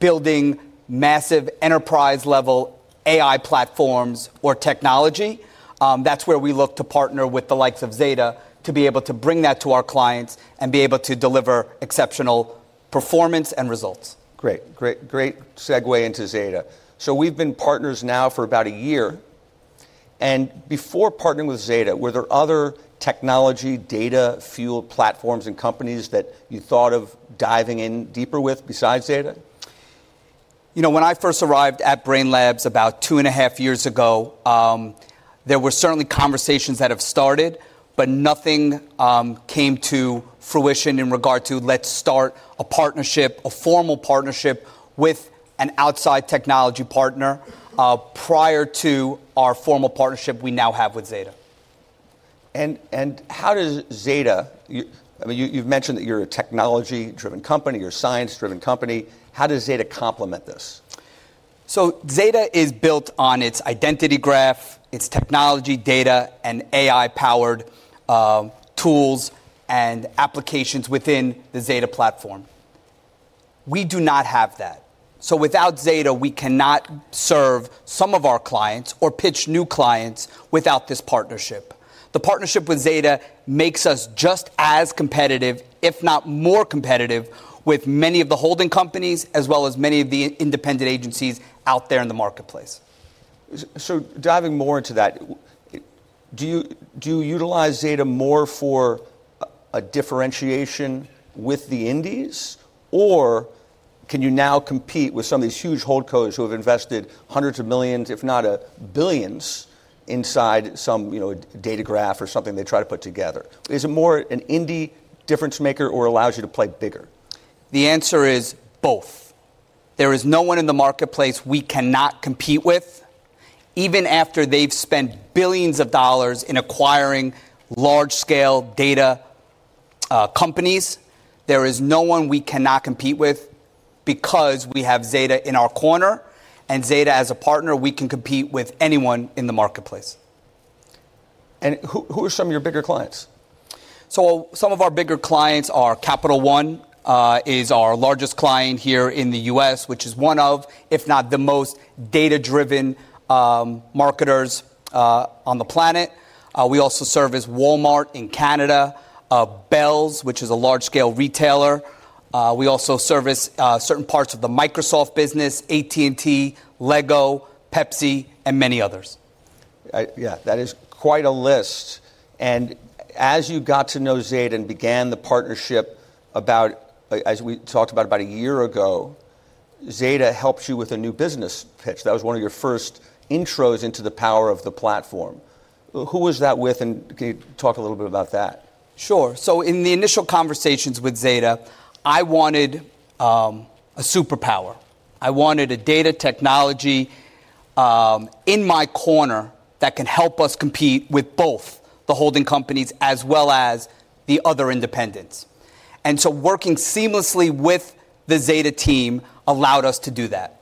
building massive enterprise-level AI platforms or technology. That's where we look to partner with the likes of Zeta Global to be able to bring that to our clients and be able to deliver exceptional performance and results. Great segue into Zeta. We've been partners now for about a year. Before partnering with Zeta, were there other technology data-fueled platforms and companies that you thought of diving in deeper with besides Zeta? You know, when I first arrived at Brainlabs about two and a half years ago, there were certainly conversations that had started, but nothing came to fruition in regard to let's start a partnership, a formal partnership with an outside technology partner prior to our formal partnership we now have with Zeta Global. How does Zeta, I mean, you've mentioned that you're a technology-driven company, you're a science-driven company. How does Zeta complement this? Zeta is built on its identity graph, its technology, data, and AI-powered tools and applications within the Zeta platform. We do not have that. Without Zeta, we cannot serve some of our clients or pitch new clients without this partnership. The partnership with Zeta makes us just as competitive, if not more competitive, with many of the holding companies, as well as many of the independent agencies out there in the marketplace. Diving more into that, do you utilize Zeta more for a differentiation with the Indies, or can you now compete with some of these huge holdcos who have invested hundreds of millions, if not billions, inside some, you know, data graph or something they try to put together? Is it more an indie difference maker or allows you to play bigger? The answer is both. There is no one in the marketplace we cannot compete with. Even after they've spent billions of dollars in acquiring large-scale data companies, there is no one we cannot compete with because we have Zeta in our corner, and Zeta as a partner, we can compete with anyone in the marketplace. Who are some of your bigger clients? Some of our bigger clients are Capital One, which is our largest client here in the U.S., and is one of, if not the most, data-driven marketers on the planet. We also service Walmart in Canada, Bell's, which is a large-scale retailer. We also service certain parts of the Microsoft business, AT&T, Lego, Pepsi, and many others. That is quite a list. As you got to know Zeta and began the partnership, as we talked about about a year ago, Zeta helped you with a new business pitch. That was one of your first intros into the power of the platform. Who was that with? Can you talk a little bit about that? Sure. In the initial conversations with Zeta Global, I wanted a superpower. I wanted a data technology in my corner that can help us compete with both the holding companies as well as the other independents. Working seamlessly with the Zeta team allowed us to do that.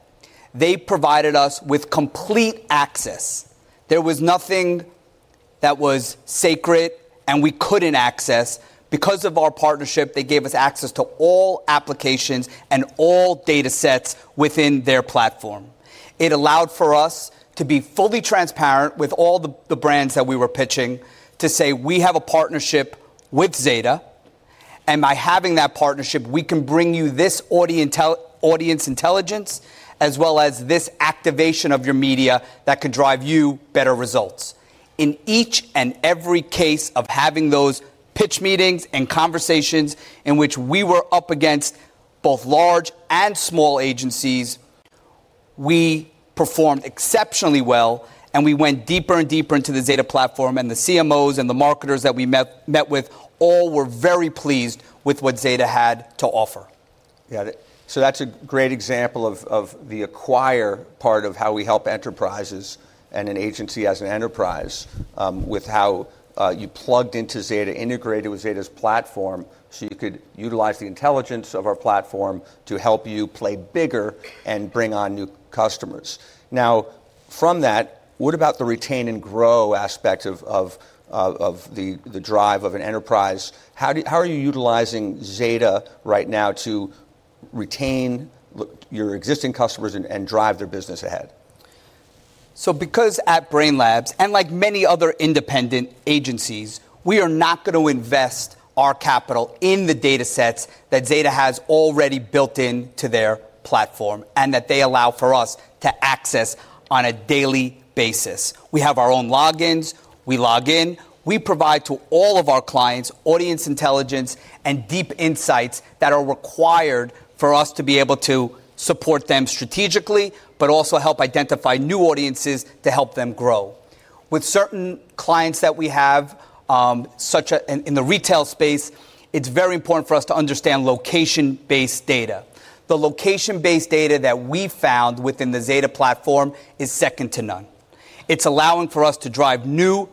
They provided us with complete access. There was nothing that was sacred and we couldn't access. Because of our partnership, they gave us access to all applications and all data sets within their platform. It allowed for us to be fully transparent with all the brands that we were pitching to say we have a partnership with Zeta. By having that partnership, we can bring you this audience intelligence as well as this activation of your media that could drive you better results. In each and every case of having those pitch meetings and conversations in which we were up against both large and small agencies, we performed exceptionally well and we went deeper and deeper into the Zeta Marketing Platform and the CMOs and the marketers that we met with all were very pleased with what Zeta had to offer. Yeah, that's a great example of the acquire part of how we help enterprises and an agency as an enterprise with how you plugged into Zeta, integrated with Zeta's platform so you could utilize the intelligence of our platform to help you play bigger and bring on new customers. Now, from that, what about the retain and grow aspect of the drive of an enterprise? How are you utilizing Zeta right now to retain your existing customers and drive their business ahead? At Brainlabs and like many other independent agencies, we are not going to invest our capital in the data sets that Zeta has already built into their platform and that they allow for us to access on a daily basis. We have our own logins. We log in. We provide to all of our clients audience intelligence and deep insights that are required for us to be able to support them strategically, but also help identify new audiences to help them grow. With certain clients that we have, such as in the retail space, it's very important for us to understand location-based data. The location-based data that we found within the Zeta platform is second to none. It's allowing for us to drive new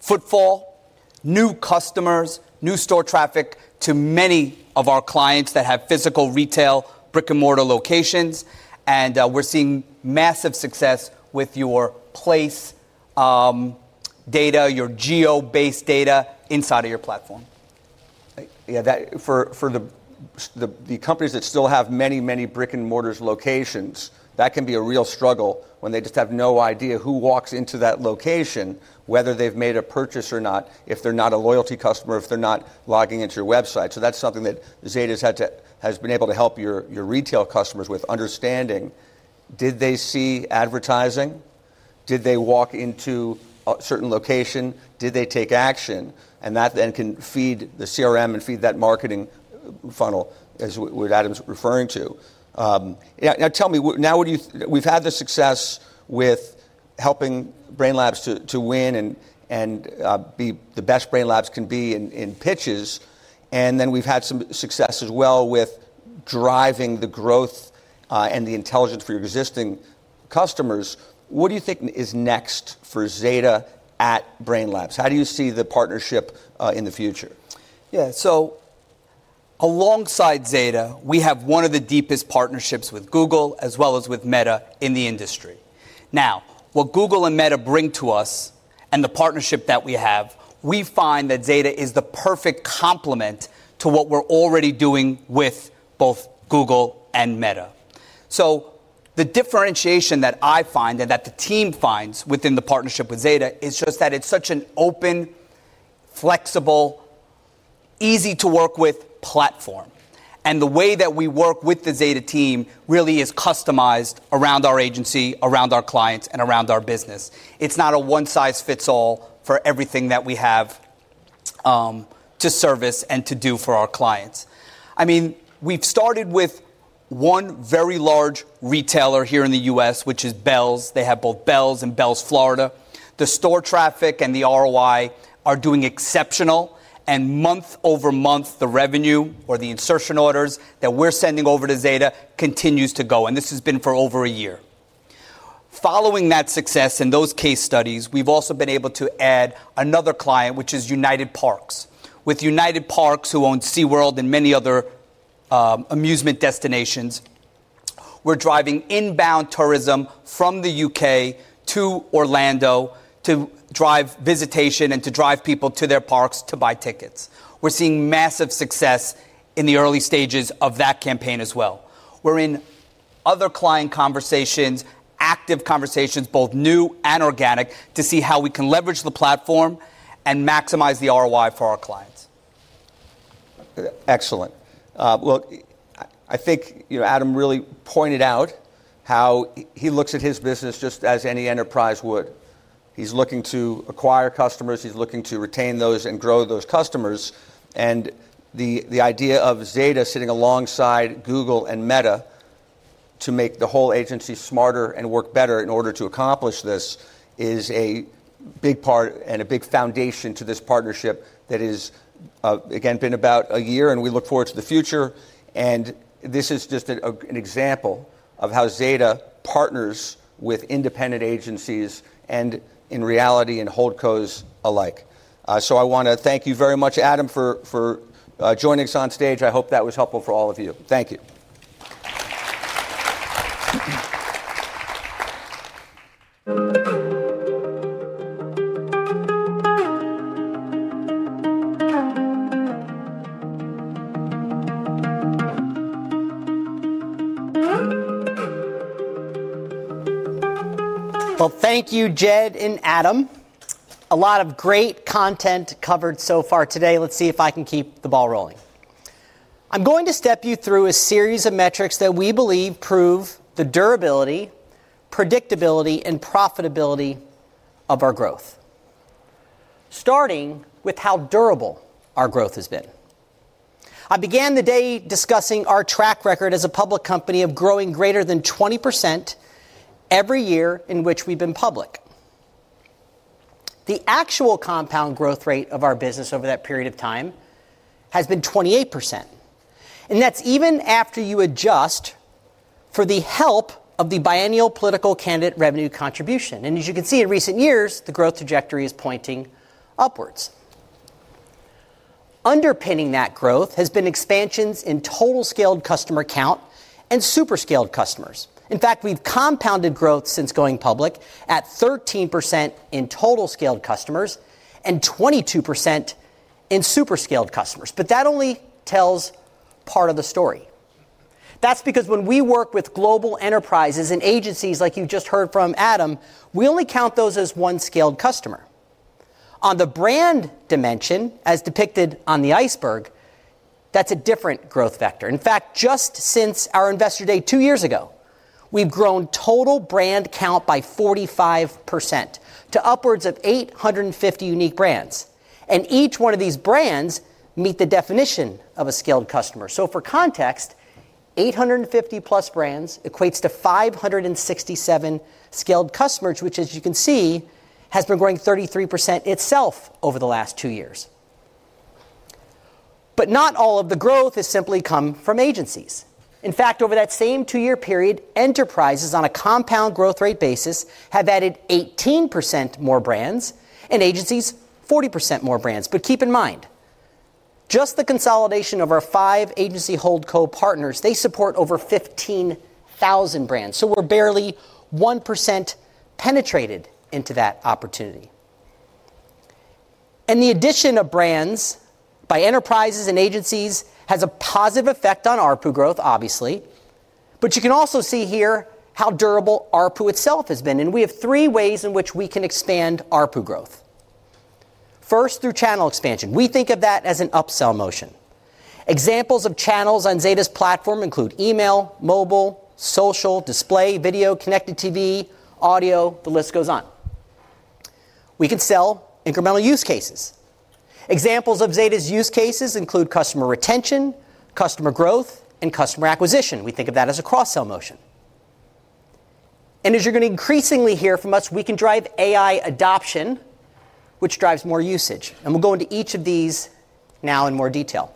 footfall, new customers, new store traffic to many of our clients that have physical retail brick-and-mortar locations. We're seeing massive success with your place data, your geo-based data inside of your platform. Yeah, for the companies that still have many, many brick-and-mortar locations, that can be a real struggle when they just have no idea who walks into that location, whether they've made a purchase or not, if they're not a loyalty customer, if they're not logging into your website. That's something that Zeta Global has been able to help your retail customers with, understanding did they see advertising? Did they walk into a certain location? Did they take action? That then can feed the CRM and feed that marketing funnel, as what Adam's referring to. Now tell me, now we've had the success with helping Brainlabs to win and be the best Brainlabs can be in pitches. We've had some success as well with driving the growth and the intelligence for your existing customers. What do you think is next for Zeta Global at Brainlabs? How do you see the partnership in the future? Yeah, so alongside Zeta, we have one of the deepest partnerships with Google as well as with Meta in the industry. What Google and Meta bring to us and the partnership that we have, we find that Zeta is the perfect complement to what we're already doing with both Google and Meta. The differentiation that I find and that the team finds within the partnership with Zeta is just that it's such an open, flexible, easy to work with platform. The way that we work with the Zeta team really is customized around our agency, around our clients, and around our business. It's not a one-size-fits-all for everything that we have to service and to do for our clients. We've started with one very large retailer here in the U.S., which is Bell's. They have both Bell's and Bell's Florida. The store traffic and the ROI are doing exceptional. Month over month, the revenue or the insertion orders that we're sending over to Zeta continues to go. This has been for over a year. Following that success and those case studies, we've also been able to add another client, which is United Parks. With United Parks, who owns SeaWorld and many other amusement destinations, we're driving inbound tourism from the U.K. to Orlando to drive visitation and to drive people to their parks to buy tickets. We're seeing massive success in the early stages of that campaign as well. We're in other client conversations, active conversations, both new and organic, to see how we can leverage the platform and maximize the ROI for our clients. Excellent. I think Adam really pointed out how he looks at his business just as any enterprise would. He's looking to acquire customers. He's looking to retain those and grow those customers. The idea of Zeta Global sitting alongside Google and Meta to make the whole agency smarter and work better in order to accomplish this is a big part and a big foundation to this partnership that has, again, been about a year. We look forward to the future. This is just an example of how Zeta Global partners with independent agencies and in reality and hold codes alike. I want to thank you very much, Adam, for joining us on stage. I hope that was helpful for all of you. Thank you. Thank you, Jed and Adam. A lot of great content covered so far today. Let's see if I can keep the ball rolling. I'm going to step you through a series of metrics that we believe prove the durability, predictability, and profitability of our growth, starting with how durable our growth has been. I began the day discussing our track record as a public company of growing greater than 20% every year in which we've been public. The actual compound growth rate of our business over that period of time has been 28%. That's even after you adjust for the help of the biennial political candidate revenue contribution. As you can see in recent years, the growth trajectory is pointing upwards. Underpinning that growth has been expansions in total scaled customer count and super scaled customers. In fact, we've compounded growth since going public at 13% in total scaled customers and 22% in super scaled customers. That only tells part of the story. That's because when we work with global enterprises and agencies, like you just heard from Adam, we only count those as one scaled customer. On the brand dimension, as depicted on the iceberg, that's a different growth vector. In fact, just since our investor day two years ago, we've grown total brand count by 45% to upwards of 850 unique brands. Each one of these brands meets the definition of a scaled customer. For context, 850 plus brands equate to 567 scaled customers, which, as you can see, has been growing 33% itself over the last two years. Not all of the growth has simply come from agencies. In fact, over that same two-year period, enterprises on a compound growth rate basis have added 18% more brands and agencies 40% more brands. Keep in mind, just the consolidation of our five agency hold co-partners, they support over 15,000 brands. We're barely 1% penetrated into that opportunity. The addition of brands by enterprises and agencies has a positive effect on ARPU growth, obviously. You can also see here how durable ARPU itself has been. We have three ways in which we can expand ARPU growth. First, through channel expansion. We think of that as an upsell motion. Examples of channels on Zeta's platform include email, mobile, social, display, video, connected TV, audio, the list goes on. We can sell incremental use cases. Examples of Zeta's use cases include customer retention, customer growth, and customer acquisition. We think of that as a cross-sell motion. As you're going to increasingly hear from us, we can drive AI adoption, which drives more usage. We'll go into each of these now in more detail.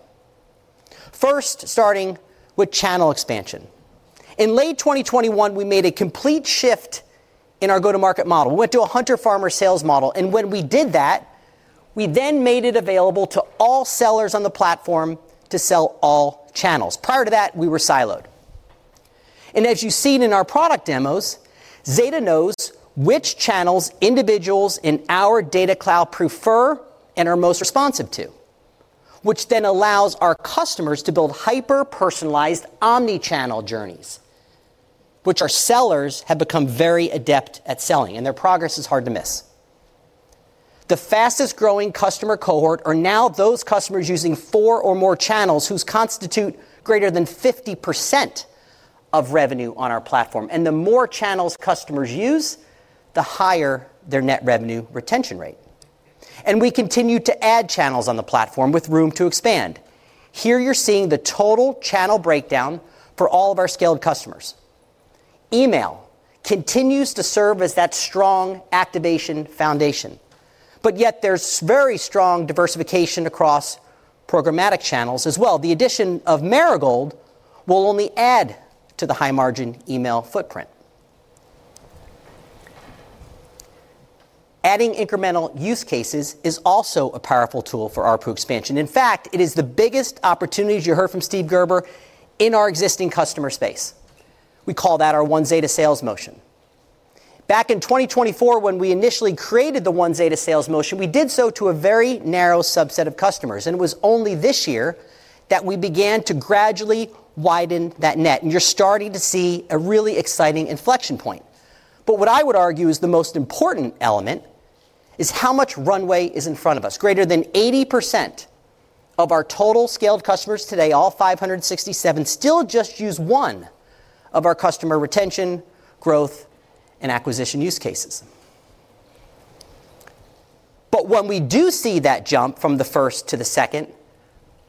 First, starting with channel expansion. In late 2021, we made a complete shift in our go-to-market model. We went to a hunter-farmer sales model. When we did that, we then made it available to all sellers on the platform to sell all channels. Prior to that, we were siloed. As you've seen in our product demos, Zeta Global knows which channels individuals in our data cloud prefer and are most responsive to, which then allows our customers to build hyper-personalized omnichannel journeys, which our sellers have become very adept at selling. Their progress is hard to miss. The fastest growing customer cohort are now those customers using four or more channels, which constitute greater than 50% of revenue on our platform. The more channels customers use, the higher their net revenue retention rate. We continue to add channels on the platform with room to expand. Here, you're seeing the total channel breakdown for all of our scaled customers. Email continues to serve as that strong activation foundation, yet there's very strong diversification across programmatic channels as well. The addition of Marigold will only add to the high-margin email footprint. Adding incremental use cases is also a powerful tool for ARPU expansion. In fact, it is the biggest opportunity you heard from Steve Gerber in our existing customer space. We call that our OneZeta sales motion. Back in 2024, when we initially created the OneZeta sales motion, we did so to a very narrow subset of customers. It was only this year that we began to gradually widen that net. You're starting to see a really exciting inflection point. What I would argue is the most important element is how much runway is in front of us. Greater than 80% of our total scaled customers today, all 567, still just use one of our customer retention, growth, and acquisition use cases. When we do see that jump from the first to the second,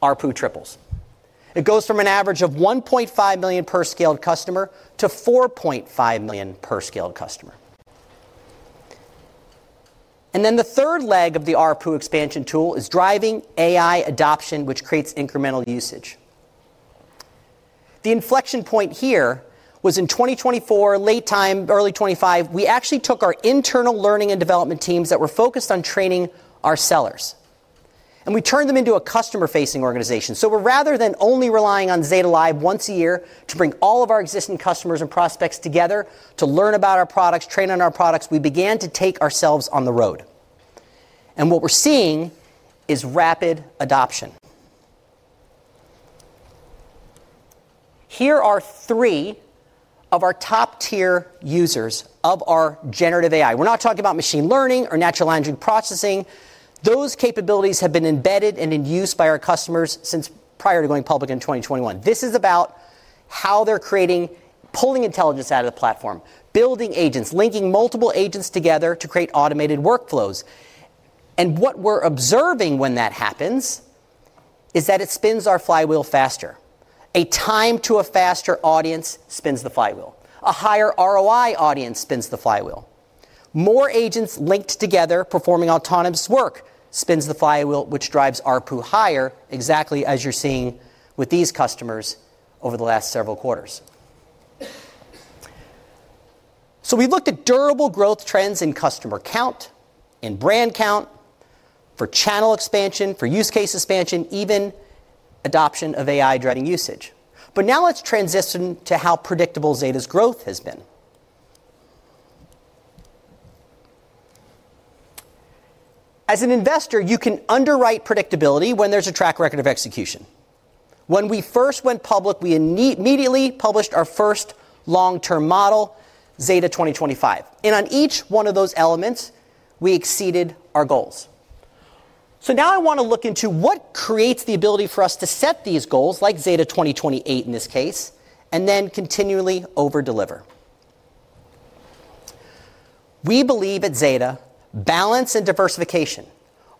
ARPU triples. It goes from an average of $1.5 million per scaled customer to $4.5 million per scaled customer. The third leg of the ARPU expansion tool is driving AI adoption, which creates incremental usage. The inflection point here was in 2024, late time, early 2025, we actually took our internal learning and development teams that were focused on training our sellers. We turned them into a customer-facing organization. Rather than only relying on Zeta Live once a year to bring all of our existing customers and prospects together to learn about our products and train on our products, we began to take ourselves on the road. What we're seeing is rapid adoption. Here are three of our top-tier users of our generative AI. We're not talking about machine learning or natural language processing. Those capabilities have been embedded and in use by our customers since prior to going public in 2021. This is about how they're creating, pulling intelligence out of the platform, building agents, linking multiple agents together to create automated workflows. What we're observing when that happens is that it spins our flywheel faster. A time to a faster audience spins the flywheel. A higher ROI audience spins the flywheel. More agents linked together performing autonomous work spins the flywheel, which drives ARPU higher, exactly as you're seeing with these customers over the last several quarters. We look at durable growth trends in customer count, in brand count, for channel expansion, for use case expansion, even adoption of AI driving usage. Now let's transition to how predictable Zeta Global's growth has been. As an investor, you can underwrite predictability when there's a track record of execution. When we first went public, we immediately published our first long-term model, Zeta 2025. On each one of those elements, we exceeded our goals. Now I want to look into what creates the ability for us to set these goals, like Zeta 2028 in this case, and then continually overdeliver. We believe at Zeta Global, balance and diversification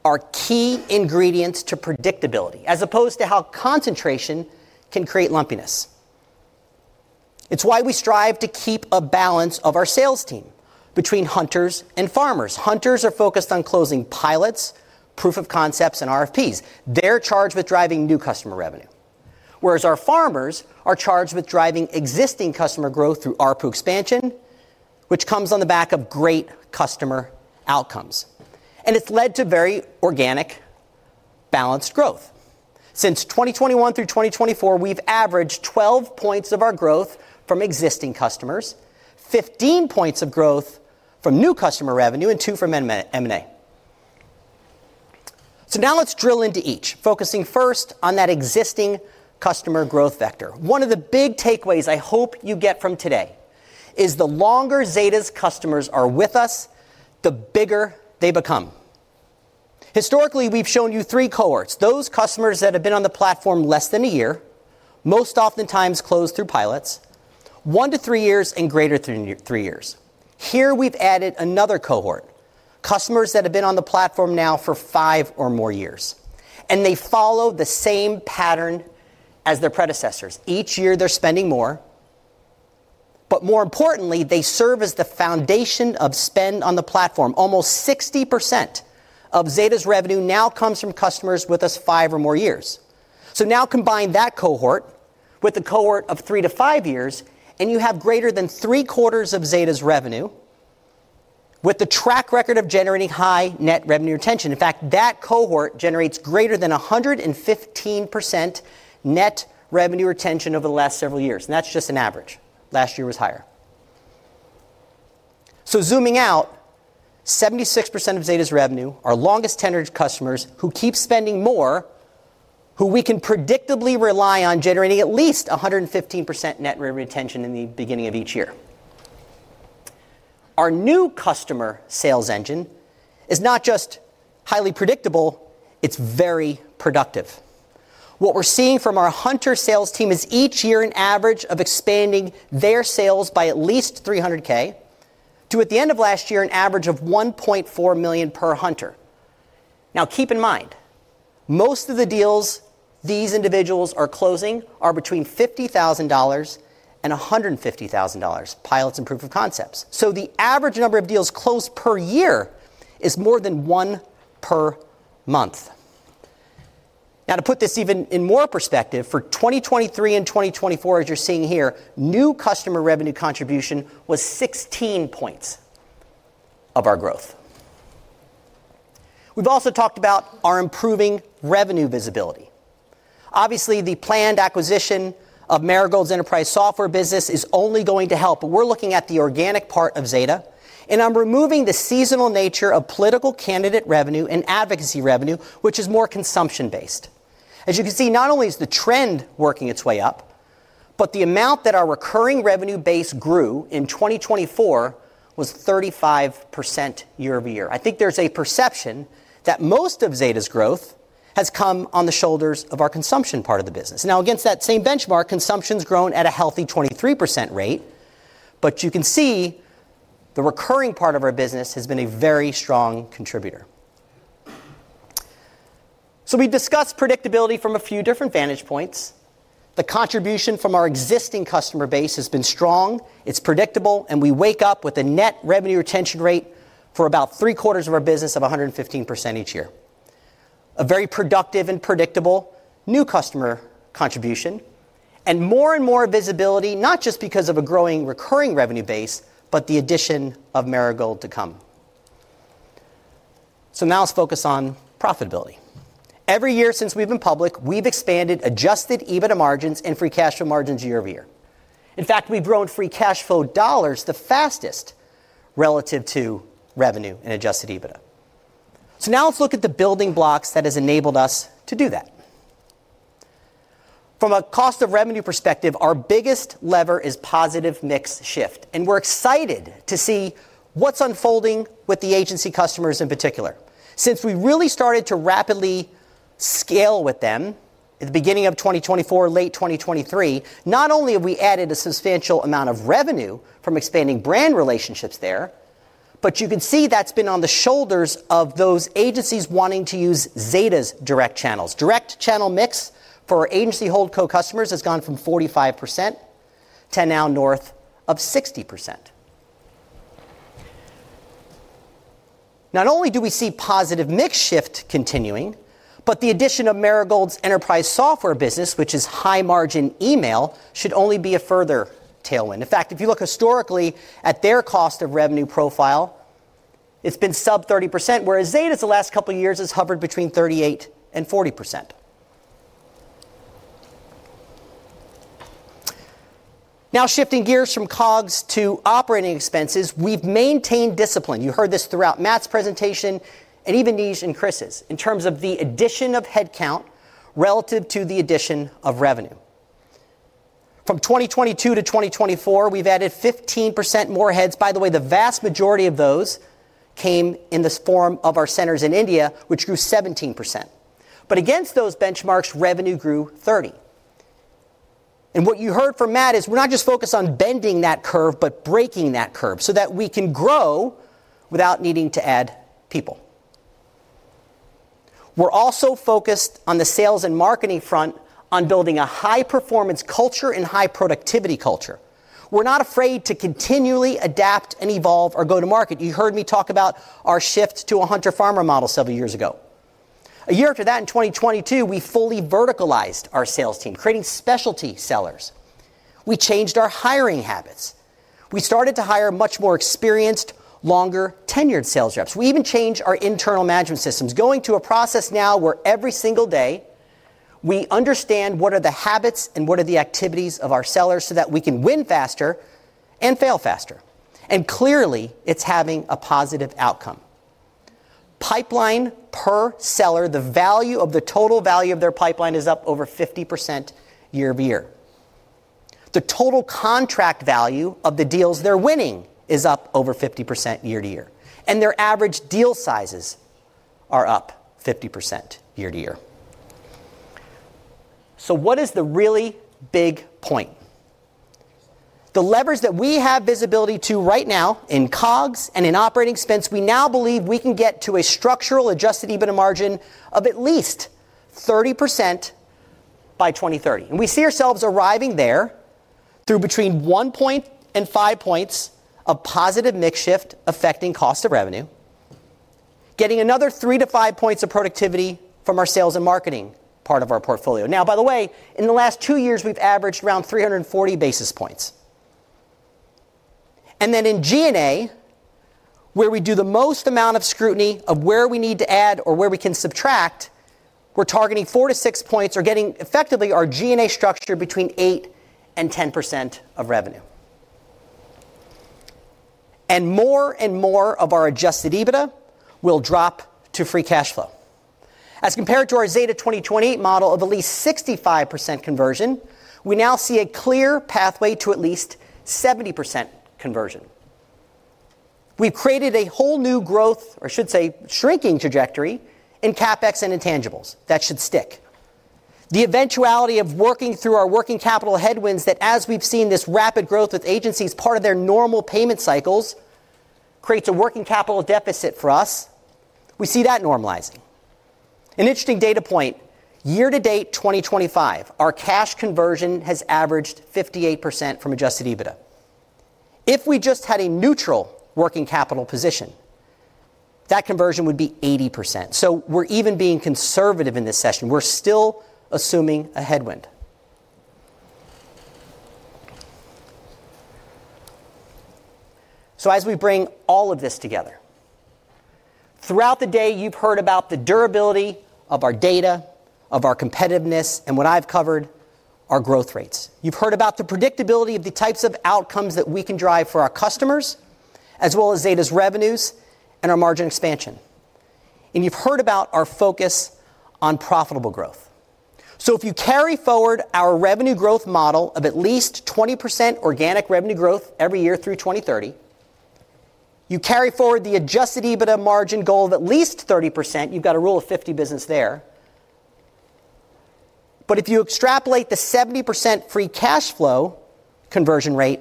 are key ingredients to predictability, as opposed to how concentration can create lumpiness. It is why we strive to keep a balance of our sales team between hunters and farmers. Hunters are focused on closing pilots, proof of concepts, and RFPs. They're charged with driving new customer revenue, whereas our farmers are charged with driving existing customer growth through ARPU expansion, which comes on the back of great customer outcomes. It has led to very organic, balanced growth. Since 2021 through 2024, we've averaged 12 points of our growth from existing customers, 15 points of growth from new customer revenue, and two from M&A. Now let's drill into each, focusing first on that existing customer growth vector. One of the big takeaways I hope you get from today is the longer Zeta's customers are with us, the bigger they become. Historically, we've shown you three cohorts: those customers that have been on the platform less than a year, most oftentimes closed through pilots, one to three years, and greater than three years. Here, we've added another cohort: customers that have been on the platform now for five or more years. They follow the same pattern as their predecessors. Each year, they're spending more. More importantly, they serve as the foundation of spend on the platform. Almost 60% of Zeta's revenue now comes from customers with us five or more years. Combine that cohort with the cohort of three to five years, and you have greater than three quarters of Zeta's revenue with the track record of generating high net revenue retention. In fact, that cohort generates greater than 115% net revenue retention over the last several years. That's just an average. Last year was higher. Zooming out, 76% of Zeta's revenue are longest tenured customers who keep spending more, who we can predictably rely on generating at least 115% net revenue retention in the beginning of each year. Our new customer sales engine is not just highly predictable, it's very productive. What we're seeing from our hunter sales team is each year an average of expanding their sales by at least $300,000 to, at the end of last year, an average of $1.4 million per hunter. Keep in mind, most of the deals these individuals are closing are between $50,000 and $150,000, pilots and proof of concepts. The average number of deals closed per year is more than one per month. To put this even in more perspective, for 2023 and 2024, as you're seeing here, new customer revenue contribution was 16 points of our growth. We've also talked about our improving revenue visibility. Obviously, the planned acquisition of Marigold's enterprise software business is only going to help. We're looking at the organic part of Zeta. I'm removing the seasonal nature of political candidate revenue and advocacy revenue, which is more consumption-based. As you can see, not only is the trend working its way up, but the amount that our recurring revenue base grew in 2024 was 35% year-over-year. I think there's a perception that most of Zeta's growth has come on the shoulders of our consumption part of the business. Against that same benchmark, consumption's grown at a healthy 23% rate. You can see the recurring part of our business has been a very strong contributor. We discussed predictability from a few different vantage points. The contribution from our existing customer base has been strong. It's predictable. We wake up with a net revenue retention rate for about three quarters of our business of 115% each year. A very productive and predictable new customer contribution, and more and more visibility, not just because of a growing recurring revenue base, but the addition of Marigold to come. Now let's focus on profitability. Every year since we've been public, we've expanded adjusted EBITDA margins and free cash flow margins year-over-year. In fact, we've grown free cash flow dollars the fastest relative to revenue and adjusted EBITDA. Now let's look at the building blocks that have enabled us to do that. From a cost of revenue perspective, our biggest lever is positive mix shift. We're excited to see what's unfolding with the agency customers in particular. Since we really started to rapidly scale with them at the beginning of 2024, late 2023, not only have we added a substantial amount of revenue from expanding brand relationships there, but you can see that's been on the shoulders of those agencies wanting to use Zeta's direct channels. Direct channel mix for our agency hold co-customers has gone from 45% to now north of 60%. We see positive mix shift continuing, and the addition of Marigold's enterprise software business, which is high-margin email, should only be a further tailwind. In fact, if you look historically at their cost of revenue profile, it's been sub 30%, whereas Zeta's the last couple of years has hovered between 38% and 40%. Now, shifting gears from COGS to operating expenses, we've maintained discipline. You heard this throughout Matt's presentation and even Neej's and Chris Monberg's in terms of the addition of headcount relative to the addition of revenue. From 2022 to 2024, we've added 15% more heads. By the way, the vast majority of those came in the form of our centers in India, which grew 17%. Against those benchmarks, revenue grew 30%. What you heard from Matt is we're not just focused on bending that curve, but breaking that curve so that we can grow without needing to add people. We're also focused on the sales and marketing front on building a high-performance culture and high-productivity culture. We're not afraid to continually adapt and evolve our go-to-market. You heard me talk about our shift to a hunter-farmer model several years ago. A year after that, in 2022, we fully verticalized our sales team, creating specialty sellers. We changed our hiring habits. We started to hire much more experienced, longer tenured sales reps. We even changed our internal management systems, going to a process now where every single day we understand what are the habits and what are the activities of our sellers so that we can win faster and fail faster. Clearly, it's having a positive outcome. Pipeline per seller, the value of the total value of their pipeline is up over 50% year-over-year. The total contract value of the deals they're winning is up over 50% year to year. Their average deal sizes are up 50% year to year. What is the really big point? The levers that we have visibility to right now in COGS and in operating expense, we now believe we can get to a structural adjusted EBITDA margin of at least 30% by 2030. We see ourselves arriving there through between 1.0 and 5 points of positive mix shift affecting cost of revenue, getting another 3-5 points of productivity from our sales and marketing part of our portfolio. In the last two years, we've averaged around 340 basis points. In G&A, where we do the most amount of scrutiny of where we need to add or where we can subtract, we're targeting 4-6 points or getting effectively our G&A structure between 8% and 10% of revenue. More and more of our adjusted EBITDA will drop to free cash flow. As compared to our Zeta 2028 model of at least 65% conversion, we now see a clear pathway to at least 70% conversion. We've created a whole new growth, or I should say shrinking trajectory, in CapEx and intangibles that should stick. The eventuality of working through our working capital headwinds that, as we've seen this rapid growth with agencies, part of their normal payment cycles creates a working capital deficit for us. We see that normalizing. An interesting data point: year to date 2025, our cash conversion has averaged 58% from adjusted EBITDA. If we just had a neutral working capital position, that conversion would be 80%. We're even being conservative in this session. We're still assuming a headwind. As we bring all of this together, throughout the day, you've heard about the durability of our data, of our competitiveness, and what I've covered are growth rates. You've heard about the predictability of the types of outcomes that we can drive for our customers, as well as Zeta Global's revenues and our margin expansion. You've heard about our focus on profitable growth. If you carry forward our revenue growth model of at least 20% organic revenue growth every year through 2030, and you carry forward the adjusted EBITDA margin goal of at least 30%, you've got a rule of 50 business there. If you extrapolate the 70% free cash flow conversion rate,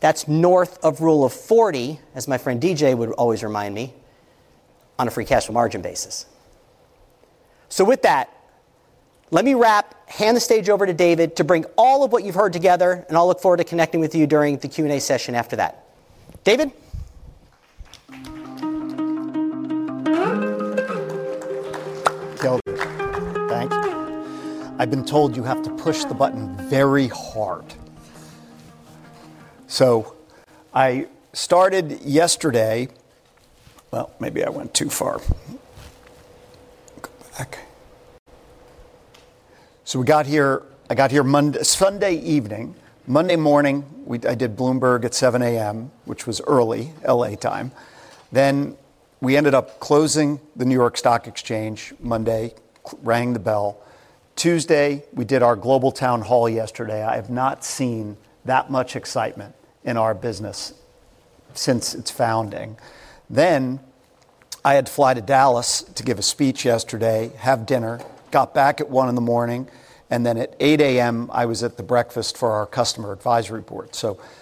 that's north of rule of 40, as my friend DJ would always remind me, on a free cash flow margin basis. With that, let me wrap, hand the stage over to David to bring all of what you've heard together. I'll look forward to connecting with you during the Q&A session after that. David? Thanks. I've been told you have to push the button very hard. I started yesterday. Maybe I went too far. We got here. I got here Sunday evening. Monday morning, I did Bloomberg at 7:00 A.M., which was early LA time. We ended up closing the New York Stock Exchange Monday, rang the bell. Tuesday, we did our global town hall yesterday. I have not seen that much excitement in our business since its founding. I had to fly to Dallas to give a speech yesterday, have dinner, got back at 1:00 in the morning. At 8:00 A.M., I was at the breakfast for our customer advisory board.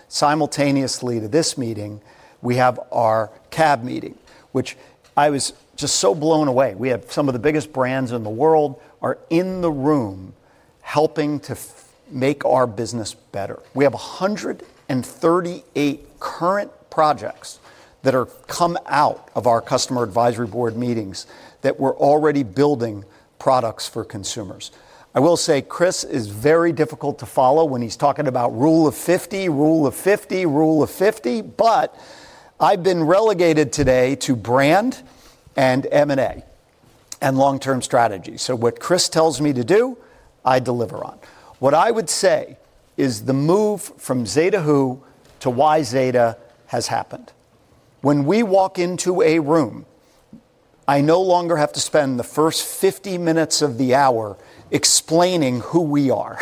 Simultaneously to this meeting, we have our CAB meeting, which I was just so blown away. We have some of the biggest brands in the world in the room helping to make our business better. We have 138 current projects that have come out of our customer advisory board meetings that we're already building products for consumers. I will say Chris is very difficult to follow when he's talking about rule of 50, rule of 50, rule of 50. I've been relegated today to brand and M&A and long-term strategy. What Chris tells me to do, I deliver on. What I would say is the move from Zeta Who to why Zeta has happened. When we walk into a room, I no longer have to spend the first 50 minutes of the hour explaining who we are.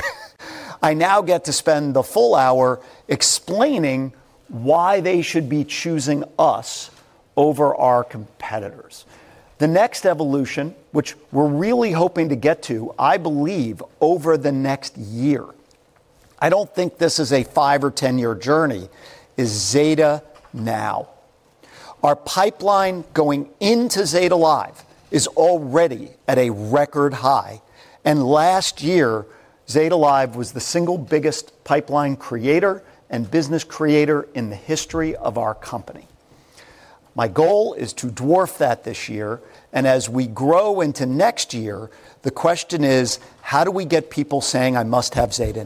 I now get to spend the full hour explaining why they should be choosing us over our competitors. The next evolution, which we're really hoping to get to, I believe over the next year. I don't think this is a five or 10-year journey, is Zeta now. Our pipeline going into Zeta Live is already at a record high. Last year, Zeta Live was the single biggest pipeline creator and business creator in the history of our company. My goal is to dwarf that this year. As we grow into next year, the question is, how do we get people saying I must have Zeta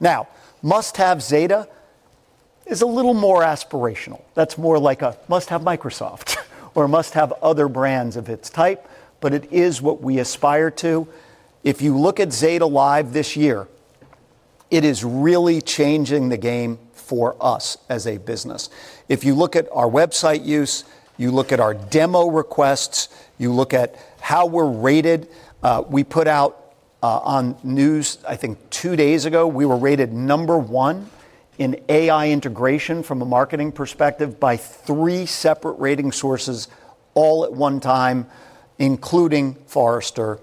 now? Must have Zeta is a little more aspirational. That's more like a must have Microsoft or must have other brands of its type. It is what we aspire to. If you look at Zeta Live this year, it is really changing the game for us as a business. If you look at our website use, you look at our demo requests, you look at how we're rated. We put out on news, I think two days ago, we were rated number one in AI integration from a marketing perspective by three separate rating sources all at one time, including Forrester.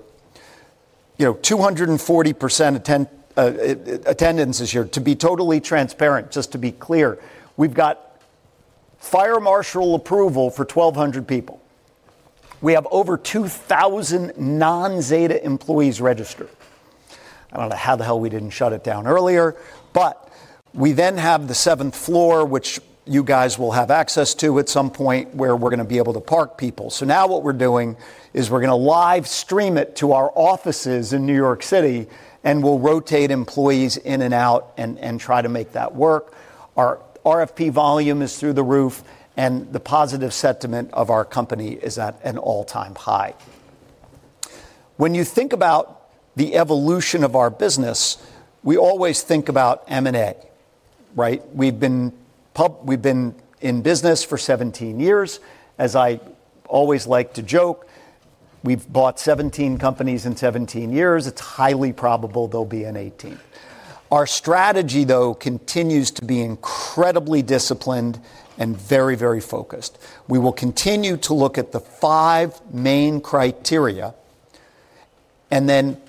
240% attendances here. To be totally transparent, just to be clear, we've got fire marshal approval for 1,200 people. We have over 2,000 non-Zeta employees registered. I don't know how the hell we didn't shut it down earlier. We then have the seventh floor, which you guys will have access to at some point, where we're going to be able to park people. Now what we're doing is we're going to live stream it to our offices in New York City. We'll rotate employees in and out and try to make that work. Our RFP volume is through the roof. The positive sentiment of our company is at an all-time high. When you think about the evolution of our business, we always think about M&A, right? We've been in business for 17 years. As I always like to joke, we've bought 17 companies in 17 years. It's highly probable there'll be an 18. Our strategy, though, continues to be incredibly disciplined and very, very focused. We will continue to look at the five main criteria and then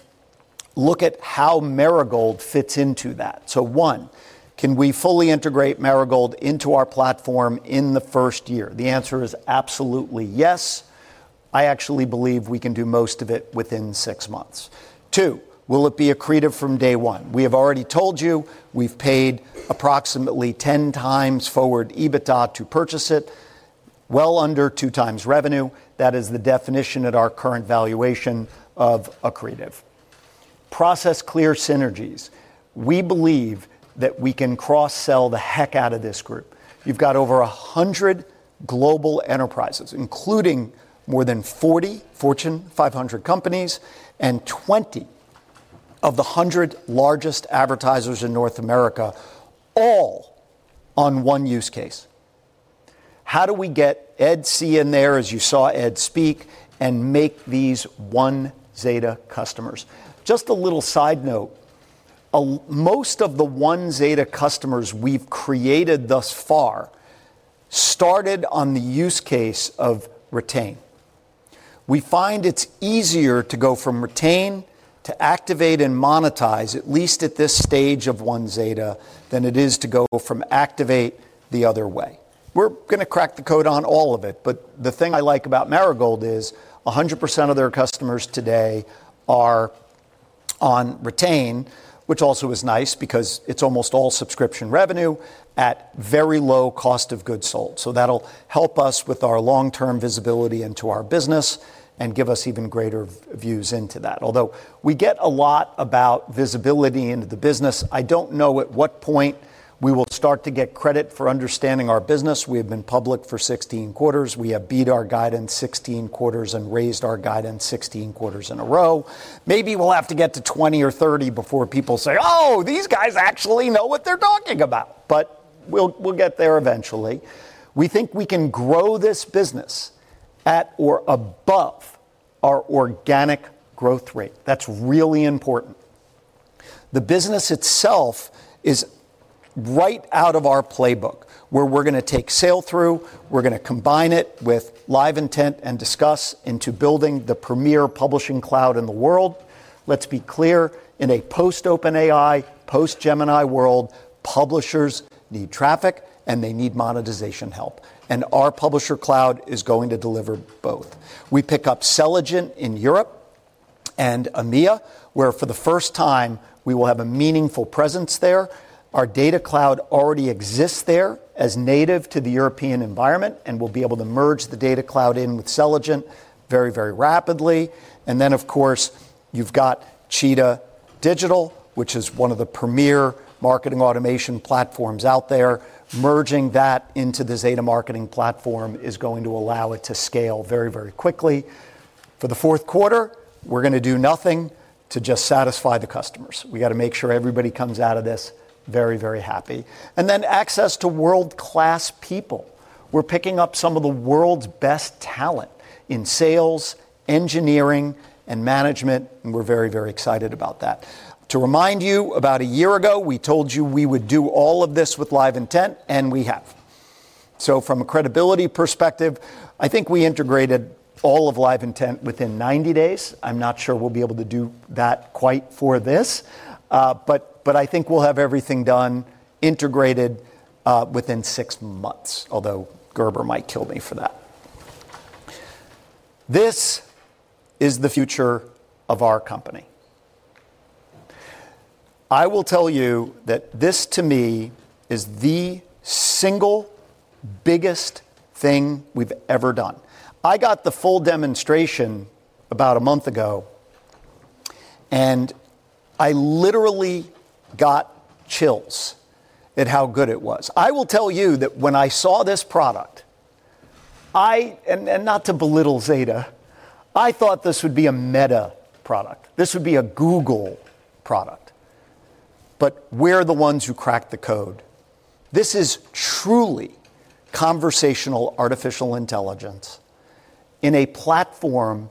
look at how Marigold fits into that. One, can we fully integrate Marigold into our platform in the first year? The answer is absolutely yes. I actually believe we can do most of it within six months. Two, will it be accretive from day one? We have already told you we've paid approximately 10 times forward EBITDA to purchase it, well under 2 times revenue. That is the definition at our current valuation of accretive. Process clear synergies. We believe that we can cross-sell the heck out of this group. You've got over 100 global enterprises, including more than 40 Fortune 500 companies and 20 of the 100 largest advertisers in North America, all on one use case. How do we get Ed C in there, as you saw Ed speak, and make these OneZeta customers? Just a little side note, most of the OneZeta customers we've created thus far started on the use case of retain. We find it's easier to go from retain to activate and monetize, at least at this stage of OneZeta, than it is to go from activate the other way. We're going to crack the code on all of it. The thing I like about Marigold is 100% of their customers today are on retain, which also is nice because it's almost all subscription revenue at very low cost of goods sold. That'll help us with our long-term visibility into our business and give us even greater views into that. Although we get a lot about visibility into the business, I don't know at what point we will start to get credit for understanding our business. We have been public for 16 quarters. We have beat our guidance 16 quarters and raised our guidance 16 quarters in a row. Maybe we'll have to get to 20 or 30 before people say, oh, these guys actually know what they're talking about. We'll get there eventually. We think we can grow this business at or above our organic growth rate. That's really important. The business itself is right out of our playbook, where we're going to take sale through. We're going to combine it with LiveIntent and Disqus into building the premier publishing cloud in the world. Let's be clear, in a post-OpenAI, post-Gemini world, publishers need traffic and they need monetization help. Our publisher cloud is going to deliver both. We pick up Selligent in Europe and EMEA, where for the first time we will have a meaningful presence there. Our data cloud already exists there as native to the European environment. We'll be able to merge the data cloud in with Selligent very, very rapidly. Of course, you've got Cheetah Digital, which is one of the premier marketing automation platforms out there. Merging that into the Zeta Marketing Platform is going to allow it to scale very, very quickly. For the fourth quarter, we're going to do nothing to just satisfy the customers. We got to make sure everybody comes out of this very, very happy. Access to world-class people. We're picking up some of the world's best talent in sales, engineering, and management. We're very, very excited about that. To remind you, about a year ago, we told you we would do all of this with LiveIntent, and we have. From a credibility perspective, I think we integrated all of LiveIntent within 90 days. I'm not sure we'll be able to do that quite for this. I think we'll have everything done integrated within six months, although Gerber might kill me for that. This is the future of our company. I will tell you that this, to me, is the single biggest thing we've ever done. I got the full demonstration about a month ago. I literally got chills at how good it was. I will tell you that when I saw this product, and not to belittle Zeta, I thought this would be a Meta product. This would be a Google product. We're the ones who crack the code. This is truly conversational artificial intelligence in a platform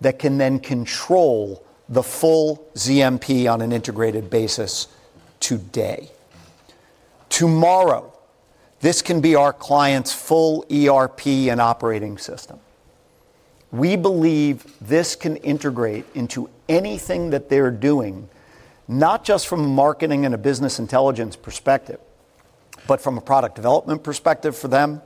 that can then control the full ZMP on an integrated basis today. Tomorrow, this can be our client's full ERP and operating system. We believe this can integrate into anything that they're doing, not just from a marketing and a business intelligence perspective, but from a product development perspective for them,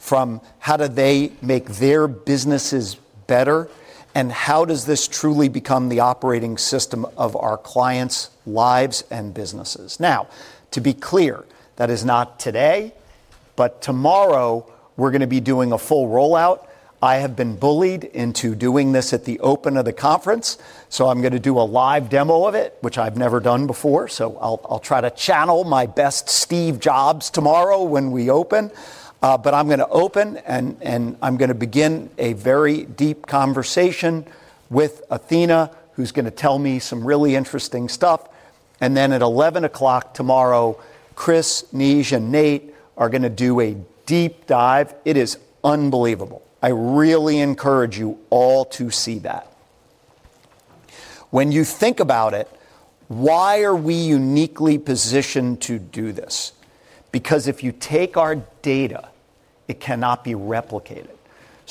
from how do they make their businesses better and how does this truly become the operating system of our clients' lives and businesses. Now, to be clear, that is not today, but tomorrow we're going to be doing a full rollout. I have been bullied into doing this at the open of the conference. I'm going to do a live demo of it, which I've never done before. I'll try to channel my best Steve Jobs tomorrow when we open. I'm going to open, and I'm going to begin a very deep conversation with Athena, who's going to tell me some really interesting stuff. Then at 11:00 A.M. tomorrow, Chris, Neej, and Nate are going to do a deep dive. It is unbelievable. I really encourage you all to see that. When you think about it, why are we uniquely positioned to do this? Because if you take our data, it cannot be replicated.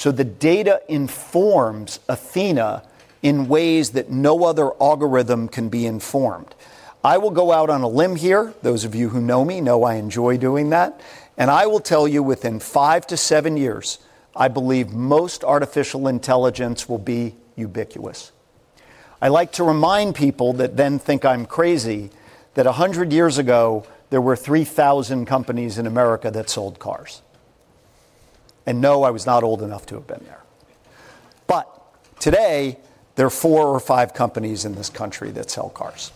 The data informs Athena in ways that no other algorithm can be informed. I will go out on a limb here. Those of you who know me know I enjoy doing that. I will tell you, within five to seven years, I believe most artificial intelligence will be ubiquitous. I like to remind people that then think I'm crazy, that 100 years ago, there were 3,000 companies in America that sold cars. No, I was not old enough to have been there. Today, there are four or five companies in this country that sell cars.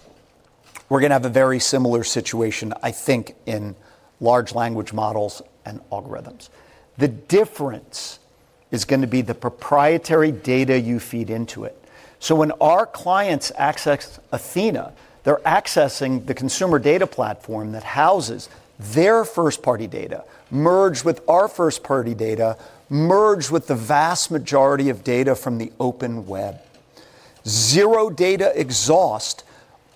We're going to have a very similar situation, I think, in large language models and algorithms. The difference is going to be the proprietary data you feed into it. When our clients access Athena, they're accessing the consumer data platform that houses their first-party data, merged with our first-party data, merged with the vast majority of data from the open web. Zero data exhaust.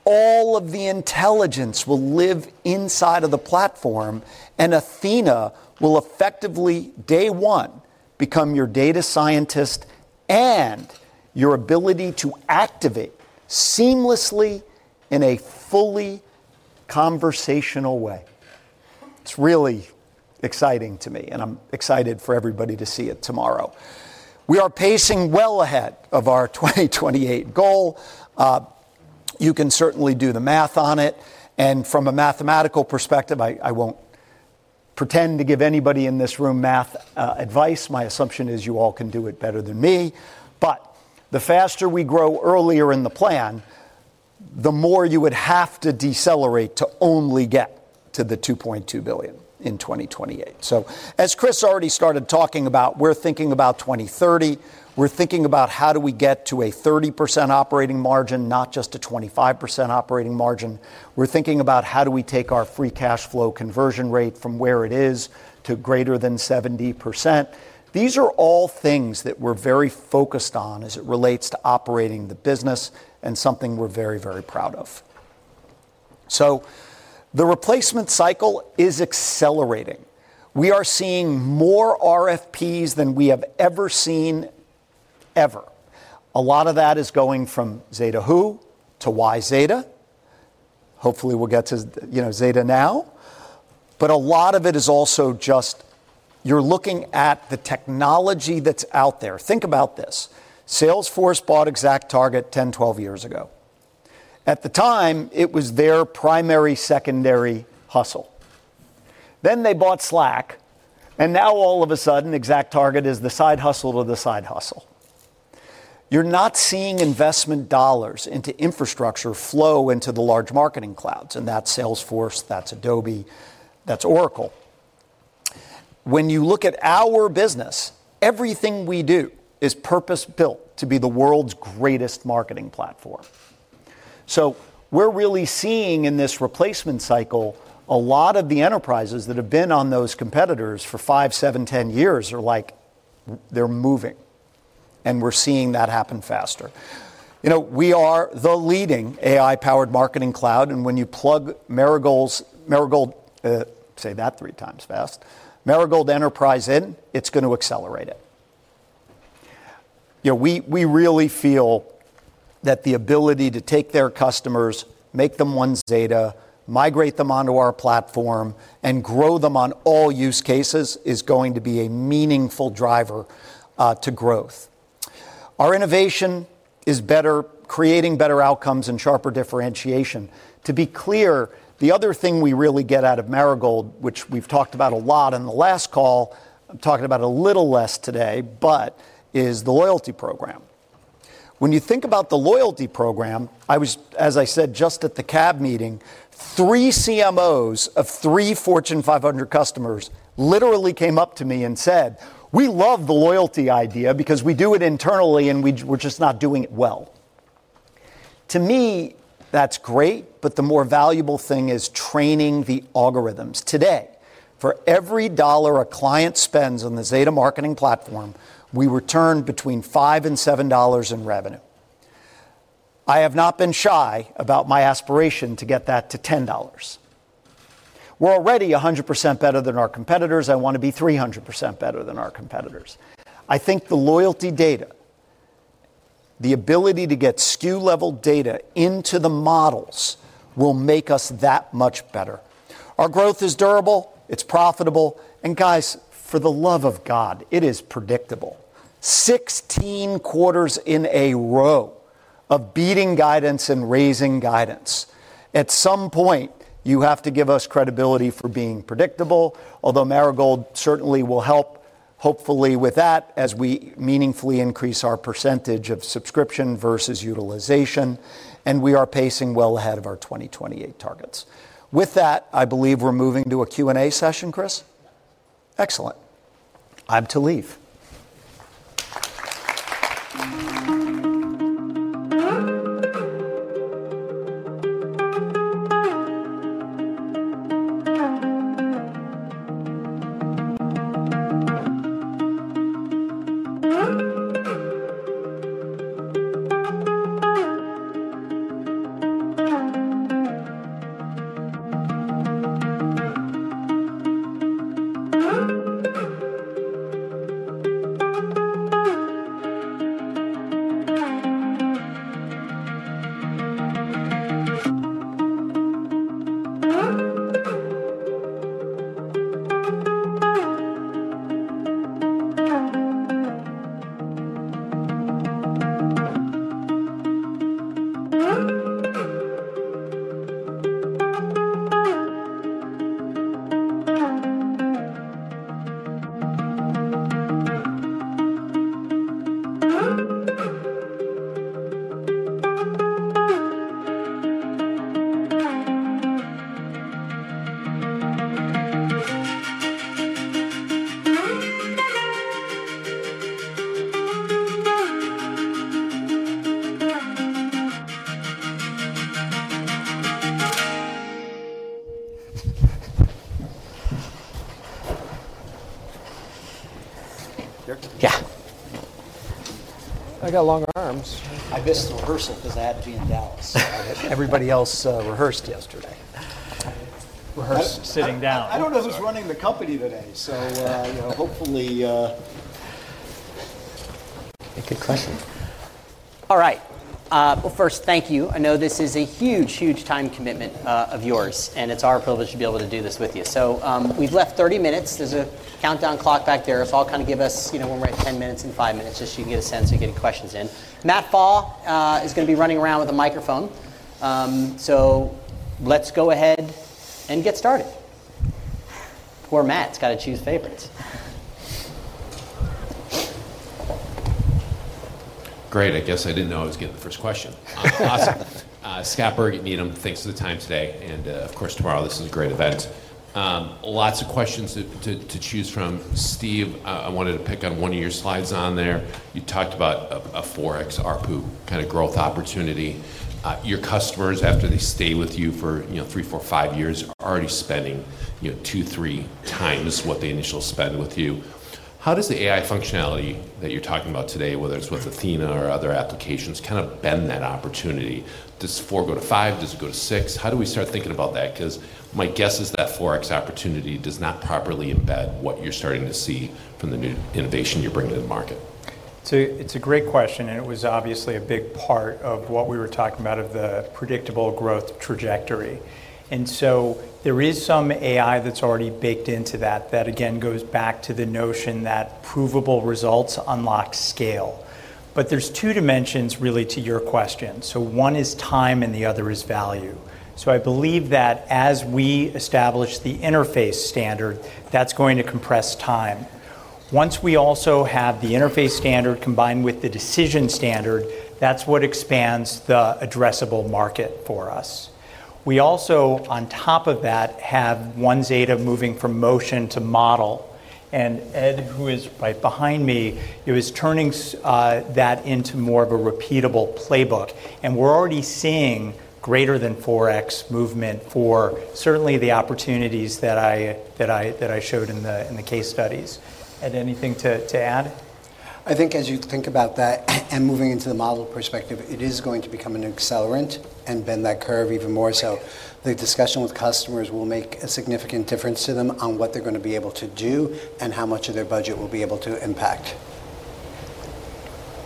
All of the intelligence will live inside of the platform. Athena will effectively, day one, become your data scientist and your ability to activate seamlessly in a fully conversational way. It's really exciting to me. I'm excited for everybody to see it tomorrow. We are pacing well ahead of our 2028 goal. You can certainly do the math on it. From a mathematical perspective, I won't pretend to give anybody in this room math advice. My assumption is you all can do it better than me. The faster we grow earlier in the plan, the more you would have to decelerate to only get to the $2.2 billion in 2028. As Chris already started talking about, we're thinking about 2030. We're thinking about how do we get to a 30% operating margin, not just a 25% operating margin. We're thinking about how do we take our free cash flow conversion rate from where it is to greater than 70%. These are all things that we're very focused on as it relates to operating the business and something we're very, very proud of. The replacement cycle is accelerating. We are seeing more RFPs than we have ever seen ever. A lot of that is going from Zeta Who to why Zeta. Hopefully, we'll get to Zeta now. A lot of it is also just you're looking at the technology that's out there. Think about this. Salesforce bought ExactTarget 10, 12 years ago. At the time, it was their primary secondary hustle. Then they bought Slack. Now, all of a sudden, ExactTarget is the side hustle to the side hustle. You're not seeing investment dollars into infrastructure flow into the large marketing clouds. That's Salesforce, that's Adobe, that's Oracle. When you look at our business, everything we do is purpose-built to be the world's greatest marketing platform. We're really seeing in this replacement cycle a lot of the enterprises that have been on those competitors for five, seven, ten years are like they're moving. We're seeing that happen faster. We are the leading AI-powered marketing cloud. When you plug Marigold, say that three times fast, Marigold Enterprise in, it's going to accelerate it. We really feel that the ability to take their customers, make them one Zeta, migrate them onto our platform, and grow them on all use cases is going to be a meaningful driver to growth. Our innovation is better, creating better outcomes and sharper differentiation. To be clear, the other thing we really get out of Marigold, which we've talked about a lot in the last call, talking about a little less today, is the loyalty program. When you think about the loyalty program, I was, as I said, just at the CAB meeting, three CMOs of three Fortune 500 customers literally came up to me and said, we love the loyalty idea because we do it internally, and we're just not doing it well. To me, that's great. The more valuable thing is training the algorithms. Today, for every dollar a client spends on the Zeta Marketing Platform, we return between $5 and $7 in revenue. I have not been shy about my aspiration to get that to $10. We're already 100% better than our competitors. I want to be 300% better than our competitors. I think the loyalty data, the ability to get SKU-level data into the models will make us that much better. Our growth is durable. It's profitable. For the love of God, it is predictable. Sixteen quarters in a row of beating guidance and raising guidance. At some point, you have to give us credibility for being predictable, although Marigold certainly will help, hopefully, with that as we meaningfully increase our percentage of subscription versus utilization. We are pacing well ahead of our 2028 targets. With that, I believe we're moving to a Q&A session, Chris. Excellent. I'm to leave. I got long arms. I missed the rehearsal because I had to be in Dallas. Everybody else rehearsed yesterday, rehearsed sitting down. I don't know who's running the company today. Hopefully. Good question. All right. First, thank you. I know this is a huge, huge time commitment of yours. It's our privilege to be able to do this with you. We've left 30 minutes. There's a countdown clock back there. I'll kind of give us, you know, when we're at 10 minutes and 5 minutes just so you can get a sense of getting questions in. Matt Pfau is going to be running around with a microphone. Let's go ahead and get started. Poor Matt's got to choose favorites. Great. I guess I didn't know I was getting the first question. Awesome. Scott Berg at Medium. Thanks for the time today. Of course, tomorrow, this is a great event. Lots of questions to choose from. Steve, I wanted to pick on one of your slides on there. You talked about a 4X ARPU kind of growth opportunity. Your customers, after they stay with you for, you know, three, four, five years, are already spending, you know, two, three times what they initially spent with you. How does the AI functionality that you're talking about today, whether it's with Athena or other applications, kind of bend that opportunity? Does four go to five? Does it go to six? How do we start thinking about that? My guess is that 4X opportunity does not properly embed what you're starting to see from the new innovation you're bringing to the market. It's a great question. It was obviously a big part of what we were talking about regarding the predictable growth trajectory. There is some AI that's already baked into that, which goes back to the notion that provable results unlock scale. There are two dimensions to your question. One is time, and the other is value. I believe that as we establish the interface standard, that's going to compress time. Once we also have the interface standard combined with the decision standard, that's what expands the addressable market for us. We also, on top of that, have OneZeta moving from motion to model. Ed, who is right behind me, is turning that into more of a repeatable playbook. We're already seeing greater than 4X movement for certainly the opportunities that I showed in the case studies. Ed, anything to add? I think as you think about that and moving into the model perspective, it is going to become an accelerant and bend that curve even more. The discussion with customers will make a significant difference to them on what they're going to be able to do and how much of their budget will be able to impact.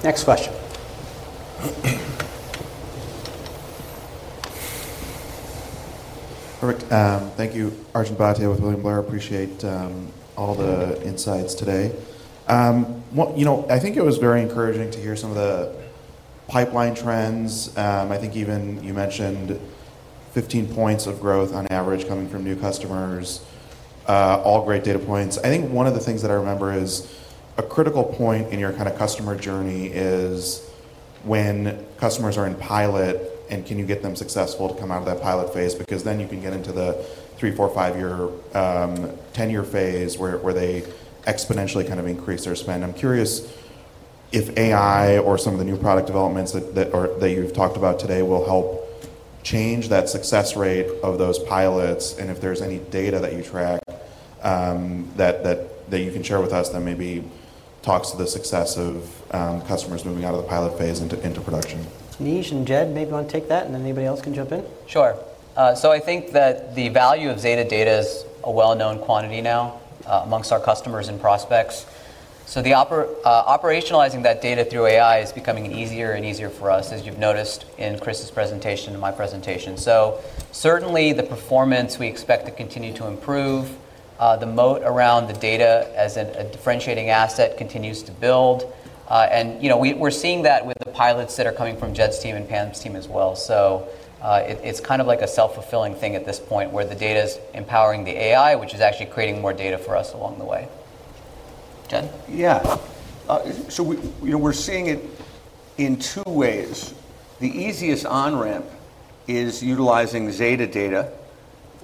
Next question. Thank you, Arjun Bhatia, with William Blair. Appreciate all the insights today. I think it was very encouraging to hear some of the pipeline trends. I think you mentioned 15 points of growth on average coming from new customers, all great data points. One of the things that I remember is a critical point in your kind of customer journey is when customers are in pilot and can you get them successful to come out of that pilot phase? Because then you can get into the three, four, five-year, 10-year phase where they exponentially kind of increase their spend. I'm curious if AI or some of the new product developments that you've talked about today will help change that success rate of those pilots. If there's any data that you track that you can share with us that maybe talks to the success of customers moving out of the pilot phase into production. Neej and Jed maybe want to take that, and then anybody else can jump in. Sure. I think that the value of Zeta data is a well-known quantity now amongst our customers and prospects. Operationalizing that data through AI is becoming easier and easier for us, as you've noticed in Chris Monberg's presentation and my presentation. Certainly, the performance we expect to continue to improve. The moat around the data as a differentiating asset continues to build. We're seeing that with the pilots that are coming from Jed's team and Pam's team as well. It's kind of like a self-fulfilling thing at this point where the data is empowering the AI, which is actually creating more data for us along the way. Jen. We're seeing it in two ways. The easiest on-ramp is utilizing Zeta data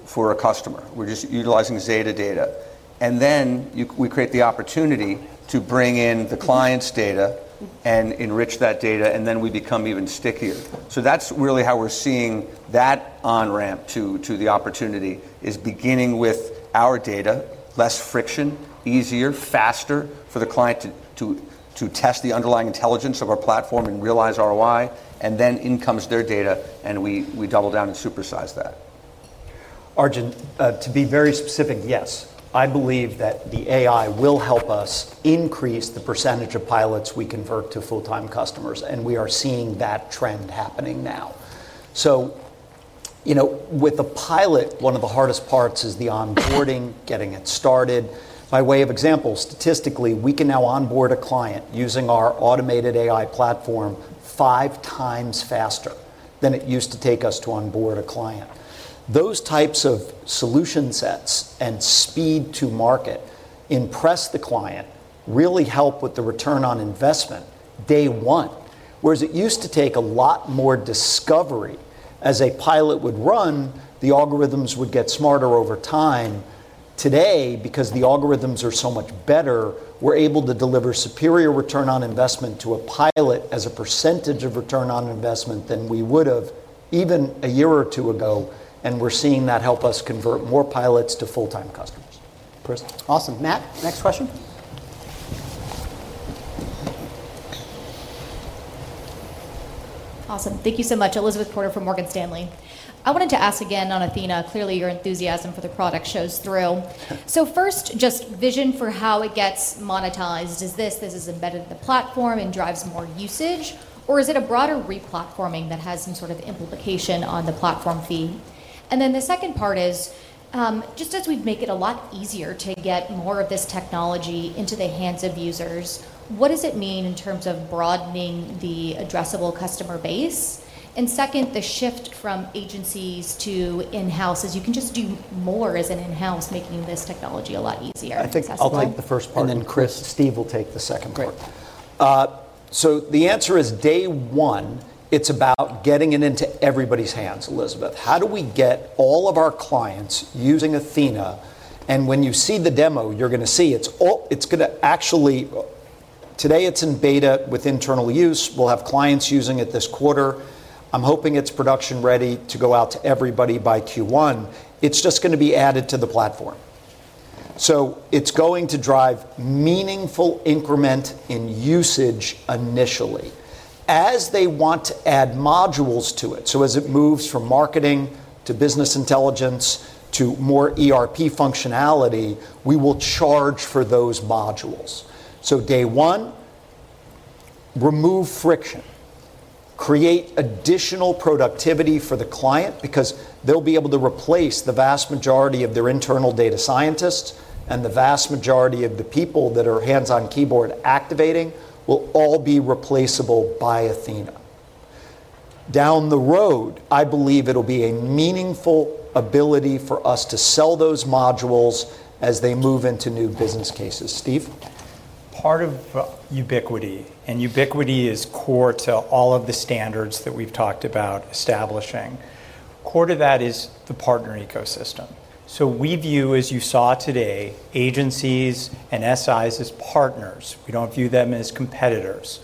for a customer. We're just utilizing Zeta data, and then we create the opportunity to bring in the client's data and enrich that data. We become even stickier. That's really how we're seeing that on-ramp to the opportunity: beginning with our data, less friction, easier, faster for the client to test the underlying intelligence of our platform and realize ROI. Then in comes their data, and we double down and supersize that. Arjun, to be very specific, yes. I believe that the AI will help us increase the percentage of pilots we convert to full-time customers. We are seeing that trend happening now. With the pilot, one of the hardest parts is the onboarding, getting it started. By way of example, statistically, we can now onboard a client using our automated AI platform five times faster than it used to take us to onboard a client. Those types of solution sets and speed to market impress the client, really help with the ROI day one. Whereas it used to take a lot more discovery. As a pilot would run, the algorithms would get smarter over time. Today, because the algorithms are so much better, we're able to deliver superior ROI to a pilot as a percentage of ROI than we would have even a year or two ago. We're seeing that help us convert more pilots to full-time customers. Awesome. Matt, next question. Awesome. Thank you so much, Elizabeth Porter from Morgan Stanley. I wanted to ask again on Athena. Clearly, your enthusiasm for the product shows through. First, just vision for how it gets monetized. Is this embedded in the platform and drives more usage? Is it a broader re-platforming that has some sort of implication on the platform fee? The second part is, just as we make it a lot easier to get more of this technology into the hands of users, what does it mean in terms of broadening the addressable customer base? Second, the shift from agencies to in-house as you can just do more as an in-house, making this technology a lot easier. I think I'll take the first part, and then Chris, Steve will take the second part. Great. The answer is day one, it's about getting it into everybody's hands, Elizabeth. How do we get all of our clients using Athena? When you see the demo, you're going to see it's going to actually, today it's in beta with internal use. We'll have clients using it this quarter. I'm hoping it's production ready to go out to everybody by Q1. It's just going to be added to the platform. It's going to drive meaningful increment in usage initially as they want to add modules to it. As it moves from marketing to business intelligence to more ERP functionality, we will charge for those modules. Day one, remove friction, create additional productivity for the client because they'll be able to replace the vast majority of their internal data scientists. The vast majority of the people that are hands on keyboard activating will all be replaceable by Athena. Down the road, I believe it'll be a meaningful ability for us to sell those modules as they move into new business cases. Steve. Part of ubiquity, and ubiquity is core to all of the standards that we've talked about establishing. Core to that is the partner ecosystem. We view, as you saw today, agencies and SIs as partners. We don't view them as competitors.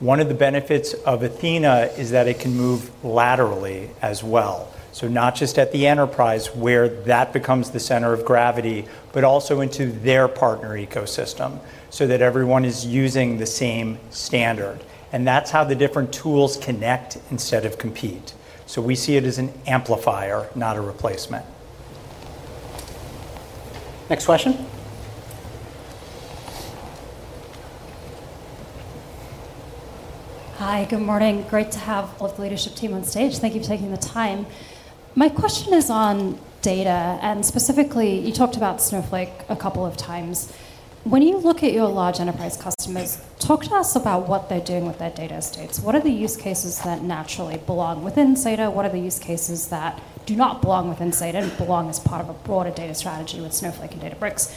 One of the benefits of Athena is that it can move laterally as well, not just at the enterprise where that becomes the center of gravity, but also into their partner ecosystem so that everyone is using the same standard. That's how the different tools connect instead of compete. We see it as an amplifier, not a replacement. Next question. Hi, good morning. Great to have all the leadership team on stage. Thank you for taking the time. My question is on data. Specifically, you talked about Snowflake a couple of times. When you look at your large enterprise customers, talk to us about what they're doing with their data estates. What are the use cases that naturally belong within Zeta Global? What are the use cases that do not belong within Zeta Global and belong as part of a broader data strategy with Snowflake and Databricks?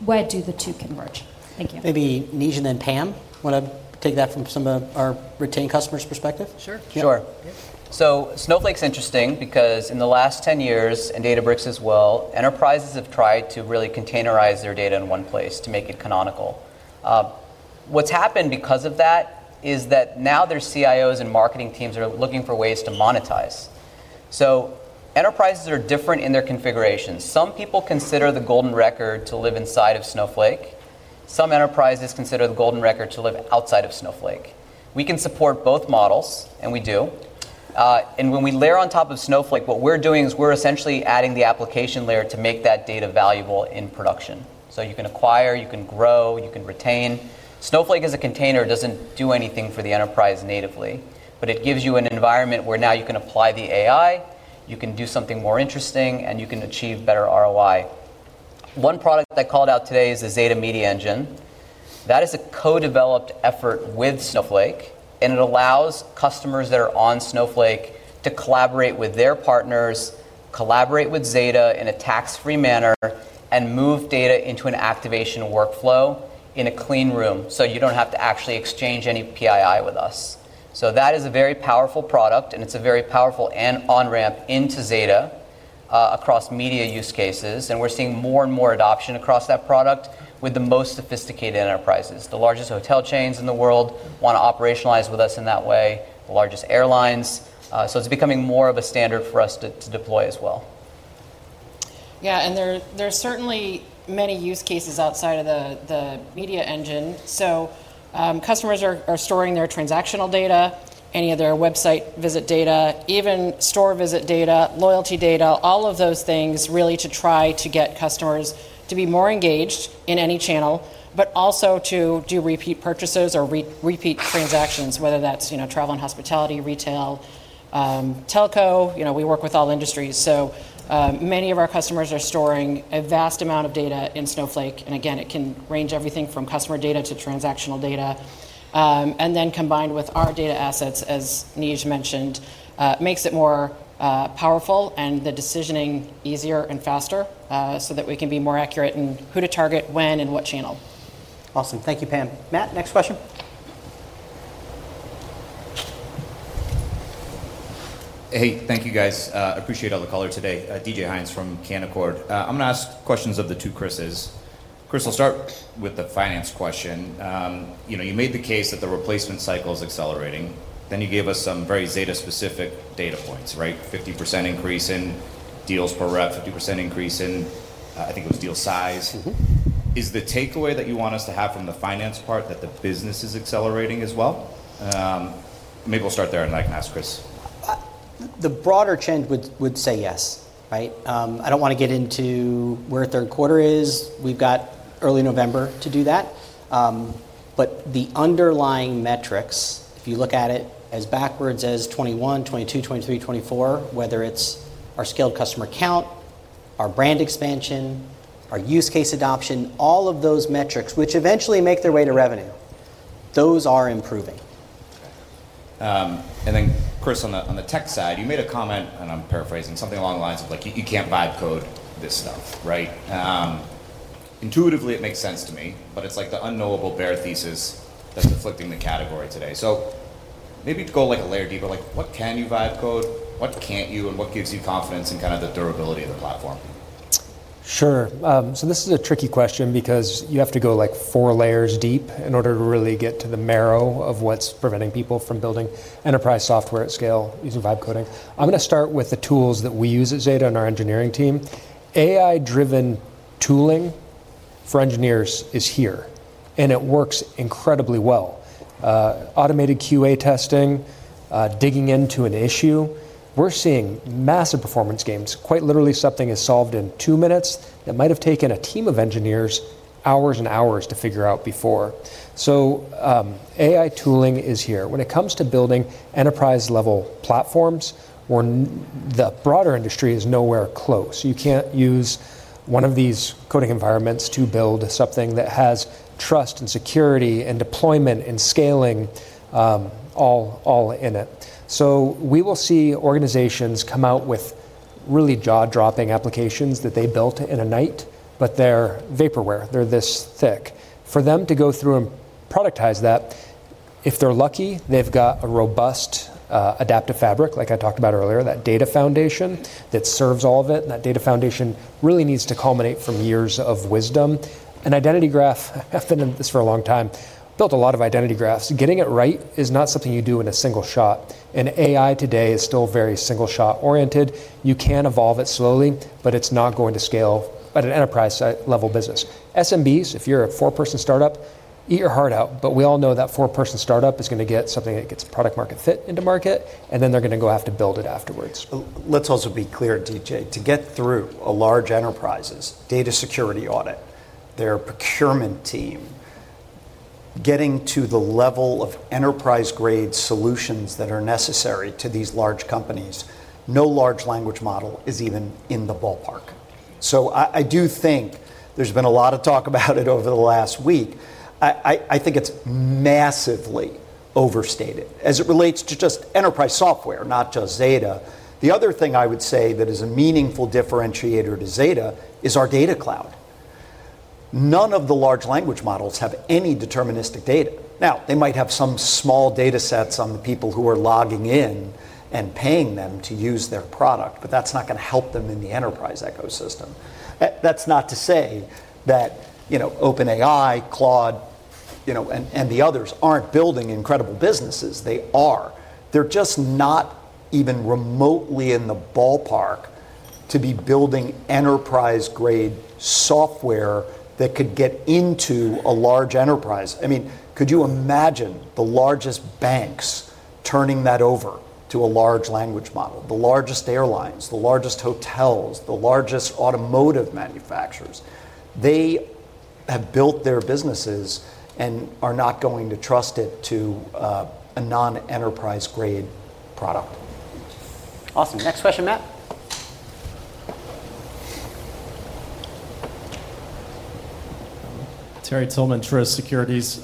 Where do the two converge? Thank you. Maybe Neej and then Pam, want to take that from some of our retaining customers' perspective? Sure. Sure. Snowflake's interesting because in the last 10 years, and Databricks as well, enterprises have tried to really containerize their data in one place to make it canonical. What's happened because of that is that now their CIOs and marketing teams are looking for ways to monetize. Enterprises are different in their configurations. Some people consider the golden record to live inside of Snowflake. Some enterprises consider the golden record to live outside of Snowflake. We can support both models, and we do. When we layer on top of Snowflake, what we're doing is we're essentially adding the application layer to make that data valuable in production. You can acquire, you can grow, you can retain. Snowflake as a container doesn't do anything for the enterprise natively. It gives you an environment where now you can apply the AI, you can do something more interesting, and you can achieve better ROI. One product that I called out today is the Zeta Media Engine. That is a co-developed effort with Snowflake. It allows customers that are on Snowflake to collaborate with their partners, collaborate with Zeta in a tax-free manner, and move data into an activation workflow in a clean room so you don't have to actually exchange any PII with us. That is a very powerful product. It's a very powerful on-ramp into Zeta across media use cases. We're seeing more and more adoption across that product with the most sophisticated enterprises. The largest hotel chains in the world want to operationalize with us in that way, the largest airlines. It's becoming more of a standard for us to deploy as well. Yeah. There are certainly many use cases outside of the media engine. Customers are storing their transactional data, any of their website visit data, even store visit data, loyalty data, all of those things really to try to get customers to be more engaged in any channel, but also to do repeat purchases or repeat transactions, whether that's travel and hospitality, retail, telco. We work with all industries. Many of our customers are storing a vast amount of data in Snowflake. It can range from customer data to transactional data. Combined with our data assets, as Neej mentioned, it makes it more powerful and the decisioning easier and faster so that we can be more accurate in who to target, when, and what channel. Awesome. Thank you, Pam. Matt, next question. Hey, thank you, guys. Appreciate all the color today. DJ Hynes from Canaccord. I'm going to ask questions of the two Chris's. Chris, I'll start with the finance question. You made the case that the replacement cycle is accelerating. Then you gave us some very Zeta-specific data points, right? 50% increase in deals per rep, 50% increase in, I think it was deal size. Is the takeaway that you want us to have from the finance part that the business is accelerating as well? Maybe we'll start there, and I can ask Chris. The broader change would say yes, right? I don't want to get into where third quarter is. We've got early November to do that. The underlying metrics, if you look at it as backwards as 2021, 2022, 2023, 2024, whether it's our scaled customer count, our brand expansion, our use case adoption, all of those metrics, which eventually make their way to revenue, those are improving. Chris, on the tech side, you made a comment, and I'm paraphrasing something along the lines of, you can't vibe code this stuff, right? Intuitively, it makes sense to me, but it's like the unknowable bare thesis that's afflicting the category today. Maybe go a layer deeper, like what can you vibe code? What can't you? What gives you confidence in the durability of the platform? Sure. This is a tricky question because you have to go like four layers deep in order to really get to the marrow of what's preventing people from building enterprise software at scale using vibe coding. I'm going to start with the tools that we use at Zeta and our engineering team. AI-driven tooling for engineers is here, and it works incredibly well. Automated QA testing, digging into an issue, we're seeing massive performance gains. Quite literally, something is solved in two minutes that might have taken a team of engineers hours and hours to figure out before. AI tooling is here. When it comes to building enterprise-level platforms, the broader industry is nowhere close. You can't use one of these coding environments to build something that has trust and security and deployment and scaling all in it. We will see organizations come out with really jaw-dropping applications that they built in a night, but they're vaporware. They're this thick. For them to go through and productize that, if they're lucky, they've got a robust adaptive fabric, like I talked about earlier, that data foundation that serves all of it. That data foundation really needs to culminate from years of wisdom. An identity graph, I've been in this for a long time, built a lot of identity graphs. Getting it right is not something you do in a single shot. AI today is still very single-shot oriented. You can evolve it slowly, but it's not going to scale at an enterprise-level business. SMBs, if you're a four-person startup, eat your heart out. We all know that four-person startup is going to get something that gets product-market fit into market, and then they're going to go have to build it afterwards. Let's also be clear, DJ, to get through a large enterprise's data security audit, their procurement team, getting to the level of enterprise-grade solutions that are necessary to these large companies, no large language model is even in the ballpark. I do think there's been a lot of talk about it over the last week. I think it's massively overstated as it relates to just enterprise software, not just Zeta Global. The other thing I would say that is a meaningful differentiator to Zeta Global is our data cloud. None of the large language models have any deterministic data. Now, they might have some small data sets on the people who are logging in and paying them to use their product, but that's not going to help them in the enterprise ecosystem. That's not to say that, you know, OpenAI, Claude, you know, and the others aren't building incredible businesses. They are. They're just not even remotely in the ballpark to be building enterprise-grade software that could get into a large enterprise. I mean, could you imagine the largest banks turning that over to a large language model? The largest airlines, the largest hotels, the largest automotive manufacturers. They have built their businesses and are not going to trust it to a non-enterprise-grade product. Awesome. Next question, Matt. Terry Tillman for Securities.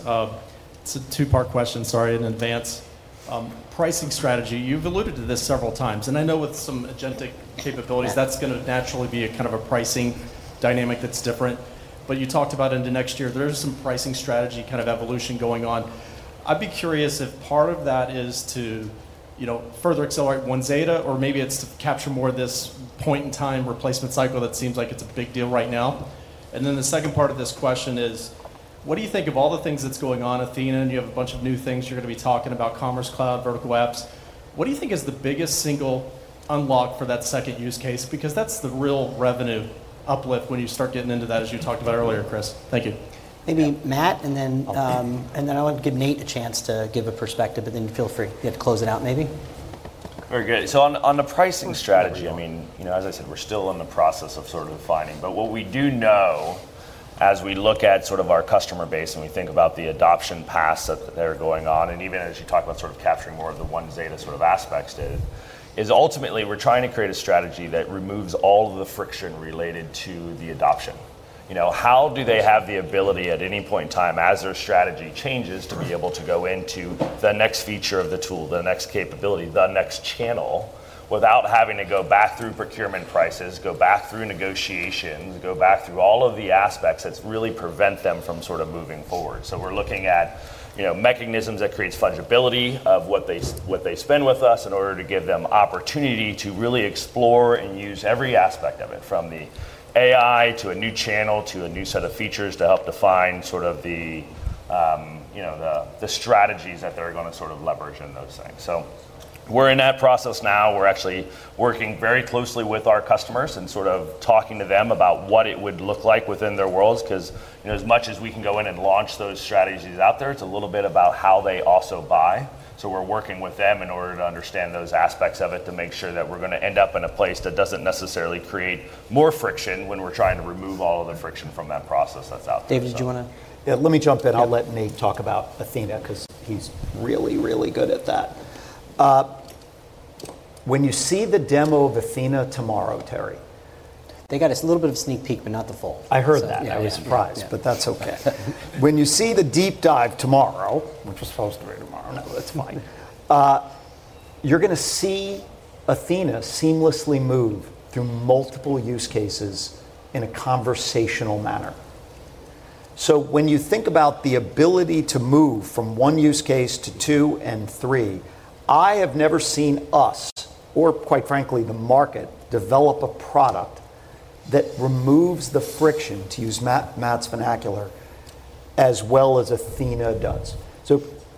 It's a two-part question, sorry in advance. Pricing strategy, you've alluded to this several times, and I know with some agentic capabilities, that's going to naturally be a kind of a pricing dynamic that's different. You talked about into next year, there's some pricing strategy kind of evolution going on. I'd be curious if part of that is to, you know, further accelerate OneZeta, or maybe it's to capture more of this point-in-time replacement cycle that seems like it's a big deal right now. The second part of this question is, what do you think of all the things that's going on, Athena, and you have a bunch of new things you're going to be talking about, Commerce Cloud, vertical apps. What do you think is the biggest single unlock for that second use case? Because that's the real revenue uplift when you start getting into that, as you talked about earlier, Chris. Thank you. Maybe Matt, and then I'll give Neej a chance to give a perspective, but then feel free. You have to close it out, maybe. Very good. On the pricing strategy, as I said, we're still in the process of defining, but what we do know as we look at our customer base and we think about the adoption paths that are going on, and even as you talk about capturing more of the OneZeta model aspects to it, is ultimately we're trying to create a strategy that removes all of the friction related to the adoption. How do they have the ability at any point in time as their strategy changes to be able to go into the next feature of the tool, the next capability, the next channel, without having to go back through procurement prices, go back through negotiations, go back through all of the aspects that really prevent them from moving forward? We're looking at mechanisms that create fungibility of what they spend with us in order to give them opportunity to really explore and use every aspect of it, from the AI to a new channel to a new set of features to help define the strategies that they're going to leverage in those things. We're in that process now. We're actually working very closely with our customers and talking to them about what it would look like within their worlds, because as much as we can go in and launch those strategies out there, it's a little bit about how they also buy. We're working with them in order to understand those aspects of it to make sure that we're going to end up in a place that doesn't necessarily create more friction when we're trying to remove all of the friction from that process that's out there. David, did you want to? Yeah, let me jump in. I'll let Neej talk about Athena because he's really, really good at that. When you see the demo of Athena tomorrow, Terry. They got us a little bit of a sneak peek, but not the full. I heard that. I was surprised, but that's okay. When you see the deep dive, which was supposed to be tomorrow, it's fine. You're going to see Athena seamlessly move through multiple use cases in a conversational manner. When you think about the ability to move from one use case to two and three, I have never seen us, or quite frankly, the market develop a product that removes the friction, to use Matt's vernacular, as well as Athena does.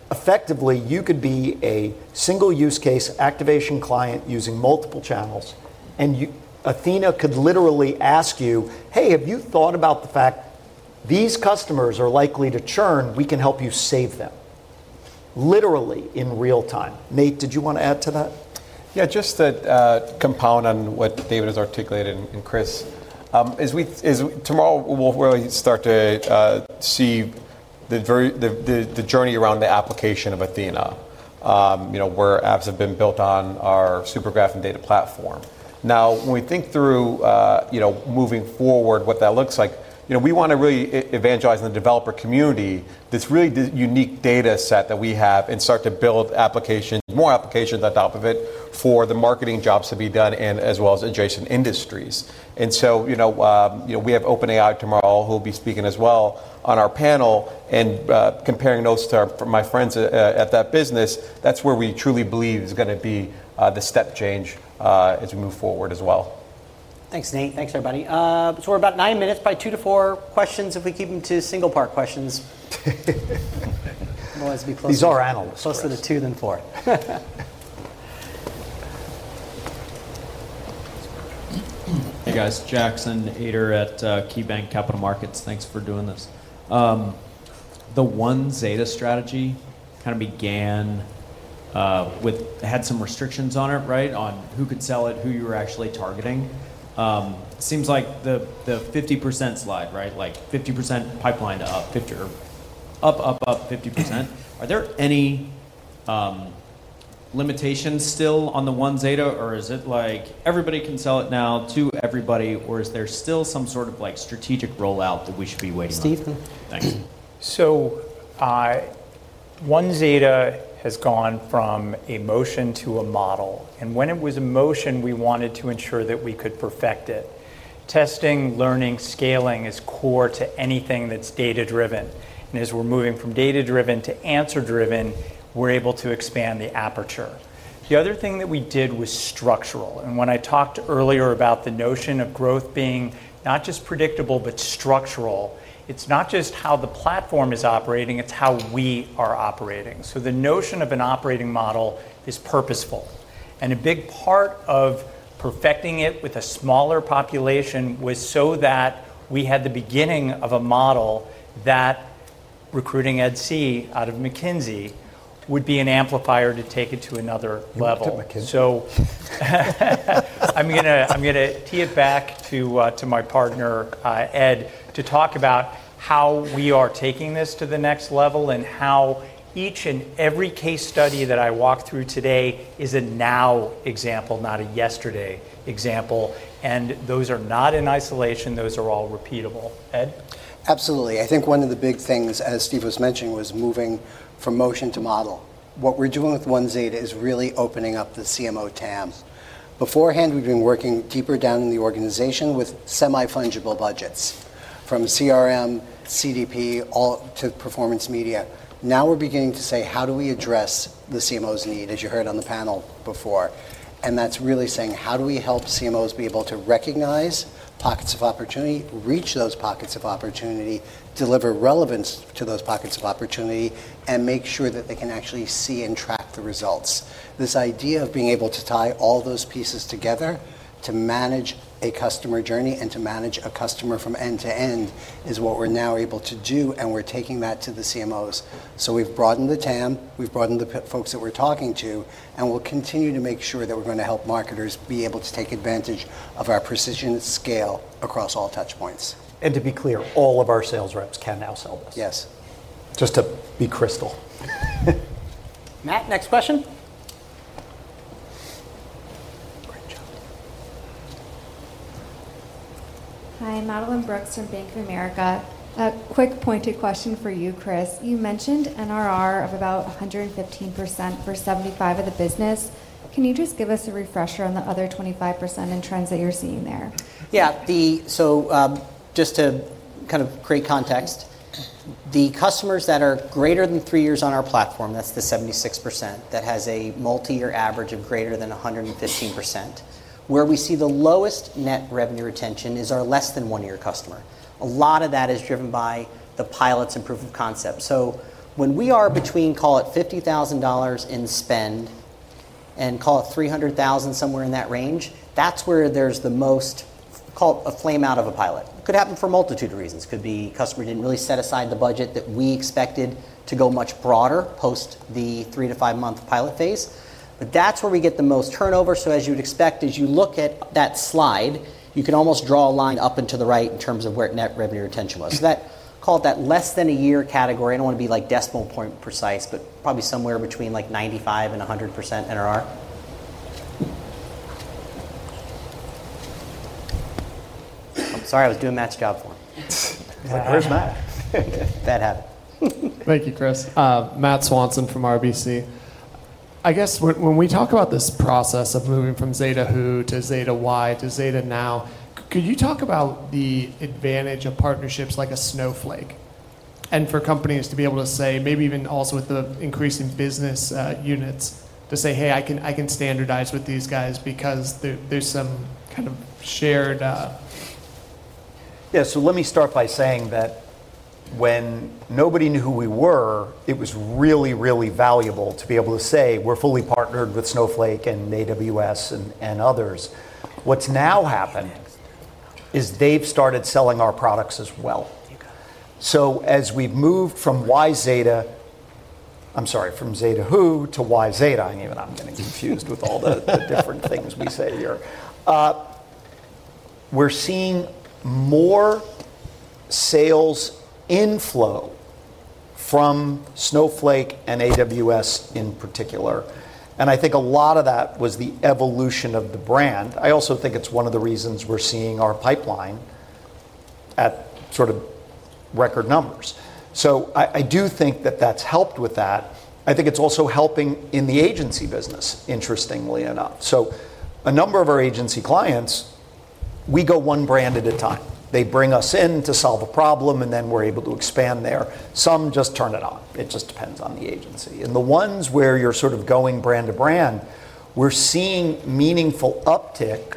Effectively, you could be a single use case activation client using multiple channels, and Athena could literally ask you, "Hey, have you thought about the fact these customers are likely to churn? We can help you save them." Literally in real time. Neej, did you want to add to that? Yeah, just to compound on what David A. Steinberg has articulated and Chris Monberg, is tomorrow we'll really start to see the journey around the application of Athena, you know, where apps have been built on our Supergraph and Data Platform. Now, when we think through, you know, moving forward, what that looks like, you know, we want to really evangelize in the developer community this really unique data set that we have and start to build applications, more applications on top of it for the marketing jobs to be done in, as well as adjacent industries. We have OpenAI tomorrow, who will be speaking as well on our panel and comparing notes to my friends at that business. That's where we truly believe is going to be the step change as we move forward as well. Thanks, Nate. Thanks, everybody. We're about nine minutes, by two to four questions if we keep them to single-part questions. These are our analysts. Closer to two than four. Hey guys, Jackson Aider at KeyBanc Capital Markets, thanks for doing this. The OneZeta strategy kind of began with, had some restrictions on it, right? On who could sell it, who you were actually targeting. Seems like the 50% slide, right? Like 50% pipeline to up, 50% or up, up, up, 50%. Are there any limitations still on the OneZeta, or is it like everybody can sell it now to everybody, or is there still some sort of like strategic rollout that we should be waiting on? Steven, thank you. OneZeta has gone from emotion to a model, and when it was emotion, we wanted to ensure that we could perfect it. Testing, learning, scaling is core to anything that's data-driven. As we're moving from data-driven to answer-driven, we're able to expand the aperture. The other thing that we did was structural. When I talked earlier about the notion of growth being not just predictable, but structural, it's not just how the platform is operating, it's how we are operating. The notion of an operating model is purposeful. A big part of perfecting it with a smaller population was so that we had the beginning of a model that recruiting Ed Sea out of McKinsey would be an amplifier to take it to another level. I'm going to tee it back to my partner, Ed, to talk about how we are taking this to the next level and how each and every case study that I walk through today is a now example, not a yesterday example. Those are not in isolation, those are all repeatable. Ed? Absolutely. I think one of the big things, as Steve Gerber was mentioning, was moving from motion to model. What we're doing with the OneZeta model is really opening up the CMO TAM. Beforehand, we've been working deeper down in the organization with semi-fungible budgets, from CRM, CDP, all to performance media. Now we're beginning to say, how do we address the CMO's need, as you heard on the panel before? That's really saying, how do we help CMOs be able to recognize pockets of opportunity, reach those pockets of opportunity, deliver relevance to those pockets of opportunity, and make sure that they can actually see and track the results? This idea of being able to tie all those pieces together to manage a customer journey and to manage a customer from end to end is what we're now able to do, and we're taking that to the CMOs. We've broadened the TAM, we've broadened the folks that we're talking to, and we'll continue to make sure that we're going to help marketers be able to take advantage of our precision scale across all touchpoints. All of our sales reps can now sell this. Yes. Just to be crystal. Matt, next question. Hi, Madeline Brooks from Bank of America. A quick pointed question for you, Chris. You mentioned NRR of about 115% for 75% of the business. Can you just give us a refresher on the other 25% and trends that you're seeing there? Yeah, just to kind of create context, the customers that are greater than three years on our platform, that's the 76% that has a multi-year average of greater than 115%. Where we see the lowest net revenue retention is our less than one-year customer. A lot of that is driven by the pilots and proof of concept. When we are between, call it $50,000 in spend and call it $300,000 somewhere in that range, that's where there's the most, call it a flame out of a pilot. It could happen for a multitude of reasons. It could be a customer didn't really set aside the budget that we expected to go much broader post the three to five month pilot phase. That's where we get the most turnover. As you would expect, as you look at that slide, you can almost draw a line up and to the right in terms of where net revenue retention was. Is that called that less than a year category? I don't want to be like decimal point precise, but probably somewhere between like 95 and 100% NRR. I'm sorry, I was doing Matt's job for him. Chris, Matt. That happened. Thank you, Chris. Matt Swanson from RBC. I guess when we talk about this process of moving from Zeta Who to Zeta Why to Zeta Now, could you talk about the advantage of partnerships like a Snowflake? For companies to be able to say, maybe even also with the increasing business units, to say, hey, I can standardize with these guys because there's some kind of shared. Let me start by saying that when nobody knew who we were, it was really, really valuable to be able to say we're fully partnered with Snowflake and AWS and others. What's now happened is they've started selling our products as well. As we've moved from Zeta Who to YZeta, I'm even going to get confused with all the different things we say here. We're seeing more sales inflow from Snowflake and AWS in particular. I think a lot of that was the evolution of the brand. I also think it's one of the reasons we're seeing our pipeline at sort of record numbers. I do think that that's helped with that. I think it's also helping in the agency business, interestingly enough. A number of our agency clients, we go one brand at a time. They bring us in to solve a problem, and then we're able to expand there. Some just turn it on. It just depends on the agency. The ones where you're sort of going brand to brand, we're seeing meaningful uptick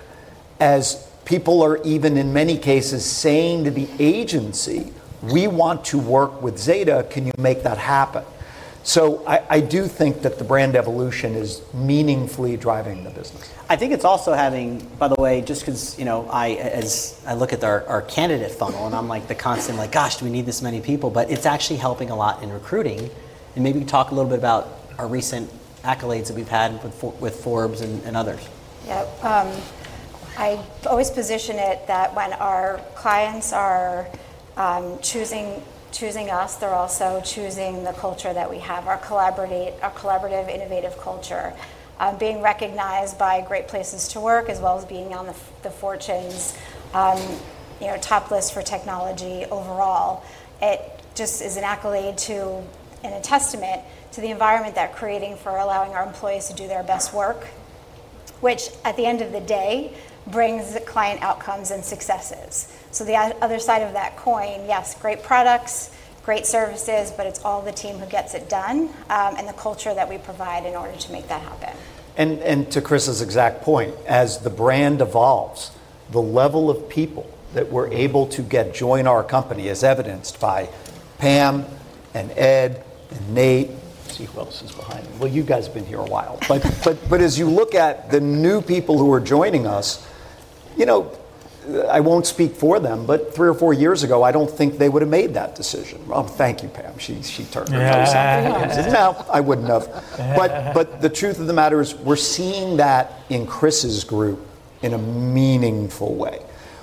as people are even in many cases saying to the agency, we want to work with Zeta, can you make that happen? I do think that the brand evolution is meaningfully driving the business. I think it's also having, by the way, just because, you know, as I look at our candidate funnel and I'm like the constant like, gosh, do we need this many people, but it's actually helping a lot in recruiting. Maybe you talk a little bit about our recent accolades that we've had with Forbes and others. Yeah, I always position it that when our clients are choosing us, they're also choosing the culture that we have, our collaborative, innovative culture, being recognized by Great Places to Work, as well as being on the Fortune's top list for technology overall. It just is an accolade and a testament to the environment they're creating for allowing our employees to do their best work, which at the end of the day brings client outcomes and successes. The other side of that coin, yes, great products, great services, but it's all the team who gets it done and the culture that we provide in order to make that happen. To Chris's exact point, as the brand evolves, the level of people that we're able to get to join our company is evidenced by Pam and Ed and Jed. See who else is behind them. You guys have been here a while. As you look at the new people who are joining us, I won't speak for them, but three or four years ago, I don't think they would have made that decision. Thank you, Pam. She turned her face into the Answers. I wouldn't have. The truth of the matter is we're seeing that in Chris's group in a meaningful way.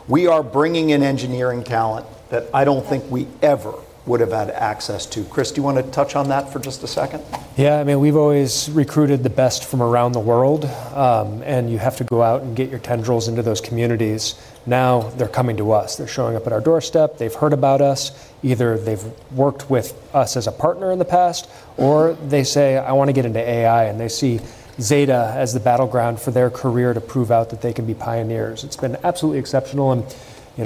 We are bringing in engineering talent that I don't think we ever would have had access to. Chris, do you want to touch on that for just a second? Yeah, I mean, we've always recruited the best from around the world. You have to go out and get your tendrils into those communities. Now they're coming to us. They're showing up at our doorstep. They've heard about us. Either they've worked with us as a partner in the past, or they say, I want to get into AI, and they see Zeta Global as the battleground for their career to prove out that they can be pioneers. It's been absolutely exceptional. If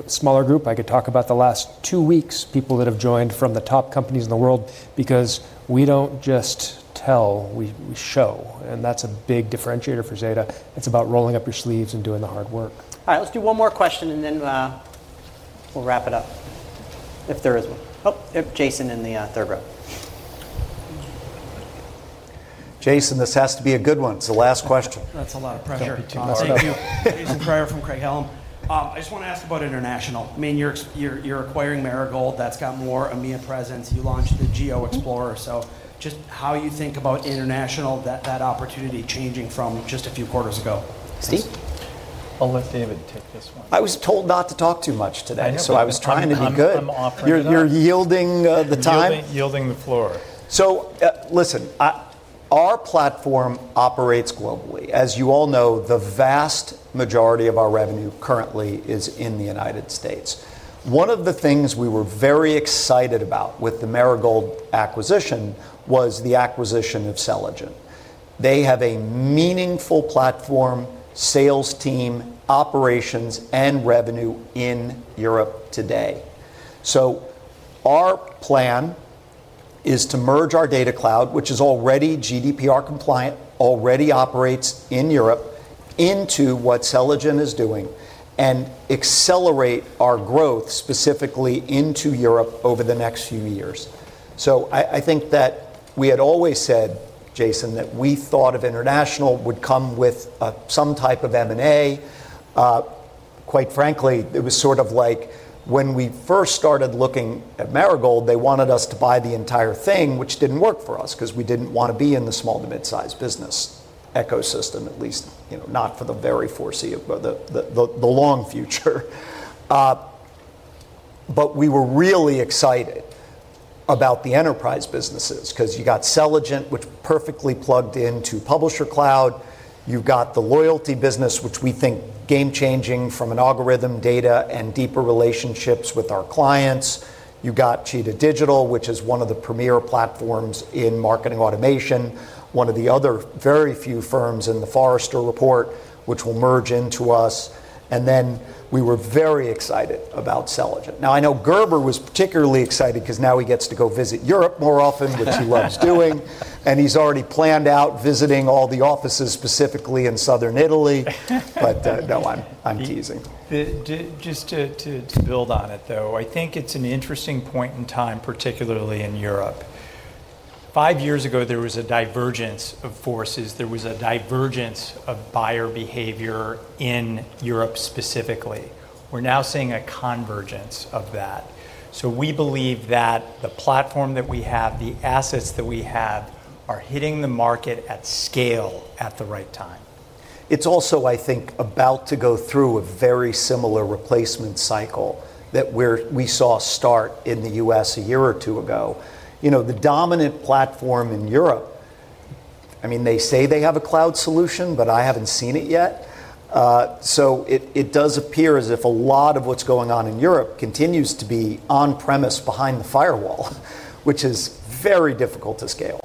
a smaller group, I could talk about the last two weeks, people that have joined from the top companies in the world, because we don't just tell, we show. That's a big differentiator for Zeta Global. It's about rolling up your sleeves and doing the hard work. All right, let's do one more question, and then we'll wrap it up. If there is one. Oh, yep, Jason in the third row. Jason, this has to be a good one. It's the last question. That's a lot of pressure. Thank you. Thank you. These are prayers from [Craig Helms]. I just want to ask about international. I mean, you're acquiring Marigold. That's got more EMEA presence. You launched the Geo Explorer. Just how you think about international, that opportunity changing from just a few quarters ago. I'll let David take this one. I was told not to talk too much today. I was trying to be good. You're yielding the time. Yielding the floor. Listen, our platform operates globally. As you all know, the vast majority of our revenue currently is in the U.S. One of the things we were very excited about with the Marigold acquisition was the acquisition of Selligent. They have a meaningful platform, sales team, operations, and revenue in Europe today. Our plan is to merge our data cloud, which is already GDPR compliant and already operates in Europe, into what Selligent is doing and accelerate our growth specifically into Europe over the next few years. I think that we had always said, Jason, that we thought international would come with some type of M&A. Quite frankly, it was sort of like when we first started looking at Marigold, they wanted us to buy the entire thing, which didn't work for us because we didn't want to be in the small to mid-sized business ecosystem, at least not for the very foreseeable, the long future. We were really excited about the enterprise businesses because you got Selligent, which perfectly plugged into Publisher Cloud. You've got the loyalty business, which we think is game-changing from an algorithm, data, and deeper relationships with our clients. You've got Cheetah Digital, which is one of the premier platforms in marketing automation, one of the other very few firms in the Forrester report, which will merge into us. We were very excited about Selligent. I know Gerber was particularly excited because now he gets to go visit Europe more often, which he loves doing. He's already planned out visiting all the offices specifically in southern Italy. No, I'm teasing. Just to build on it, I think it's an interesting point in time, particularly in Europe. Five years ago, there was a divergence of forces. There was a divergence of buyer behavior in Europe specifically. We're now seeing a convergence of that. We believe that the platform that we have, the assets that we have, are hitting the market at scale at the right time. It's also about to go through a very similar replacement cycle that we saw start in the U.S. a year or two ago. The dominant platform in Europe, I mean, they say they have a cloud solution, but I haven't seen it yet. It does appear as if a lot of what's going on in Europe continues to be on-premise behind the firewall, which is very difficult to scale.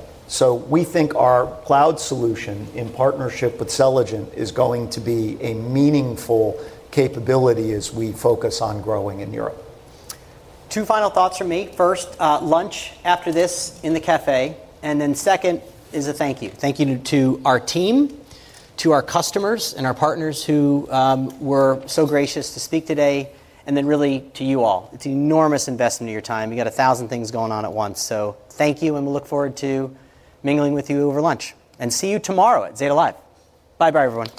We think our cloud solution in partnership with Selligent is going to be a meaningful capability as we focus on growing in Europe. Two final thoughts from me. First, lunch after this in the cafe. Second is a thank you. Thank you to our team, to our customers, and our partners who were so gracious to speak today. Really to you all, it's an enormous investment of your time. You got a thousand things going on at once. Thank you and we look forward to mingling with you over lunch. See you tomorrow at Zeta Live. Bye bye, everyone